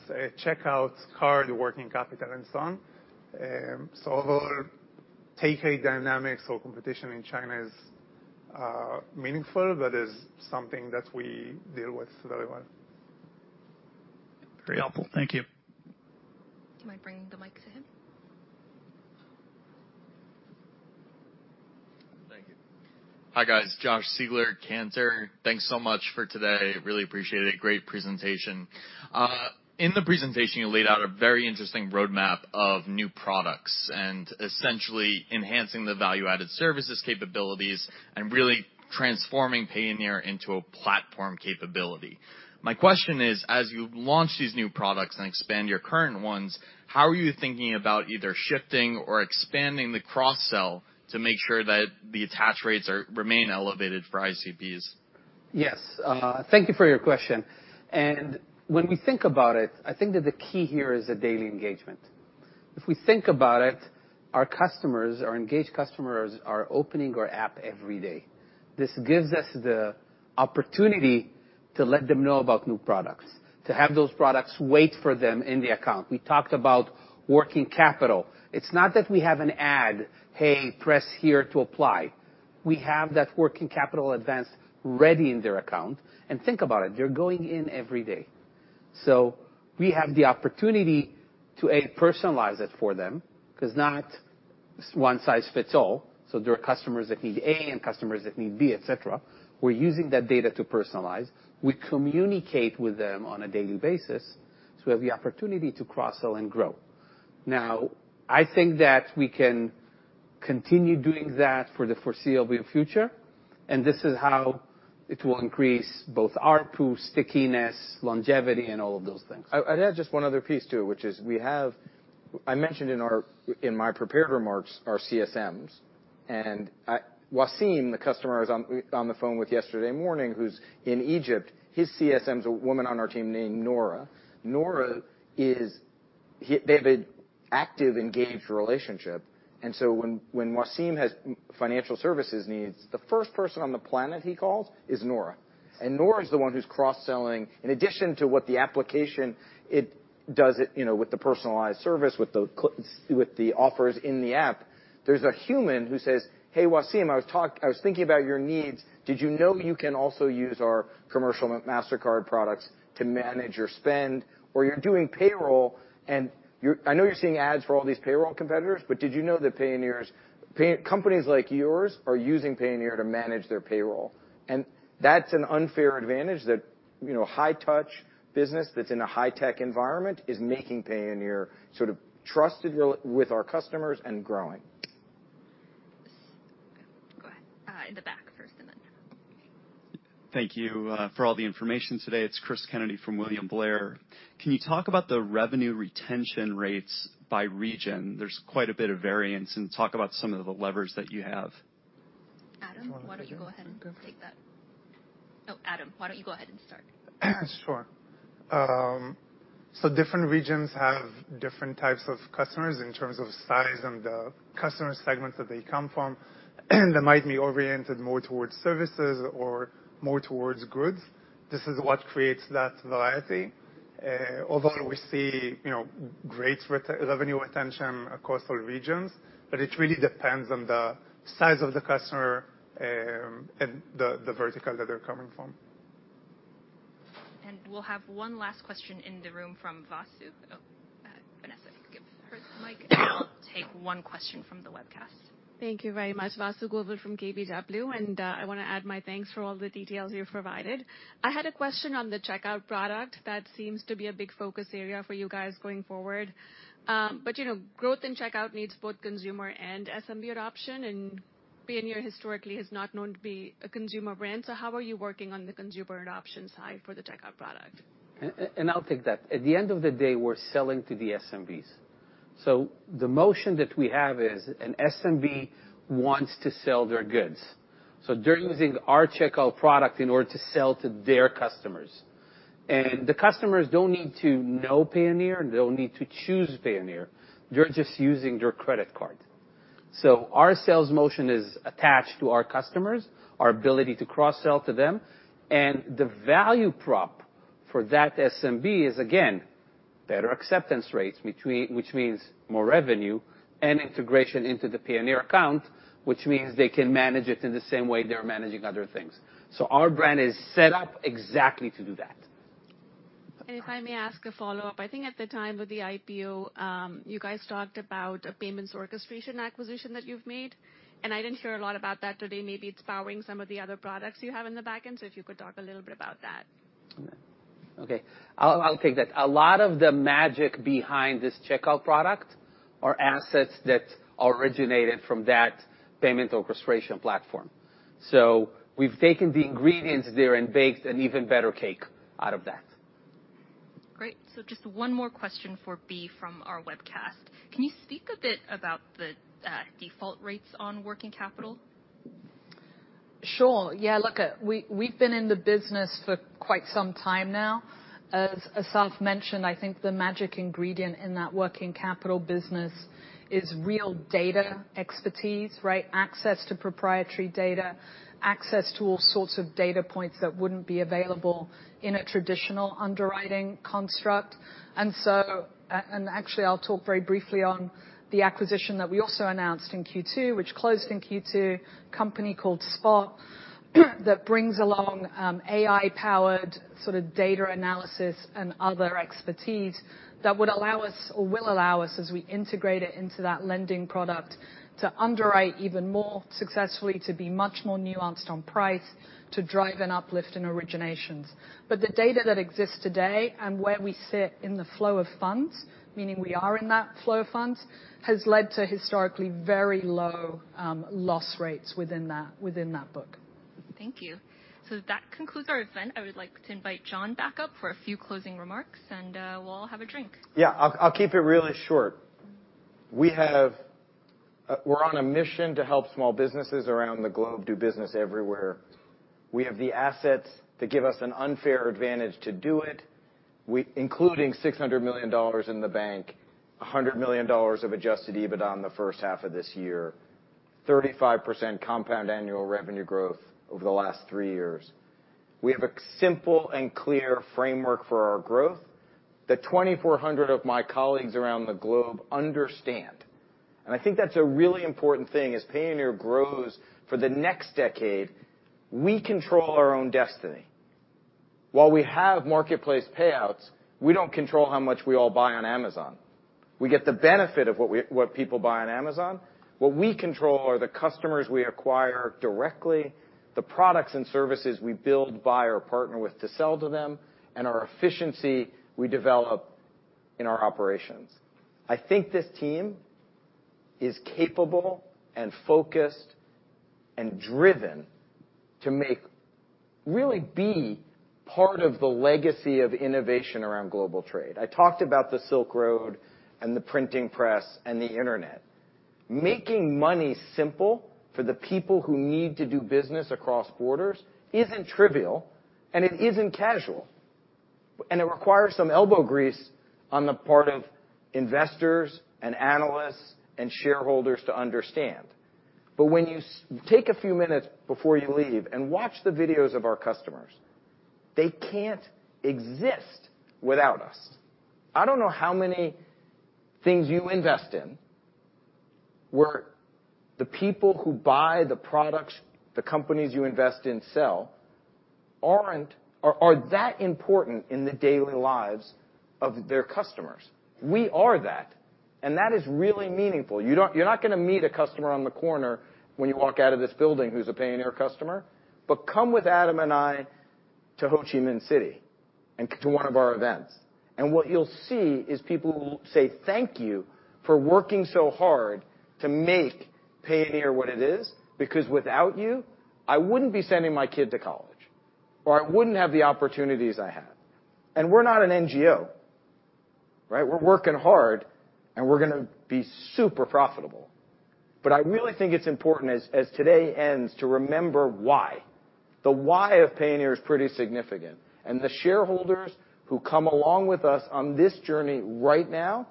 Checkouts, card, Working Capital and so on. Take rate dynamics or competition in China is meaningful, but is something that we deal with very well. Very helpful. Thank you. Do you mind bringing the mic to him? Thank you. Hi, guys, Josh Siegler, Cantor. Thanks so much for today. Really appreciate it. Great presentation. In the presentation, you laid out a very interesting roadmap of new products and essentially enhancing the value-added services capabilities and really transforming Payoneer into a platform capability. My question is, as you launch these new products and expand your current ones, how are you thinking about either shifting or expanding the cross-sell to make sure that the attach rates are remain elevated for ICPs? Yes, thank you for your question. And when we think about it, I think that the key here is the daily engagement. If we think about it, our customers, our engaged customers, are opening our app every day. This gives us the opportunity to let them know about new products, to have those products wait for them in the account. We talked about Working Capital. It's not that we have an ad, "Hey, press here to apply." We have that Working Capital advance ready in their account. And think about it, they're going in every day. So we have the opportunity to, A, personalize it for them, 'cause not one size fits all, so there are customers that need A and customers that need B, et cetera. We're using that data to personalize. We communicate with them on a daily basis, so we have the opportunity to cross-sell and grow. Now, I think that we can continue doing that for the foreseeable future, and this is how it will increase both ARPU, stickiness, longevity, and all of those things. I'd add just one other piece to it, which is we have. I mentioned in my prepared remarks, our CSMs, and I—Waseem, the customer I was on the phone with yesterday morning, who's in Egypt, his CSM is a woman on our team named Nora. Nora is... They have an active, engaged relationship, and so when Waseem has financial services needs, the first person on the planet he calls is Nora. And Nora is the one who's cross-selling. In addition to what the application, it does it, you know, with the personalized service, with the offers in the app, there's a human who says, "Hey, Waseem, I was thinking about your needs. Did you know you can also use our commercial Mastercard products to manage your spend? Or you're doing payroll, and you're—I know you're seeing ads for all these payroll competitors, but did you know that Payoneer's pay, companies like yours are using Payoneer to manage their payroll? That's an unfair advantage that, you know, high touch business that's in a high-tech environment is making Payoneer sort of trusted with our customers and growing. Go ahead. In the back first, and then. Thank you, for all the information today. It's Cris Kennedy from William Blair. Can you talk about the revenue retention rates by region? There's quite a bit of variance. Talk about some of the levers that you have. Adam, why don't you go ahead and take that? Oh, Adam, why don't you go ahead and start. Sure. So different regions have different types of customers in terms of size and the customer segments that they come from, that might be oriented more towards services or more towards goods. This is what creates that variety. Although we see, you know, great revenue retention across all regions, but it really depends on the size of the customer, and the vertical that they're coming from. And we'll have one last question in the room from Vasu. Vanessa, give her the mic, and then we'll take one question from the webcast. Thank you very much. Vasu Govil from KBW, and I want to add my thanks for all the details you've provided. I had a question on the Checkout product. That seems to be a big focus area for you guys going forward. But, you know, growth in Checkout needs both consumer and SMB adoption, and Payoneer historically is not known to be a consumer brand. So how are you working on the consumer adoption side for the Checkout product? And I'll take that. At the end of the day, we're selling to the SMBs. So the motion that we have is an SMB wants to sell their goods, so they're using our Checkout product in order to sell to their customers. And the customers don't need to know Payoneer, they don't need to choose Payoneer. They're just using their credit card. So our sales motion is attached to our customers, our ability to cross-sell to them, and the value prop for that SMB is, again, better acceptance rates, between—which means more revenue and integration into the Payoneer account, which means they can manage it in the same way they're managing other things. So our brand is set up exactly to do that. If I may ask a follow-up, I think at the time of the IPO, you guys talked about a payments orchestration acquisition that you've made, and I didn't hear a lot about that today. Maybe it's powering some of the other products you have in the back end. If you could talk a little bit about that. Okay, I'll, I'll take that. A lot of the magic behind this Checkout product are assets that originated from that payment orchestration platform. So we've taken the ingredients there and baked an even better cake out of that. Great. So just one more question for Bea from our webcast. Can you speak a bit about the default rates on Working Capital? Sure, yeah. Look, we've been in the business for quite some time now. As Assaf mentioned, I think the magic ingredient in that Working Capital business is real data expertise, right? Access to proprietary data, access to all sorts of data points that wouldn't be available in a traditional underwriting construct. And so, actually, I'll talk very briefly on the acquisition that we also announced in Q2, which closed in Q2, a company called Spott, that brings along AI-powered sort of data analysis and other expertise that would allow us, or will allow us, as we integrate it into that lending product, to underwrite even more successfully, to be much more nuanced on price, to drive an uplift in originations. But the data that exists today and where we sit in the flow of funds, meaning we are in that flow of funds, has led to historically very low, loss rates within that, within that book. Thank you. That concludes our event. I would like to invite John back up for a few closing remarks, and we'll all have a drink. Yeah, I'll keep it really short. We're on a mission to help small businesses around the globe do business everywhere. We have the assets that give us an unfair advantage to do it, including $600 million in the bank, $100 million of adjusted EBITDA in the first half of this year, 35% compound annual revenue growth over the last three years. We have a simple and clear framework for our growth that 2,400 of my colleagues around the globe understand, and I think that's a really important thing. As Payoneer grows for the next decade, we control our own destiny. While we have marketplace payouts, we don't control how much we all buy on Amazon. We get the benefit of what people buy on Amazon. What we control are the customers we acquire directly, the products and services we build by or partner with to sell to them, and our efficiency we develop in our operations. I think this team is capable and focused and driven to make really be part of the legacy of innovation around global trade. I talked about the Silk Road and the printing press and the Internet. Making money simple for the people who need to do business across borders isn't trivial, and it isn't casual, and it requires some elbow grease on the part of investors and analysts and shareholders to understand. But when you take a few minutes before you leave and watch the videos of our customers, they can't exist without us. I don't know how many things you invest in where the people who buy the products the companies you invest in sell aren't, are, are that important in the daily lives of their customers. We are that, and that is really meaningful. You're not gonna meet a customer on the corner when you walk out of this building who's a Payoneer customer, but come with Adam and I to Ho Chi Minh City and to one of our events. What you'll see is people who will say, "Thank you for working so hard to make Payoneer what it is, because without you, I wouldn't be sending my kid to college, or I wouldn't have the opportunities I have." We're not an NGO, right? We're working hard, and we're gonna be super profitable. I really think it's important as, as today ends, to remember why. The why of Payoneer is pretty significant, and the shareholders who come along with us on this journey right now,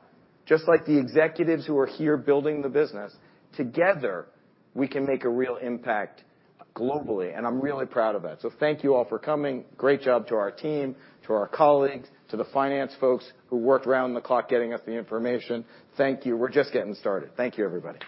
just like the executives who are here building the business, together, we can make a real impact globally, and I'm really proud of that. So thank you all for coming. Great job to our team, to our colleagues, to the finance folks who worked around the clock getting us the information. Thank you. We're just getting started. Thank you, everybody.